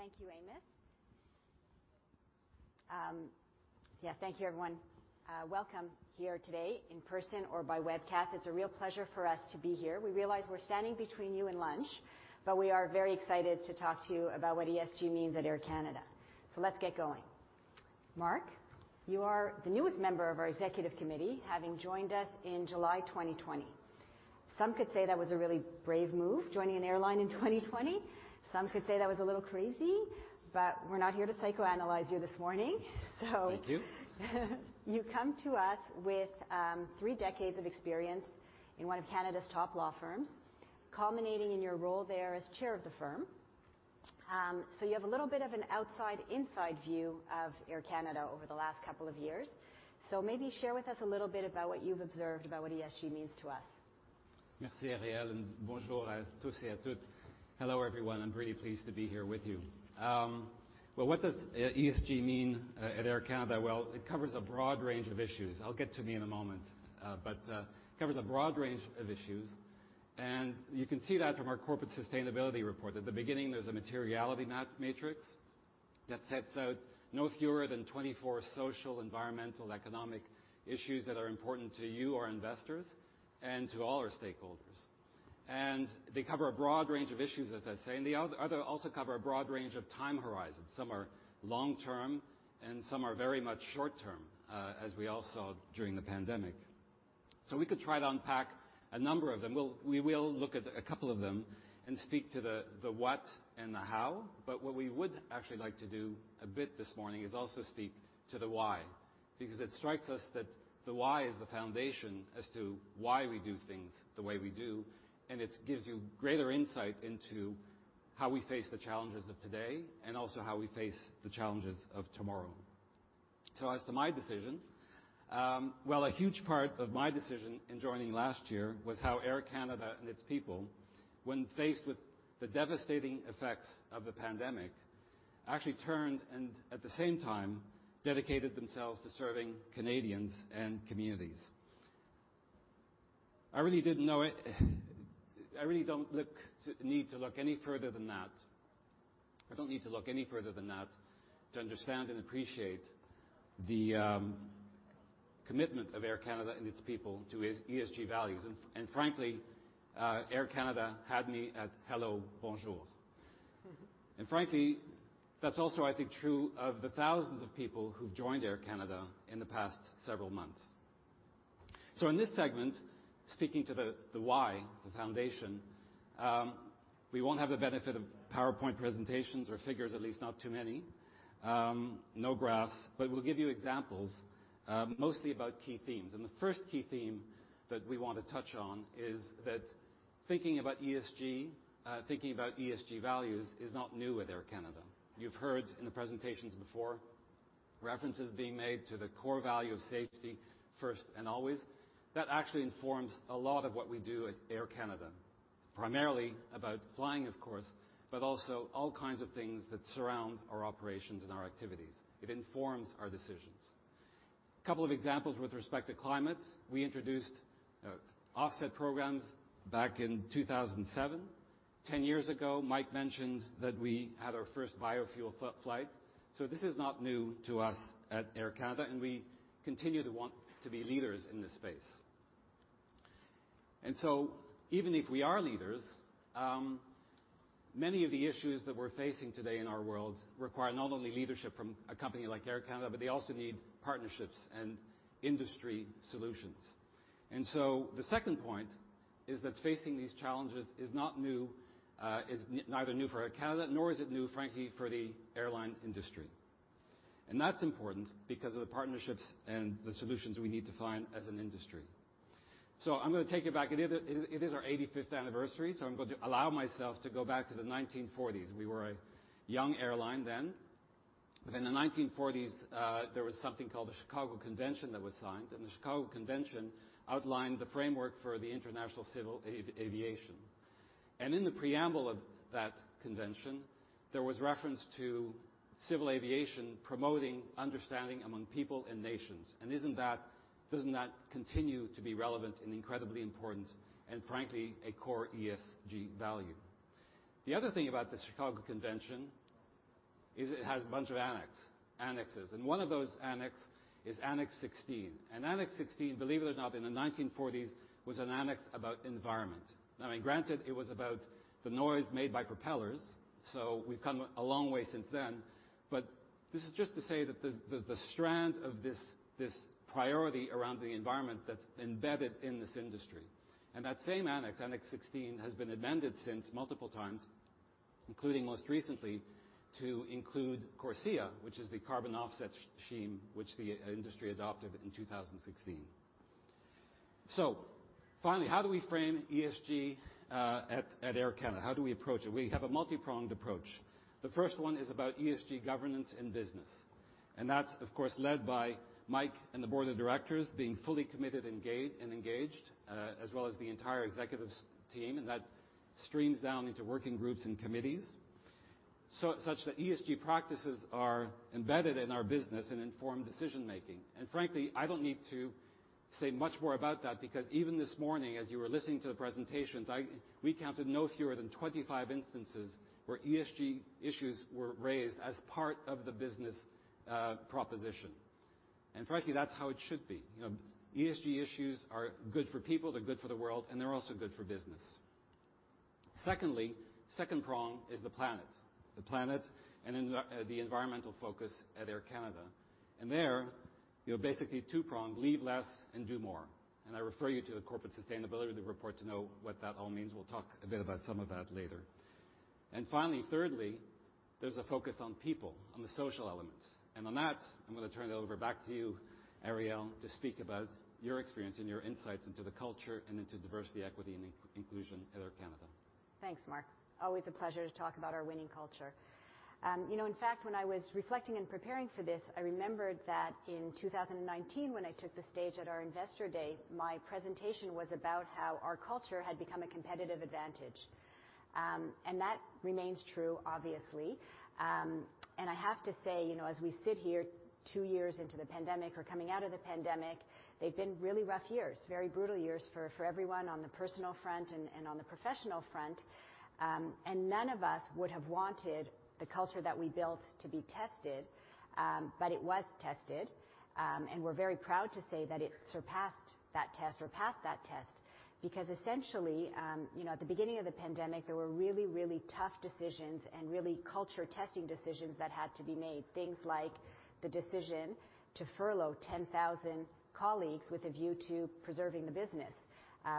thank you, Amos. Yeah, thank you, everyone. Welcome here today in person or by webcast. It's a real pleasure for us to be here. We realize we're standing between you and lunch, but we are very excited to talk to you about what ESG means at Air Canada. Let's get going. Marc, you are the newest member of our executive committee, having joined us in July 2020. Some could say that was a really brave move, joining an airline in 2020. Some could say that was a little crazy, but we're not here to psychoanalyze you this morning. Thank you. You come to us with three decades of experience in one of Canada's top law firms, culminating in your role there as chair of the firm. You have a little bit of an outside inside view of Air Canada over the last couple of years. Maybe share with us a little bit about what you've observed about what ESG means to us. Hello, everyone. I'm really pleased to be here with you. Well, what does ESG mean at Air Canada? Well, it covers a broad range of issues. I'll get to them in a moment, but covers a broad range of issues, and you can see that from our corporate sustainability report. At the beginning, there's a materiality matrix that sets out no fewer than 24 social, environmental, economic issues that are important to you, our investors, and to all our stakeholders. They cover a broad range of issues, as I say, and the other also cover a broad range of time horizons. Some are long-term, and some are very much short-term, as we all saw during the pandemic. We could try to unpack a number of them. We will look at a couple of them and speak to the what and the how, but what we would actually like to do a bit this morning is also speak to the why. Because it strikes us that the why is the foundation as to why we do things the way we do, and it's gives you greater insight into how we face the challenges of today, and also how we face the challenges of tomorrow. As to my decision, well, a huge part of my decision in joining last year was how Air Canada and its people, when faced with the devastating effects of the pandemic, actually turned, and at the same time dedicated themselves to serving Canadians and communities. I don't need to look any further than that to understand and appreciate the commitment of Air Canada and its people to its ESG values and, frankly, Air Canada had me at Hello, Bonjour. Frankly, that's also I think true of the thousands of people who've joined Air Canada in the past several months. In this segment, speaking to the why, the foundation, we won't have the benefit of PowerPoint presentations or figures, at least not too many. No graphs, but we'll give you examples, mostly about key themes. The first key theme that we want to touch on is that thinking about ESG values is not new with Air Canada. You've heard in the presentations before, references being made to the core value of safety first and always. That actually informs a lot of what we do at Air Canada. Primarily about flying of course, but also all kinds of things that surround our operations and our activities. It informs our decisions. A couple of examples with respect to climate. We introduced offset programs back in 2007. 10 years ago, Mike mentioned that we had our first biofuel flight. This is not new to us at Air Canada, and we continue to want to be leaders in this space. Even if we are leaders, many of the issues that we're facing today in our world require not only leadership from a company like Air Canada, but they also need partnerships and industry solutions. The second point is that facing these challenges is not new, neither new for Air Canada, nor is it new, frankly, for the airline industry. That's important because of the partnerships and the solutions we need to find as an industry. I'm gonna take it back. It is our 85th anniversary, so I'm going to allow myself to go back to the 1940s. We were a young airline then. In the 1940s, there was something called the Chicago Convention that was signed, and the Chicago Convention outlined the framework for the International Civil Aviation. In the preamble of that convention, there was reference to civil aviation promoting understanding among people and nations. Isn't that? Doesn't that continue to be relevant and incredibly important, and frankly, a core ESG value? The other thing about the Chicago Convention is it has a bunch of annexes, and one of those annexes is Annex 16. Annex 16, believe it or not, in the 1940s, was an annex about environment. Now granted, it was about the noise made by propellers, so we've come a long way since then, but this is just to say that the strand of this priority around the environment that's embedded in this industry. That same annex, Annex 16, has been amended several times, including most recently to include CORSIA, which is the carbon offset scheme, which the industry adopted in 2016. Finally, how do we frame ESG at Air Canada? How do we approach it? We have a multi-pronged approach. The first one is about ESG governance and business, and that's of course led by Mike and the board of directors being fully committed and engaged, as well as the entire executive team, and that streams down into working groups and committees such that ESG practices are embedded in our business and inform decision-making. Frankly, I don't need to say much more about that because even this morning, as you were listening to the presentations, we counted no fewer than 25 instances where ESG issues were raised as part of the business proposition. Frankly, that's how it should be. You know, ESG issues are good for people, they're good for the world, and they're also good for business. Secondly, second prong is the planet. The planet and the environmental focus at Air Canada. There, you know, basically two prong, Leave Less and Do More. I refer you to the Corporate Sustainability Report to know what that all means. We'll talk a bit about some of that later. Finally, thirdly, there's a focus on people, on the social elements. On that, I'm gonna turn it over back to you, Arielle, to speak about your experience and your insights into the culture and into diversity, equity and inclusion at Air Canada. Thanks, Marc. Always a pleasure to talk about our winning culture. You know, in fact, when I was reflecting and preparing for this, I remembered that in 2019, when I took the stage at our Investor Day, my presentation was about how our culture had become a competitive advantage. That remains true, obviously. I have to say, you know, as we sit here two years into the pandemic or coming out of the pandemic, they've been really rough years. Very brutal years for everyone on the personal front and on the professional front. None of us would have wanted the culture that we built to be tested, but it was tested. We're very proud to say that it surpassed that test or passed that test because essentially, you know, at the beginning of the pandemic, there were really tough decisions and really culture testing decisions that had to be made. Things like the decision to furlough 10,000 colleagues with a view to preserving the business.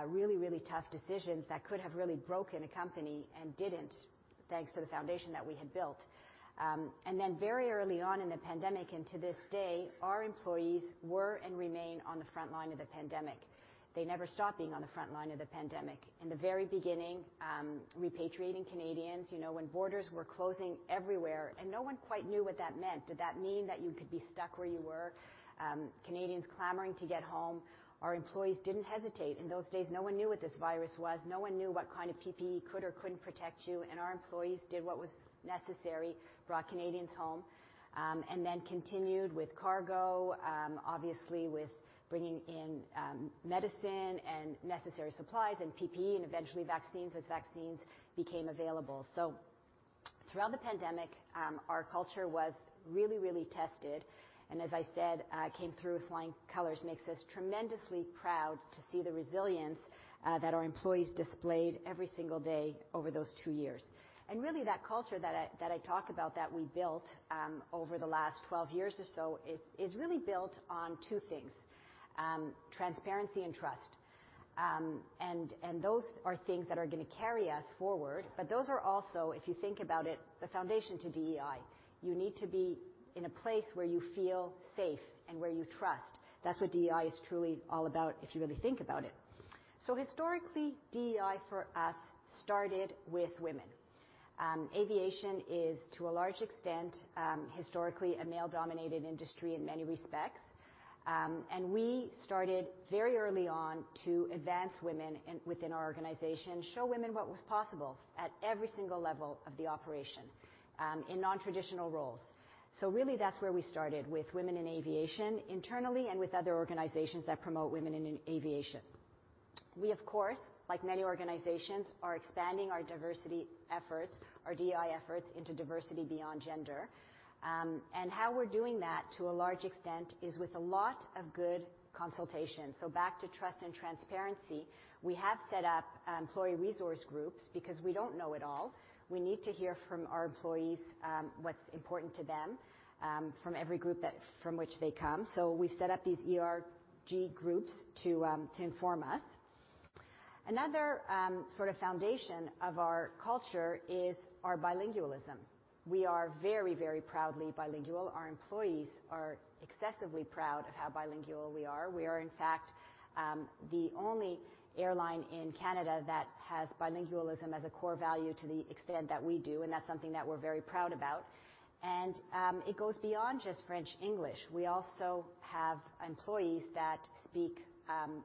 Really tough decisions that could have really broken a company and didn't, thanks to the foundation that we had built. Very early on in the pandemic, and to this day, our employees were and remain on the front line of the pandemic. They never stopped being on the front line of the pandemic. In the very beginning, repatriating Canadians, you know, when borders were closing everywhere and no one quite knew what that meant, did that mean that you could be stuck where you were? Canadians clamoring to get home. Our employees didn't hesitate. In those days, no one knew what this virus was. No one knew what kind of PPE could or couldn't protect you, and our employees did what was necessary, brought Canadians home, and then continued with cargo, obviously with bringing in, medicine and necessary supplies and PPE and eventually vaccines as vaccines became available. Throughout the pandemic, our culture was really, really tested and as I said, came through with flying colors. Makes us tremendously proud to see the resilience that our employees displayed every single day over those two years. Really, that culture that I talk about that we built over the last 12 years or so is really built on two things, transparency and trust. Those are things that are gonna carry us forward, but those are also, if you think about it, the foundation to DEI. You need to be in a place where you feel safe and where you trust. That's what DEI is truly all about if you really think about it. Historically, DEI for us started with women. Aviation is, to a large extent, historically a male-dominated industry in many respects. We started very early on to advance women within our organization, show women what was possible at every single level of the operation, in non-traditional roles. Really, that's where we started with women in aviation internally and with other organizations that promote women in aviation. We of course, like many organizations, are expanding our diversity efforts, our DEI efforts into diversity beyond gender. How we're doing that to a large extent is with a lot of good consultation. Back to trust and transparency, we have set up employee resource groups because we don't know it all. We need to hear from our employees what's important to them from every group from which they come. We set up these ERG groups to inform us. Another sort of foundation of our culture is our bilingualism. We are very, very proudly bilingual. Our employees are excessively proud of how bilingual we are. We are, in fact, the only airline in Canada that has bilingualism as a core value to the extent that we do, and that's something that we're very proud about. It goes beyond just French, English. We also have employees that speak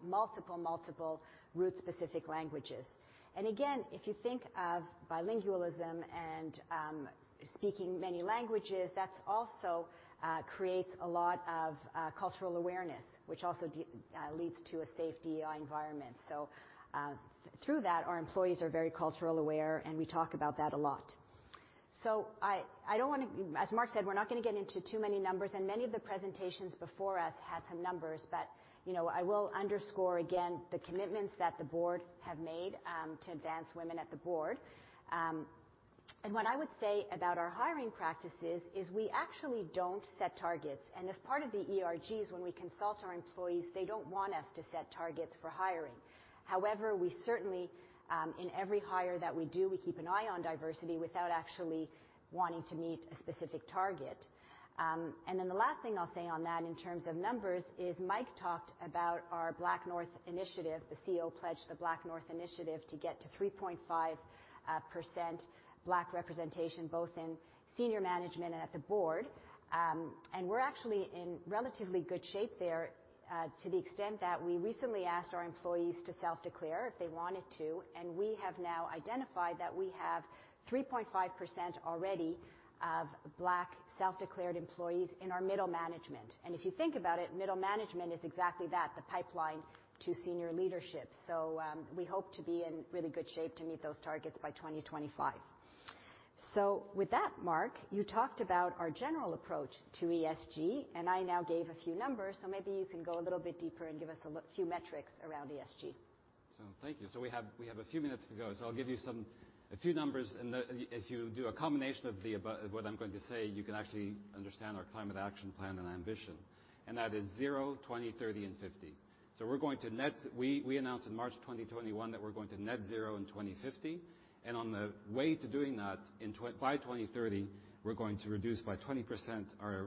multiple root-specific languages. If you think of bilingualism and speaking many languages, that also creates a lot of cultural awareness, which also leads to a safe DEI environment. Through that, our employees are very culturally aware, and we talk about that a lot. I don't wanna. As Mark said, we're not gonna get into too many numbers, and many of the presentations before us had some numbers. You know, I will underscore again the commitments that the board have made to advance women at the board. What I would say about our hiring practices is we actually don't set targets. As part of the ERGs, when we consult our employees, they don't want us to set targets for hiring. However, we certainly in every hire that we do, we keep an eye on diversity without actually wanting to meet a specific target. The last thing I'll say on that in terms of numbers is Mike talked about our BlackNorth Initiative. The CEO pledged the BlackNorth Initiative to get to 3.5% Black representation, both in senior management and at the board. We're actually in relatively good shape there, to the extent that we recently asked our employees to self declare if they wanted to, and we have now identified that we have 3.5% already of Black self-declared employees in our middle management. If you think about it, middle management is exactly that, the pipeline to senior leadership. We hope to be in really good shape to meet those targets by 2025. With that, Mark, you talked about our general approach to ESG, and I now gave a few numbers, so maybe you can go a little bit deeper and give us a few metrics around ESG. Thank you. We have a few minutes to go, I'll give you a few numbers. If you do a combination of about what I'm going to say, you can actually understand our climate action plan and ambition, and that is zero, 20, 30 and 50. We're going to net zero. We announced in March 2021 that we're going to net zero in 2050, and on the way to doing that, by 2030, we're going to reduce by 20% our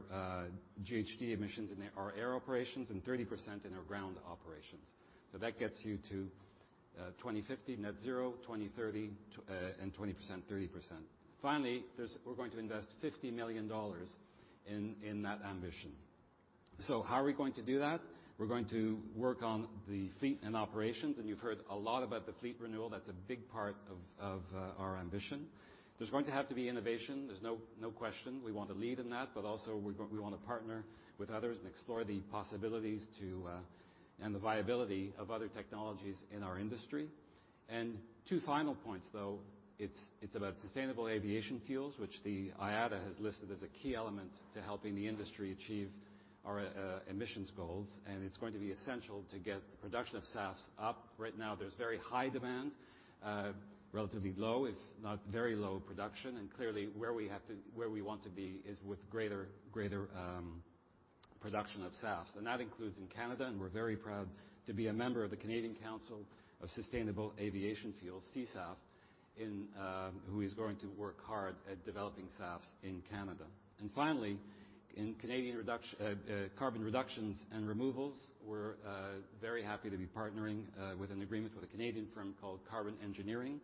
GHG emissions in our air operations and 30% in our ground operations. That gets you to 2050 net zero, 2030, and 20%, 30%. Finally, we're going to invest 50 million dollars in that ambition. How are we going to do that? We're going to work on the fleet and operations, and you've heard a lot about the fleet renewal. That's a big part of our ambition. There's going to have to be innovation. There's no question we want to lead in that. But also we want to partner with others and explore the possibilities and the viability of other technologies in our industry. Two final points, though, it's about sustainable aviation fuels, which the IATA has listed as a key element to helping the industry achieve our emissions goals, and it's going to be essential to get the production of SAFs up. Right now, there's very high demand, relatively low, if not very low production. Clearly, where we want to be is with greater production of SAFs, and that includes in Canada, and we're very proud to be a member of the Canadian Council for Sustainable Aviation Fuels, C-SAF, who is going to work hard at developing SAFs in Canada. Finally, in Canadian carbon reductions and removals, we're very happy to be partnering with an agreement with a Canadian firm called Carbon Engineering,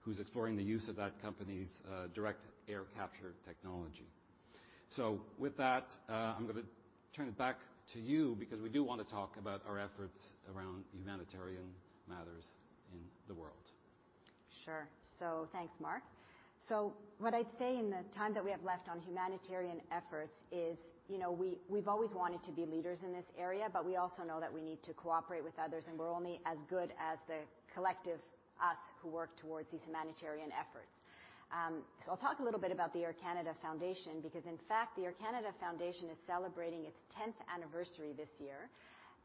who's exploring the use of that company's Direct Air Capture technology. With that, I'm gonna turn it back to you because we do wanna talk about our efforts around humanitarian matters in the world. Sure. Thanks, Marc. What I'd say in the time that we have left on humanitarian efforts is, you know, we've always wanted to be leaders in this area, but we also know that we need to cooperate with others, and we're only as good as the collective us who work towards these humanitarian efforts. I'll talk a little bit about the Air Canada Foundation because, in fact, the Air Canada Foundation is celebrating its tenth anniversary this year,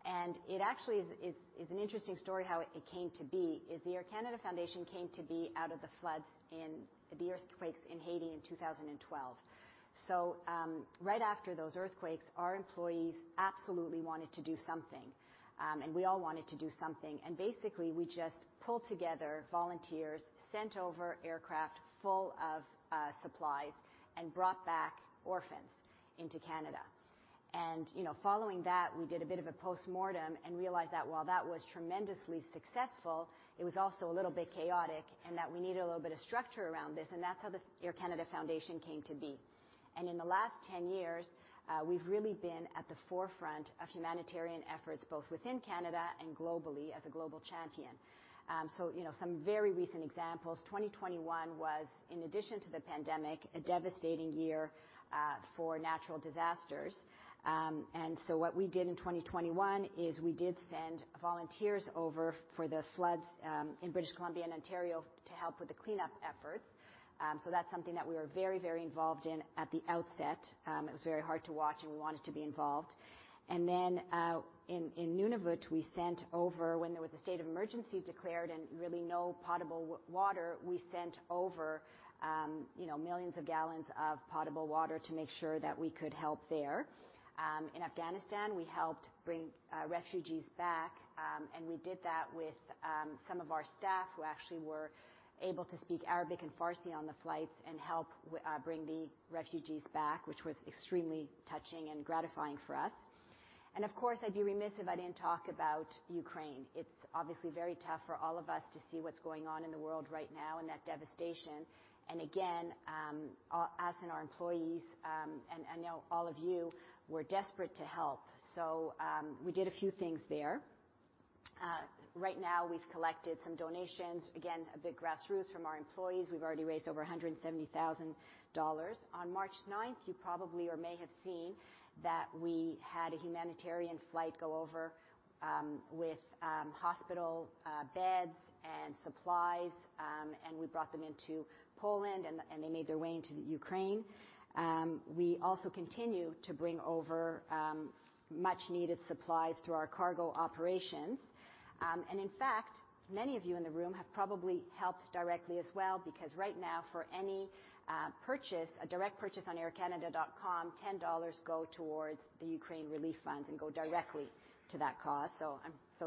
and it actually is an interesting story how it came to be, the Air Canada Foundation came to be out of the floods in the earthquakes in Haiti in 2012. Right after those earthquakes, our employees absolutely wanted to do something, and we all wanted to do something, and basically, we just pulled together volunteers, sent over aircraft full of supplies and brought back orphans into Canada. You know, following that, we did a bit of a postmortem and realized that while that was tremendously successful, it was also a little bit chaotic and that we needed a little bit of structure around this, and that's how the Air Canada Foundation came to be. In the last 10 years, we've really been at the forefront of humanitarian efforts both within Canada and globally as a global champion. You know, some very recent examples, 2021 was, in addition to the pandemic, a devastating year for natural disasters. What we did in 2021 is we did send volunteers over for the floods in British Columbia and Ontario to help with the cleanup efforts. That's something that we were very, very involved in at the outset. It was very hard to watch, and we wanted to be involved. In Nunavut, when there was a state of emergency declared and really no potable water, we sent over millions of gallons of potable water to make sure that we could help there. In Afghanistan, we helped bring refugees back, and we did that with some of our staff who actually were able to speak Arabic and Farsi on the flights and help bring the refugees back, which was extremely touching and gratifying for us. Of course, I'd be remiss if I didn't talk about Ukraine. It's obviously very tough for all of us to see what's going on in the world right now and that devastation. Again, our employees, and I know all of you were desperate to help. We did a few things there. Right now we've collected some donations, again, a big grassroots from our employees. We've already raised over 170,000 dollars. On March ninth, you probably or may have seen that we had a humanitarian flight go over, with hospital beds and supplies, and we brought them into Poland, and they made their way into Ukraine. We also continue to bring over much needed supplies through our cargo operations. In fact, many of you in the room have probably helped directly as well because right now, for any purchase, a direct purchase on aircanada.com, 10 dollars go towards the Ukraine relief fund and go directly to that cause.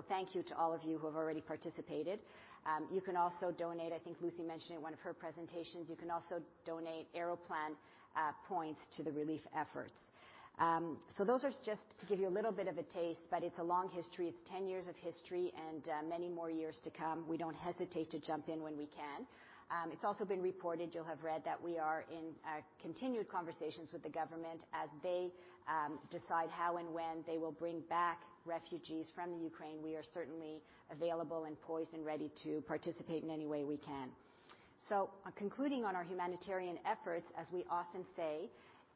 Thank you to all of you who have already participated. You can also donate. I think Lucy mentioned in one of her presentations, you can also donate Aeroplan points to the relief efforts. Those are just to give you a little bit of a taste, but it's a long history. It's 10 years of history and many more years to come. We don't hesitate to jump in when we can. It's also been reported, you'll have read that we are in continued conversations with the government as they decide how and when they will bring back refugees from Ukraine. We are certainly available and poised and ready to participate in any way we can. Concluding on our humanitarian efforts, as we often say,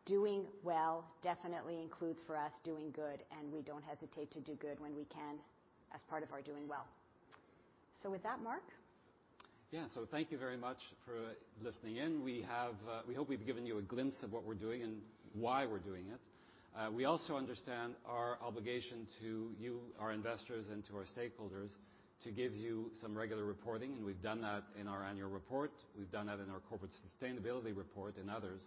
doing well definitely includes, for us, doing good, and we don't hesitate to do good when we can as part of our doing well. With that, Marc. Yeah. Thank you very much for listening in. We have, we hope we've given you a glimpse of what we're doing and why we're doing it. We also understand our obligation to you, our investors, and to our stakeholders to give you some regular reporting, and we've done that in our annual report. We've done that in our corporate sustainability report and others,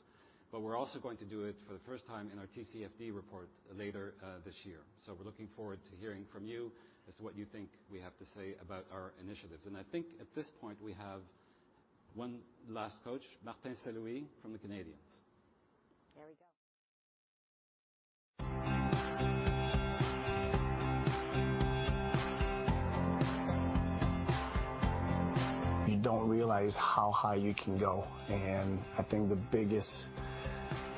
but we're also going to do it for the first time in our TCFD report later this year. We're looking forward to hearing from you as to what you think we have to say about our initiatives. I think at this point, we have one last coach, Martin St-Louis from the Canadiens. There we go. You don't realize how high you can go, and I think the biggest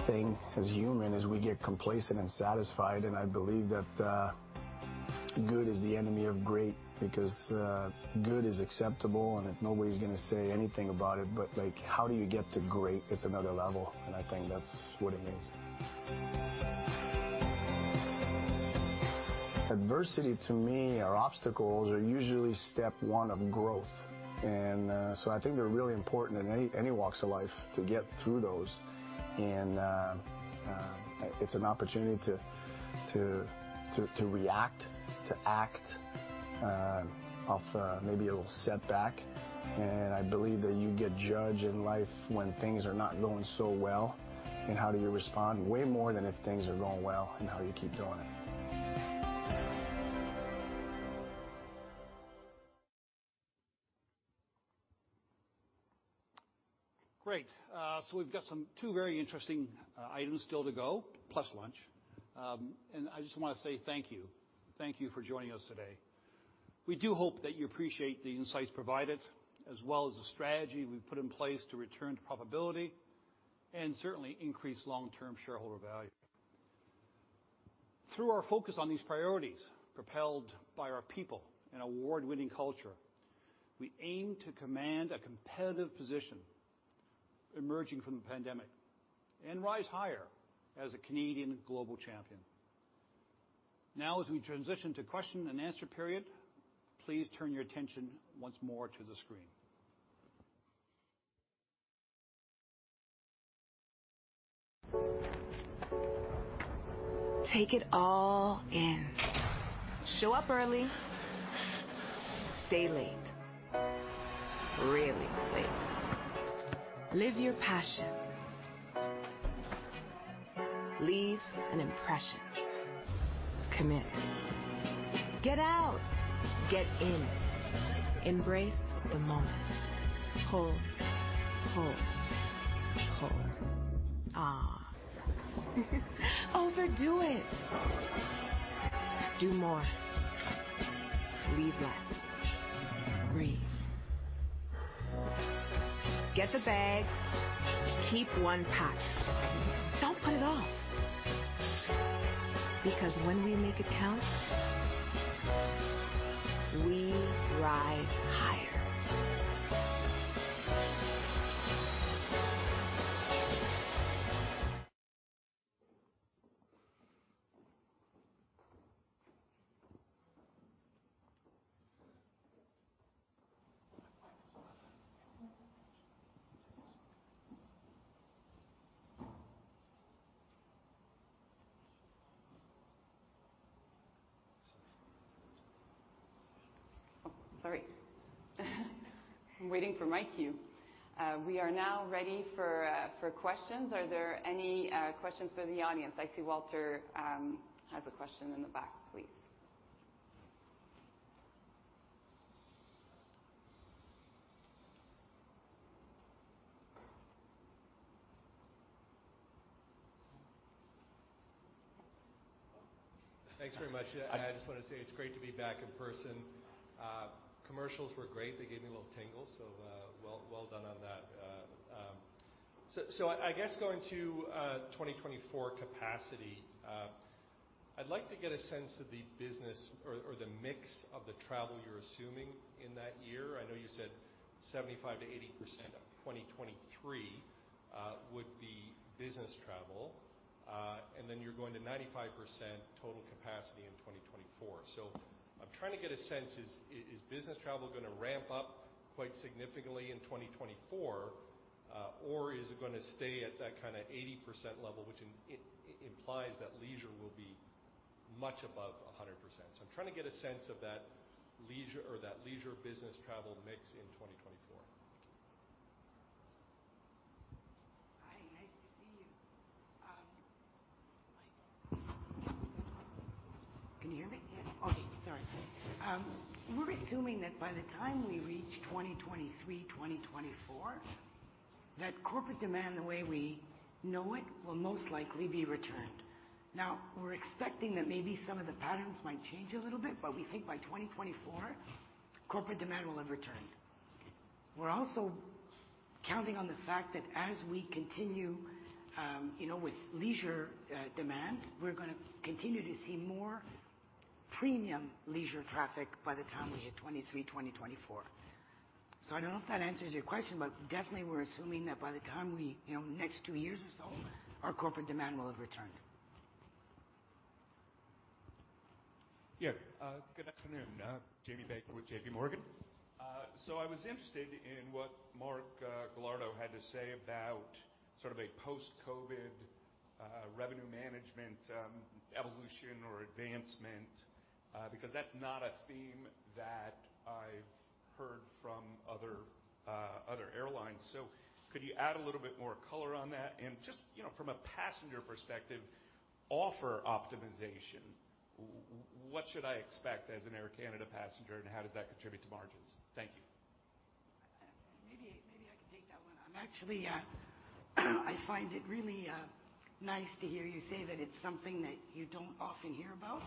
thing as human is we get complacent and satisfied, and I believe that good is the enemy of great because good is acceptable, and if nobody's gonna say anything about it, but like how do you get to great? It's another level, and I think that's what it means. Adversity to me or obstacles are usually step one of growth. I think they're really important in any walks of life to get through those. It's an opportunity to react to a little setback, and I believe that you get judged in life when things are not going so well and how do you respond way more than if things are going well and how you keep doing it. Great. So we've got some two very interesting items still to go, plus lunch. I just wanna say thank you. Thank you for joining us today. We do hope that you appreciate the insights provided as well as the strategy we've put in place to return to profitability and certainly increase long-term shareholder value. Through our focus on these priorities, propelled by our people and award-winning culture, we aim to command a competitive position emerging from the pandemic and Rise Higher as a Canadian global champion. Now, as we transition to question and answer period, please turn your attention once more to the screen. Take it all in. Show up early. Stay late. Really late. Live your passion. Leave an impression. Commit. Get out. Get in. Embrace the moment. Pull. Overdo it. Do more. Relax. Breathe. Get the bag. Keep one packed. Don't put it off. Because when we make it count, we ride higher. Sorry. I'm waiting for my cue. We are now ready for questions. Are there any questions from the audience? I see Walter has a question in the back, please. Thanks very much. I just wanna say it's great to be back in person. Commercials were great. They gave me little tingles, so well done on that. I guess going to 2024 capacity, I'd like to get a sense of the business or the mix of the travel you're assuming in that year. I know you said 75% to 80% of 2023 would be business travel, and then you're going to 95% total capacity in 2024. I'm trying to get a sense, is business travel gonna ramp up quite significantly in 2024? Or is it gonna stay at that kinda 80% level, which implies that leisure will be much above 100%? I'm trying to get a sense of that leisure or that leisure business travel mix in 2024. Thank you. Hi, nice to see you. Can you hear me? Yeah. Okay, sorry. We're assuming that by the time we reach 2023, 2024, that corporate demand, the way we know it, will most likely be returned. Now, we're expecting that maybe some of the patterns might change a little bit, but we think by 2024, corporate demand will have returned. We're also counting on the fact that as we continue, you know, with leisure demand, we're gonna continue to see more premium leisure traffic by the time we hit 2023, 2024. So I don't know if that answers your question, but definitely we're assuming that by the time we, you know, next two years or so, our corporate demand will have returned. Yeah. Good afternoon. Jamie Baker with J.P. Morgan. I was interested in what Mark Galardo had to say about sort of a post-COVID Revenue Management evolution or advancement because that's not a theme that I've heard from other airlines. Could you add a little bit more color on that? Just, you know, from a passenger perspective, Offer Optimization, what should I expect as an Air Canada passenger, and how does that contribute to margins? Thank you. Maybe I could take that one. I actually find it really nice to hear you say that it's something that you don't often hear about.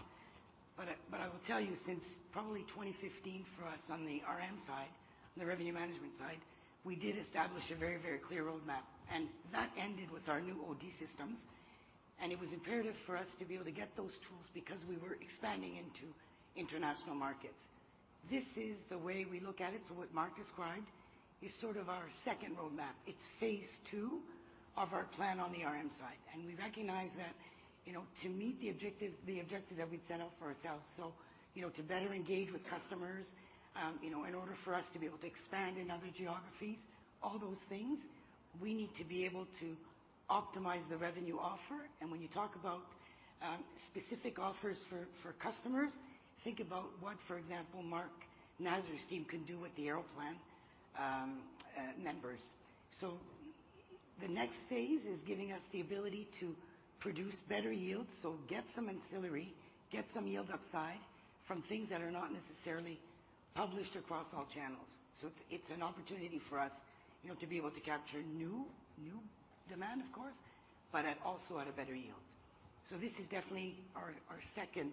But I will tell you, since probably 2015 for us on the RM side, on the Revenue Management side, we did establish a very, very clear roadmap, and that ended with our new OG systems, and it was imperative for us to be able to get those tools because we were expanding into international markets. This is the way we look at it, so what Mark described is sort of our second roadmap. It's phase two of our plan on the RM side. We recognize that, you know, to meet the objectives that we'd set out for ourselves, you know, to better engage with customers, in order for us to be able to expand in other geographies, all those things we need to be able to optimize the revenue offer. When you talk about specific offers for customers, think about what, for example, Mark Nasr's team can do with the Aeroplan members. The next phase is giving us the ability to produce better yields. Get some ancillary yield upside from things that are not necessarily published across all channels. It's an opportunity for us, you know, to be able to capture new demand, of course, but also at a better yield. This is definitely our second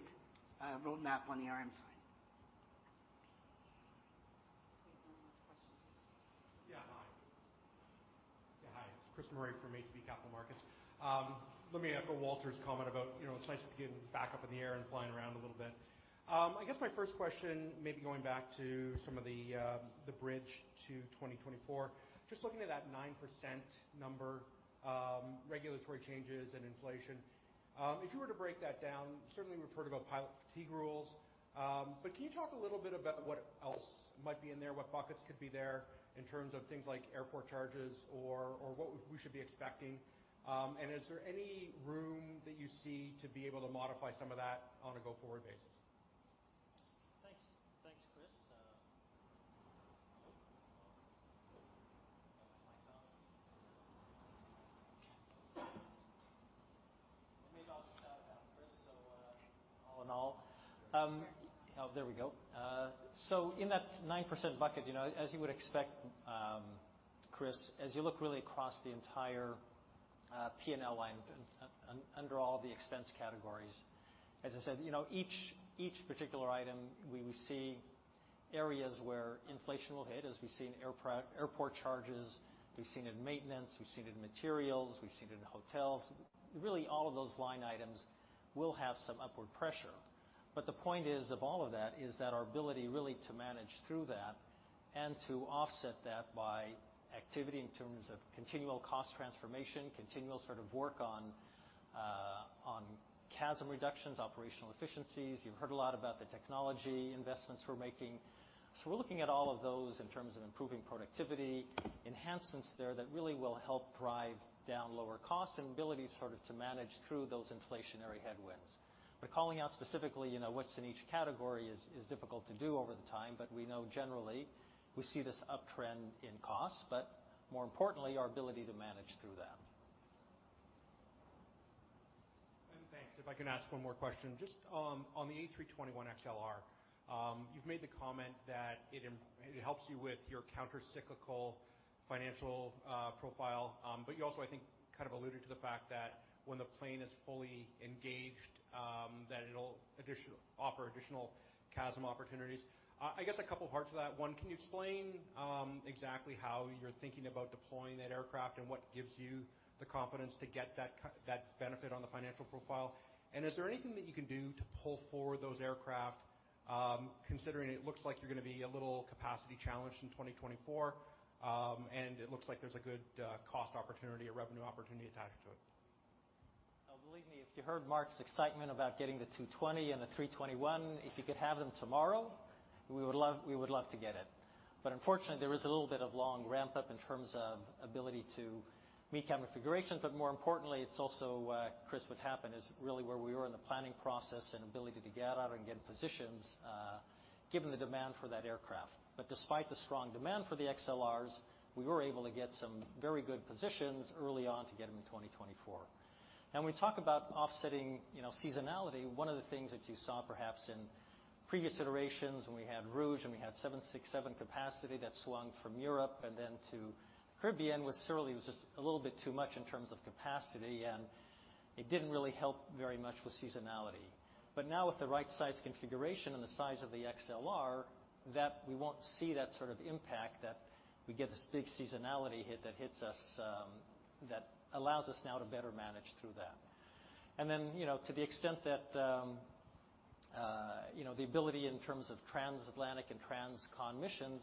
roadmap on the RM side. We have one more question. Hi. It's Chris Murray from ATB Capital Markets. Let me echo Walter's comment about, you know, it's nice to be getting back up in the air and flying around a little bit. I guess my first question may be going back to some of the bridge to 2024. Just looking at that 9% number, regulatory changes and inflation. If you were to break that down, certainly we've heard about pilot fatigue rules. But can you talk a little bit about what else might be in there? What buckets could be there in terms of things like airport charges or what we should be expecting? And is there any room that you see to be able to modify some of that on a go-forward basis? Thanks. Thanks, Chris. Maybe I'll just shout it down, Chris. All in all, in that 9% bucket, you know, as you would expect, Chris, as you look really across the entire P&L line under all the expense categories, as I said, you know, each particular item we see areas where inflation will hit, as we see in airport charges, we've seen it in maintenance, we've seen it in materials, we've seen it in hotels. Really, all of those line items will have some upward pressure. The point is of all of that is that our ability really to manage through that and to offset that by activity in terms of continual cost transformation, continual sort of work on CASM reductions, operational efficiencies. You've heard a lot about the technology investments we're making. We're looking at all of those in terms of improving productivity, enhancements there that really will help drive down lower costs and ability sort of to manage through those inflationary headwinds. Calling out specifically, you know, what's in each category is difficult to do over time. We know generally we see this uptrend in costs, but more importantly, our ability to manage through that. Thanks. If I can ask one more question. Just on the A321XLR, you've made the comment that it helps you with your counter-cyclical financial profile. You also, I think, kind of alluded to the fact that when the plane is fully engaged, that it'll offer additional CASM opportunities. I guess a couple parts of that. One, can you explain exactly how you're thinking about deploying that aircraft and what gives you the confidence to get that benefit on the financial profile? Is there anything that you can do to pull forward those aircraft, considering it looks like you're gonna be a little capacity challenged in 2024, and it looks like there's a good cost opportunity or revenue opportunity attached to it? Believe me, if you heard Mark's excitement about getting the 220 and the 321, if you could have them tomorrow, we would love to get it. Unfortunately, there is a little bit of long ramp-up in terms of ability to meet cabin configurations. More importantly, it's also, Chris, what happened is really where we were in the planning process and ability to get out and get positions, given the demand for that aircraft. Despite the strong demand for the XLRs, we were able to get some very good positions early on to get them in 2024. Now we talk about offsetting, you know, seasonality. One of the things that you saw perhaps in previous iterations when we had Rouge and we had 767 capacity that swung from Europe and then to Caribbean was just a little bit too much in terms of capacity, and it didn't really help very much with seasonality. Now with the right size configuration and the size of the XLR, that we won't see that sort of impact, that we get this big seasonality hit that hits us, that allows us now to better manage through that. To the extent that, you know, the ability in terms of transatlantic and transcon missions,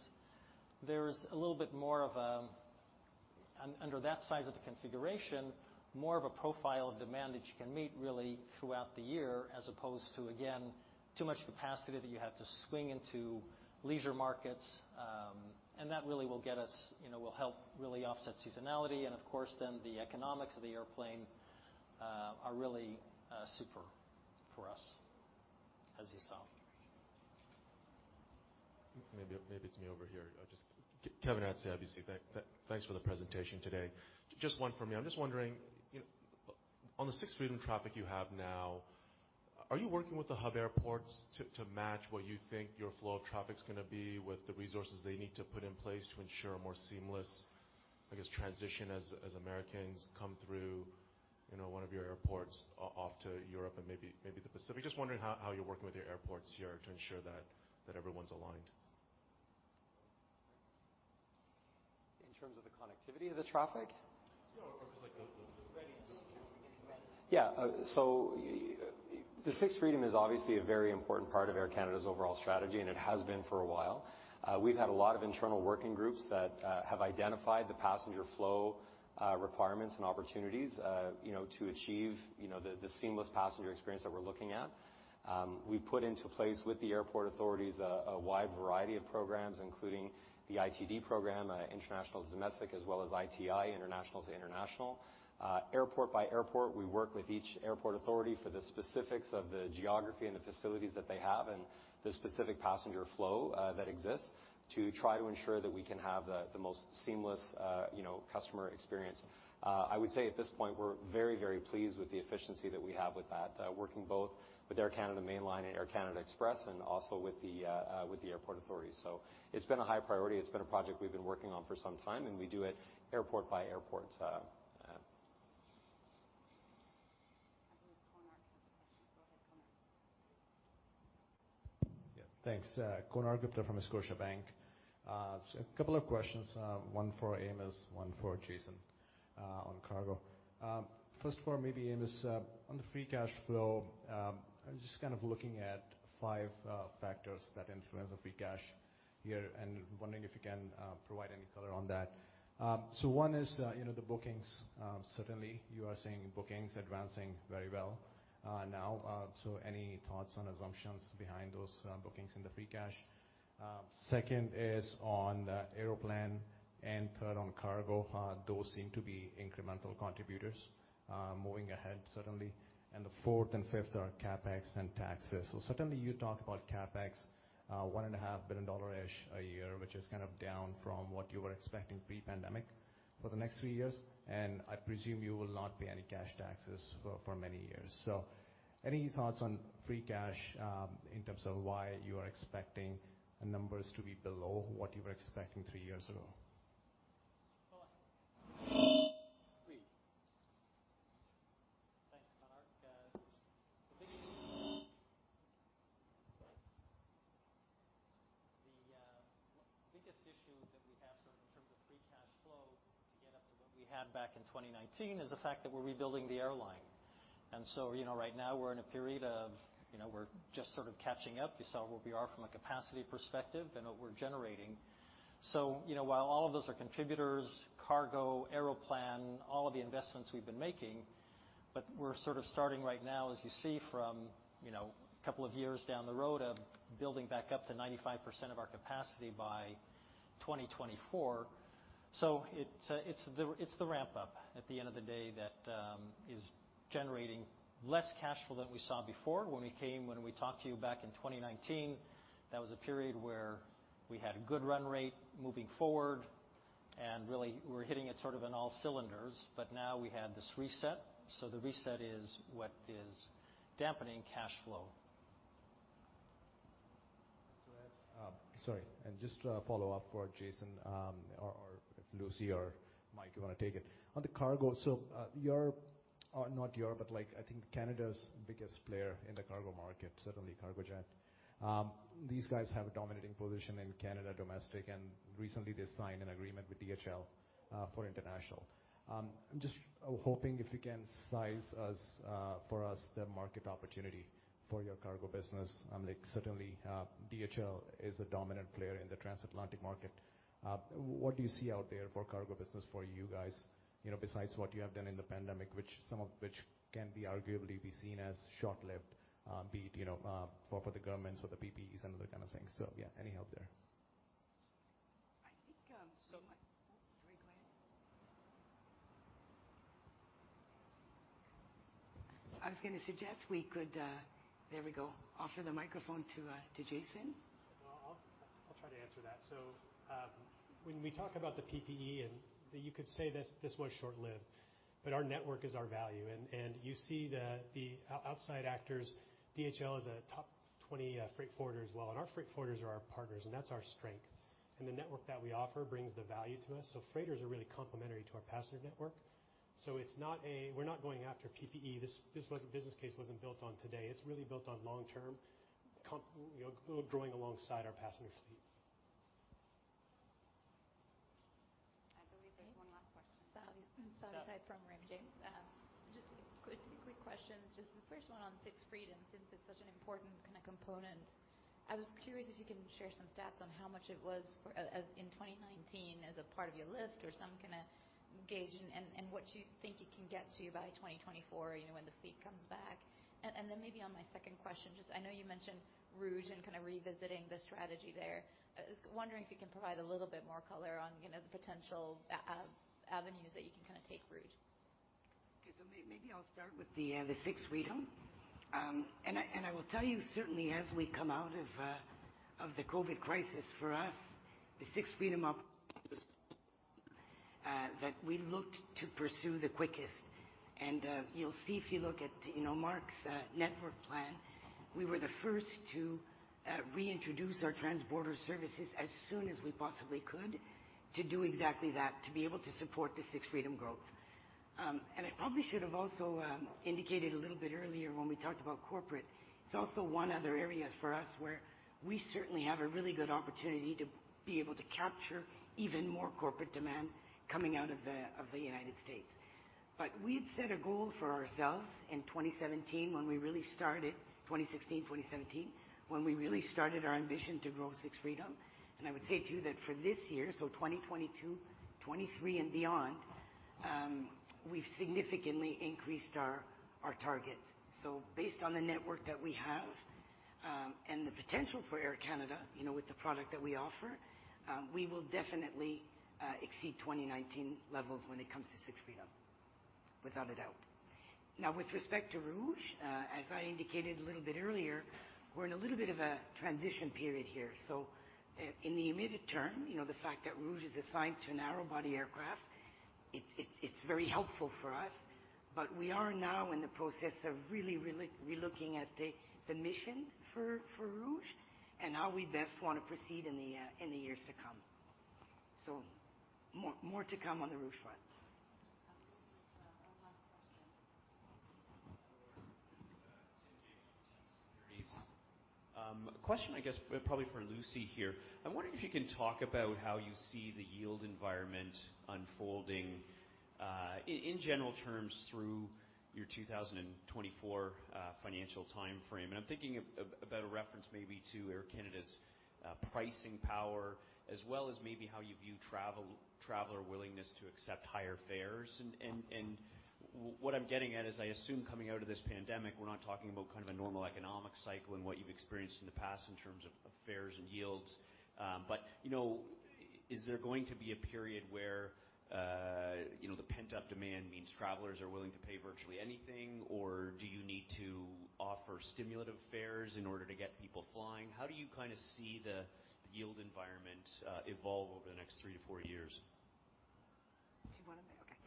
there's a little bit more of a under that size of the configuration, more of a profile of demand that you can meet really throughout the year as opposed to, again, too much capacity that you have to swing into leisure markets. That really will get us, you know, will help really offset seasonality and of course then the economics of the airplane are really super for us as you saw. Maybe it's me over here. Just Kevin Chiang, obviously. Thanks for the presentation today. Just one from me. I'm just wondering, on the Sixth Freedom traffic you have now, are you working with the hub airports to match what you think your flow of traffic's gonna be with the resources they need to put in place to ensure a more seamless, I guess, transition as Americans come through, you know, one of your airports off to Europe and maybe the Pacific? Just wondering how you're working with your airports here to ensure that everyone's aligned. In terms of the connectivity of the traffic? No, just like the readiness. Yeah. You know— The Sixth Freedom is obviously a very important part of Air Canada's overall strategy, and it has been for a while. We've had a lot of internal working groups that have identified the passenger flow requirements and opportunities, you know, to achieve, you know, the seamless passenger experience that we're looking at. We've put into place with the airport authorities a wide variety of programs, including the ITD program, international to domestic, as well as ITI, international to international. Airport by airport, we work with each airport authority for the specifics of the geography and the facilities that they have and the specific passenger flow that exists to try to ensure that we can have the most seamless, you know, customer experience. I would say at this point we're very, very pleased with the efficiency that we have with that, working both with Air Canada main line and Air Canada Express and also with the airport authorities. It's been a high priority. It's been a project we've been working on for some time, and we do it airport by airport. I believe Konark has a question. Go ahead, Konark. Yeah, thanks. Konark Gupta from Scotiabank. So a couple of questions, one for Amos, one for Jason, on cargo. First of all, maybe Amos, on the free cash flow, I'm just kind of looking at five factors that influence the free cash here and wondering if you can provide any color on that. So one is, you know, the bookings, certainly you are seeing bookings advancing very well, now. So any thoughts on assumptions behind those bookings in the free cash? Second is on Aeroplan, and third on cargo. Those seem to be incremental contributors, moving ahead certainly. The fourth and fifth are CapEx and taxes. Certainly you talked about CapEx, 1.5 billion-ish a year, which is kind of down from what you were expecting pre-pandemic for the next three years, and I presume you will not pay any cash taxes for many years. Any thoughts on free cash in terms of why you are expecting the numbers to be below what you were expecting three years ago? The biggest issue that we have sort of in terms of free cash flow to get up to what we had back in 2019 is the fact that we're rebuilding the airline. You know, right now we're in a period of, you know, we're just sort of catching up. You saw where we are from a capacity perspective and what we're generating. You know, while all of those are contributors, cargo, Aeroplan, all of the investments we've been making, but we're sort of starting right now, as you see from, you know, a couple of years down the road of building back up to 95% of our capacity by 2024. It's the ramp up at the end of the day that is generating less cash flow than we saw before. When we talked to you back in 2019, that was a period where we had a good run rate moving forward, and really we were hitting it sort of in all cylinders. Now we have this reset, so the reset is what is dampening cash flow. Just to follow up for Jason, or if Lucy or Mike you wanna take it. On the cargo, or not your, but like I think Canada's biggest player in the cargo market, certainly Cargojet. These guys have a dominating position in Canadian domestic, and recently they signed an agreement with DHL for international. I'm just hoping if you can size for us the market opportunity for your cargo business. Like certainly DHL is a dominant player in the transatlantic market. What do you see out there for cargo business for you guys, you know, besides what you have done in the pandemic, which some of which can arguably be seen as short-lived, be it, you know, for the governments, for the PPEs and other kind of things. Yeah, any help there? I think. So much- Very glad. I was gonna suggest we could offer the microphone to Jason. I'll try to answer that. When we talk about the PPE and you could say this was short lived, but our network is our value. You see the outside actors. DHL is a top 20 freight forwarder as well, and our freight forwarders are our partners, and that's our strength. The network that we offer brings the value to us. Freighters are really complementary to our passenger network. It's not. We're not going after PPE. This business case wasn't built on that. It's really built on long term comp. You know, growing alongside our passenger fleet. I believe there's one last question. From Rinjai, just two quick questions. Just the first one on Sixth Freedom, since it's such an important kind of component, I was curious if you can share some stats on how much it was for ASMs in 2019 as a part of your lift or some kind of gauge. Then maybe on my second question, just I know you mentioned Rouge and kind of revisiting the strategy there. I was wondering if you can provide a little bit more color on, you know, the potential avenues that you can kind of take Rouge. Okay. Maybe I'll start with the Sixth Freedom. I will tell you certainly as we come out of the COVID crisis, for us, the Sixth Freedom that we looked to pursue the quickest. You'll see if you look at, you know, Mark's network plan, we were the first to reintroduce our Transborder services as soon as we possibly could to do exactly that, to be able to support the Sixth Freedom growth. I probably should have also indicated a little bit earlier when we talked about corporate. It's also one other area for us where we certainly have a really good opportunity to be able to capture even more corporate demand coming out of the United States. We've set a goal for ourselves in 2017 when we really started 2016, 2017, when we really started our ambition to grow Sixth Freedom. I would say to you that for this year, so 2022, 2023 and beyond, we've significantly increased our target. Based on the network that we have, and the potential for Air Canada, you know, with the product that we offer, we will definitely exceed 2019 levels when it comes to Sixth Freedom, without a doubt. Now with respect to Rouge, as I indicated a little bit earlier, we're in a little bit of a transition period here. In the immediate term, you know, the fact that Rouge is assigned to narrow-body aircraft, it's very helpful for us. We are now in the process of really relooking at the mission for Rouge and how we best want to proceed in the years to come. More to come on the Rouge front. One last question. A question I guess probably for Lucy here. I'm wondering if you can talk about how you see the Yield Environment unfolding in general terms through your 2024 financial timeframe. I'm thinking about a reference maybe to Air Canada's pricing power as well as maybe how you view traveler willingness to accept higher fares. What I'm getting at is I assume coming out of this pandemic, we're not talking about kind of a normal economic cycle and what you've experienced in the past in terms of fares and yields. You know, is there going to be a period where the pent-up demand means travelers are willing to pay virtually anything or do you need to offer Stimulative Fares in order to get people flying? How do you kind of see the Yield Environment evolve over the next three to four years? Okay.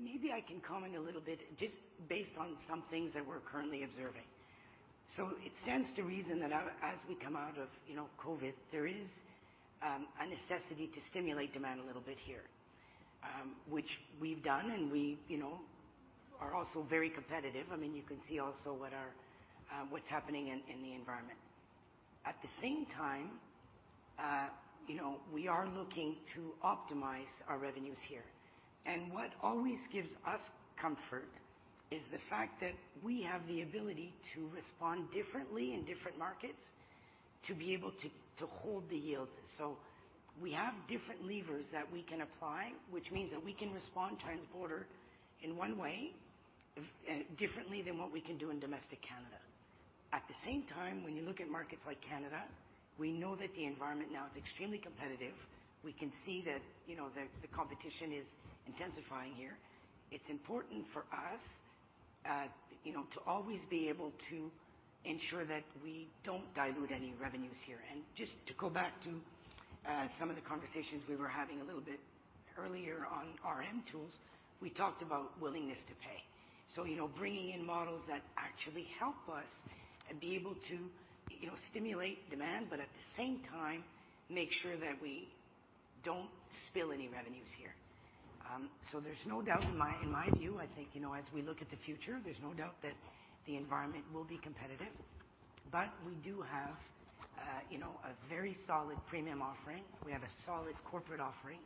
Maybe I can comment a little bit just based on some things that we're currently observing. It stands to reason that as we come out of, you know, COVID, there is a necessity to stimulate demand a little bit here, which we've done and we, you know, are also very competitive. I mean, you can see also what's happening in the environment. At the same time, you know, we are looking to optimize our revenues here. What always gives us comfort is the fact that we have the ability to respond differently in different markets to be able to hold the yields. We have different levers that we can apply, which means that we can respond Transborder in one way, differently than what we can do in domestic Canada. At the same time, when you look at markets like Canada, we know that the environment now is extremely competitive. We can see that, you know, the competition is intensifying here. It's important for us, you know, to always be able to ensure that we don't dilute any revenues here. Just to go back to some of the conversations we were having a little bit earlier on RM tools, we talked about willingness to pay. You know, bringing in models that actually help us be able to, you know, stimulate demand, but at the same time, make sure that we don't spill any revenues here. There's no doubt in my view, I think, you know, as we look at the future, there's no doubt that the environment will be competitive. We do have a very solid premium offering. We have a solid corporate offering.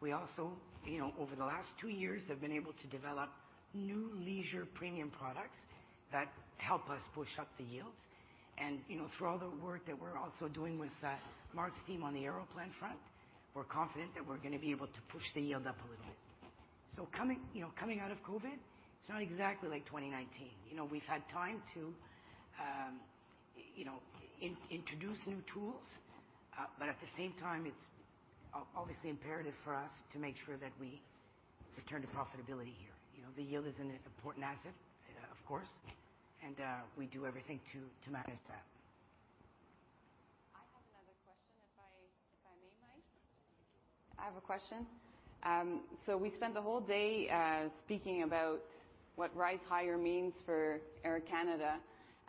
We also, you know, over the last two years have been able to develop new leisure premium products that help us push up the yields. You know, through all the work that we're also doing with Mark's team on the Aeroplan front, we're confident that we're gonna be able to push the yield up a little bit. Coming, you know, out of COVID, it's not exactly like 2019. You know, we've had time to, you know, introduce new tools, but at the same time, it's obviously imperative for us to make sure that we return to profitability here. You know, the yield is an important asset, of course, and we do everything to manage that. I have another question if I may, Mike. I have a question. We spent the whole day speaking about what Rise Higher means for Air Canada,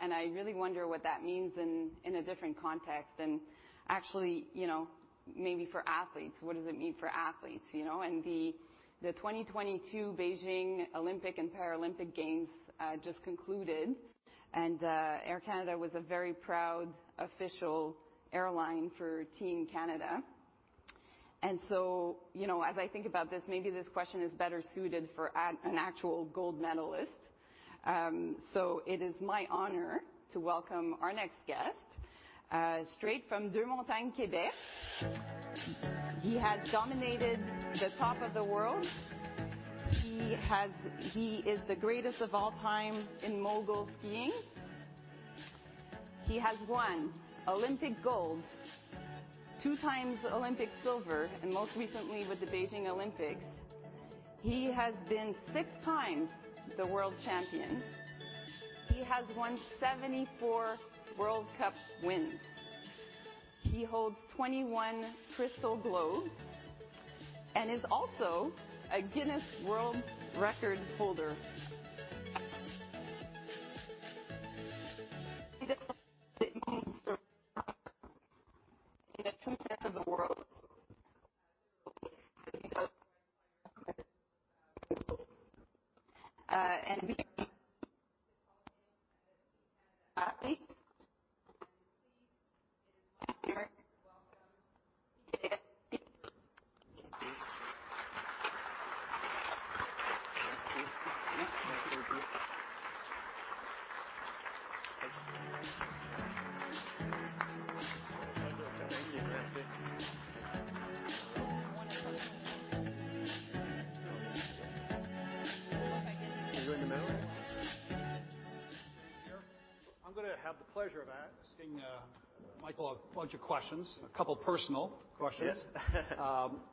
and I really wonder what that means in a different context and actually, you know, maybe for athletes, what does it mean for athletes? You know, and the 2022 Beijing Olympic and Paralympic Games just concluded, and Air Canada was a very proud official airline for Team Canada. You know, as I think about this, maybe this question is better suited for an actual gold medalist. It is my honor to welcome our next guest straight from Deux-Montagnes, Quebec. He has dominated the top of the world. He is the greatest of all time in mogul skiing. He has won Olympic gold, two times Olympic silver, and most recently with the Beijing Olympics. He has been six times the world champion. He has won 74 World Cup wins. He holds 21 Crystal Globes and is also a Guinness World Records holder. [audio distorion] I'm gonna have the pleasure of asking, Mikaël a bunch of questions. A couple personal questions.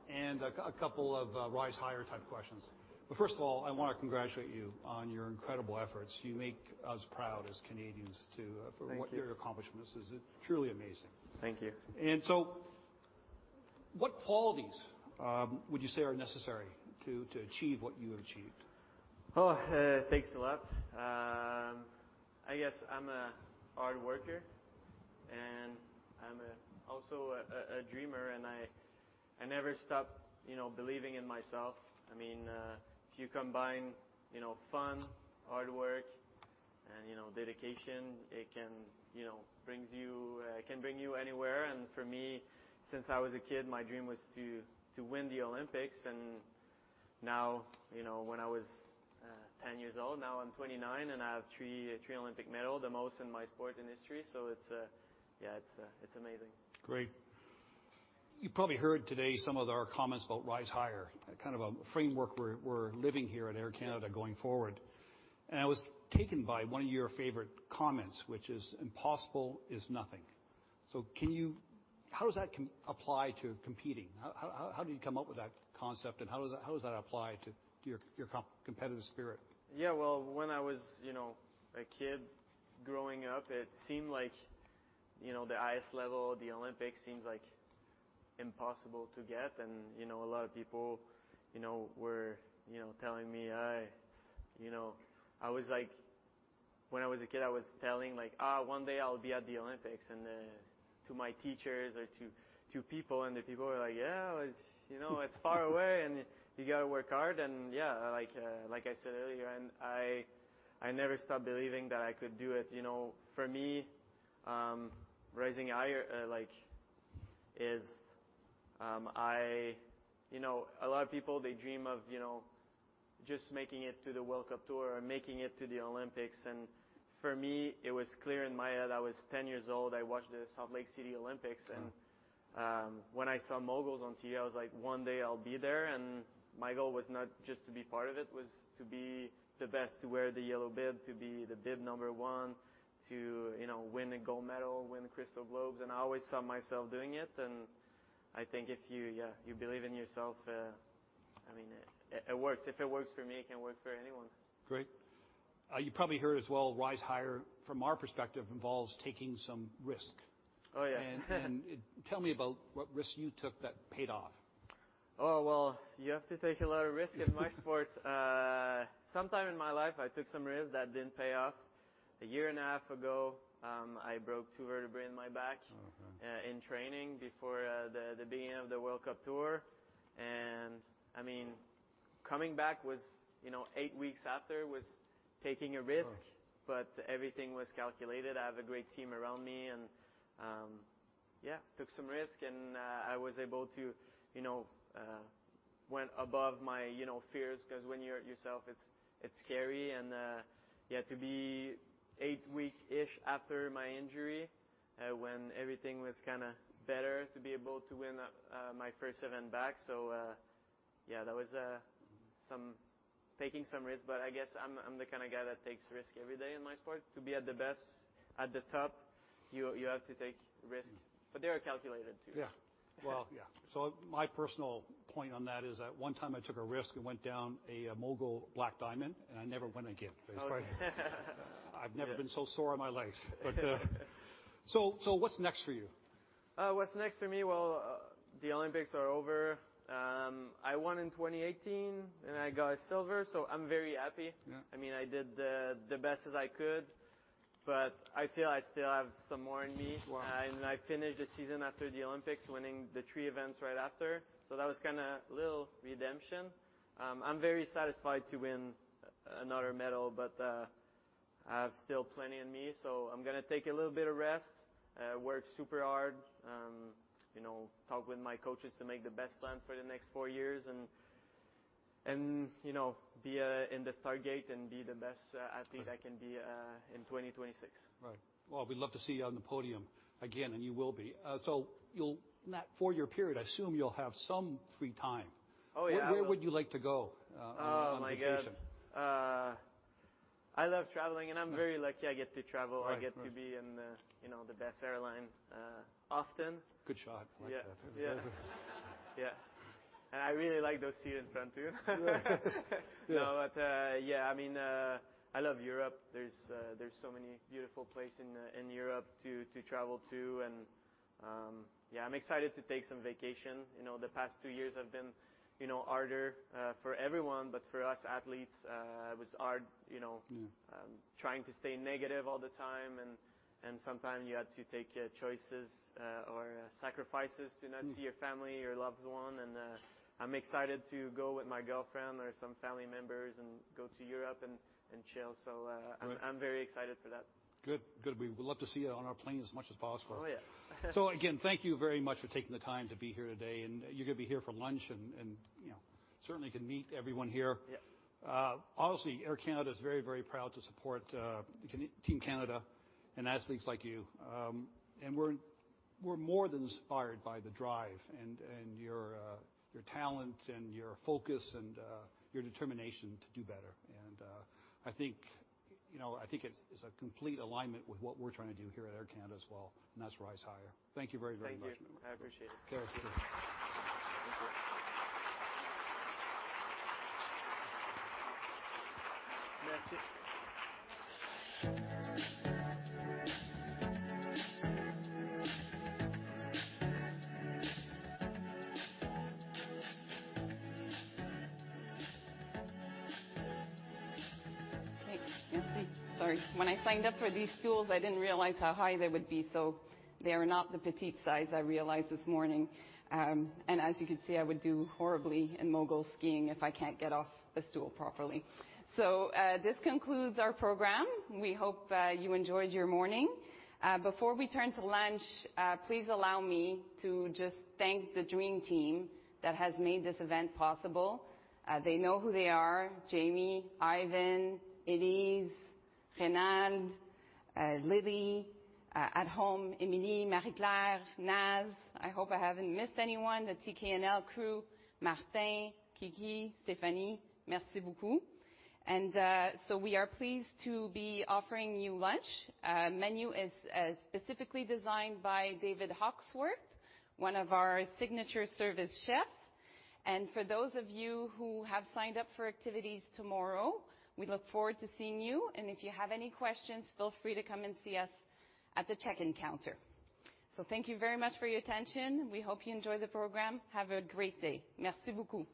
Yes. A couple of Rise Higher type questions. First of all, I wanna congratulate you on your incredible efforts. You make us proud as Canadians to— Thank you. For your accomplishment. This is truly amazing. Thank you. What qualities would you say are necessary to achieve what you have achieved? Thanks a lot. I guess I'm a hard worker, and I'm also a dreamer and I never stop, you know, believing in myself. I mean, if you combine, you know, fun, hard work and, you know, dedication, it can bring you anywhere. For me, since I was a kid, my dream was to win the Olympics. Now, you know, when I was 10 years old, now I'm 29 and I have three Olympic medals, the most in my sport in history. It's amazing. Great. You probably heard today some of our comments about Rise Higher, a kind of a framework we're living here at Air Canada going forward. I was taken by one of your favorite comments, which is, "Impossible is nothing." So can you. How does that apply to competing? How did you come up with that concept and how does that apply to your competitive spirit? Well, when I was, you know, a kid growing up, it seemed like, you know, the highest level, the Olympics seemed like impossible to get. You know, a lot of people, you know, were, you know, telling me, "Oh, you know." When I was a kid, I was telling like, "Ah, one day I'll be at the Olympics," and to my teachers or to people and the people were like, "Yeah, it's far away and you gotta work hard." Yeah, like I said earlier, and I never stopped believing that I could do it. You know, for me, Rise Higher, like, is. You know, a lot of people, they dream of, you know, just making it to the World Cup tour or making it to the Olympics. For me, it was clear in my head. I was ten years old. I watched the Salt Lake City Olympics. Wow. When I saw moguls on TV, I was like, "One day I'll be there." My goal was not just to be part of it was to be the best, to wear the yellow bib, to be the bib number one, to, you know, win a gold medal, win the Crystal Globe. I always saw myself doing it. I think if you, yeah, you believe in yourself, I mean, it works. If it works for me, it can work for anyone. Great. You probably heard as well Rise Higher from our perspective involves taking some risk. Oh, yeah. Tell me about what risk you took that paid off. Oh, well, you have to take a lot of risk in my sport. Sometime in my life, I took some risk that didn't pay off. A year and a half ago, I broke two vertebrae in my back in training before the beginning of the World Cup tour. I mean, coming back was, you know, eight weeks after taking a risk. Gosh. Everything was calculated. I have a great team around me and took some risk and I was able to, you know, went above my, you know, fears 'cause when you're yourself it's scary. To be eight week-ish after my injury, when everything was kinda better to be able to win my first event back. That was some taking some risk. I guess I'm the kinda guy that takes risk every day in my sport. To be at the best, at the top, you have to take risk. Yeah. They are calculated too. Yeah. Well, yeah. My personal point on that is that one time I took a risk and went down a mogul black diamond and I never went again. Okay. I've never been so sore in my life. What's next for you? What's next for me? Well, the Olympics are over. I won in 2018 and I got a silver, so I'm very happy. Yeah. I mean, I did the best as I could, but I feel I still have some more in me. Wow. I finished the season after the Olympics winning the three events right after. That was kinda a little redemption. I'm very satisfied to win another medal, but I have still plenty in me, so I'm gonna take a little bit of rest, work super hard, you know, talk with my coaches to make the best plan for the next four years and you know, be in the start gate and be the best athlete I can be in 2026. Right. Well, we'd love to see you on the podium again, and you will be. You'll, in that four-year period, I assume you'll have some free time. Oh, yeah. I will— Where would you like to go on vacation? Oh, my God. I love traveling and I'm very lucky I get to travel. Right. Right. I get to be in the, you know, the best airline, often. Good shot. Yeah. Like that. Yeah. I really like those seat in front too. Yeah. Yeah. No, yeah, I mean, I love Europe. There's so many beautiful place in Europe to travel to and yeah, I'm excited to take some vacation. You know, the past two years have been, you know, harder for everyone, but for us athletes, it was hard, you know, trying to stay negative all the time, and sometimes you had to take choices or sacrifices to not see your family, your loved one. I'm excited to go with my girlfriend or some family members and go to Europe and chill. Good. I'm very excited for that. Good. We would love to see you on our plane as much as possible. Oh, yeah. Again, thank you very much for taking the time to be here today, and you're gonna be here for lunch and, you know, certainly can meet everyone here. Yeah. Obviously, Air Canada is very, very proud to support Team Canada and athletes like you. We're more than inspired by the drive and your talent and your focus and your determination to do better. I think, you know, it's a complete alignment with what we're trying to do here at Air Canada as well, and that's Rise Higher. Thank you very, very much. Thank you. I appreciate it. Okay. Thank you. Sorry. When I signed up for these stools, I didn't realize how high they would be, so they are not the petite size I realized this morning. As you can see, I would do horribly in mogul skiing if I can't get off the stool properly. This concludes our program. We hope you enjoyed your morning. Before we turn to lunch, please allow me to just thank the dream team that has made this event possible. They know who they are. Jamie, Ivan, Elise, Renaud, Lily, at home, Emily, Marie-Claude Nault. I hope I haven't missed anyone. The TKNL crew, Martin, Kiki, Stephanie, Merci beaucoup. We are pleased to be offering you lunch. Menu is specifically designed by David Hawksworth, one of our signature service chefs. For those of you who have signed up for activities tomorrow, we look forward to seeing you. If you have any questions, feel free to come and see us at the check-in counter. Thank you very much for your attention. We hope you enjoyed the program. Have a great day. Merci beaucoup.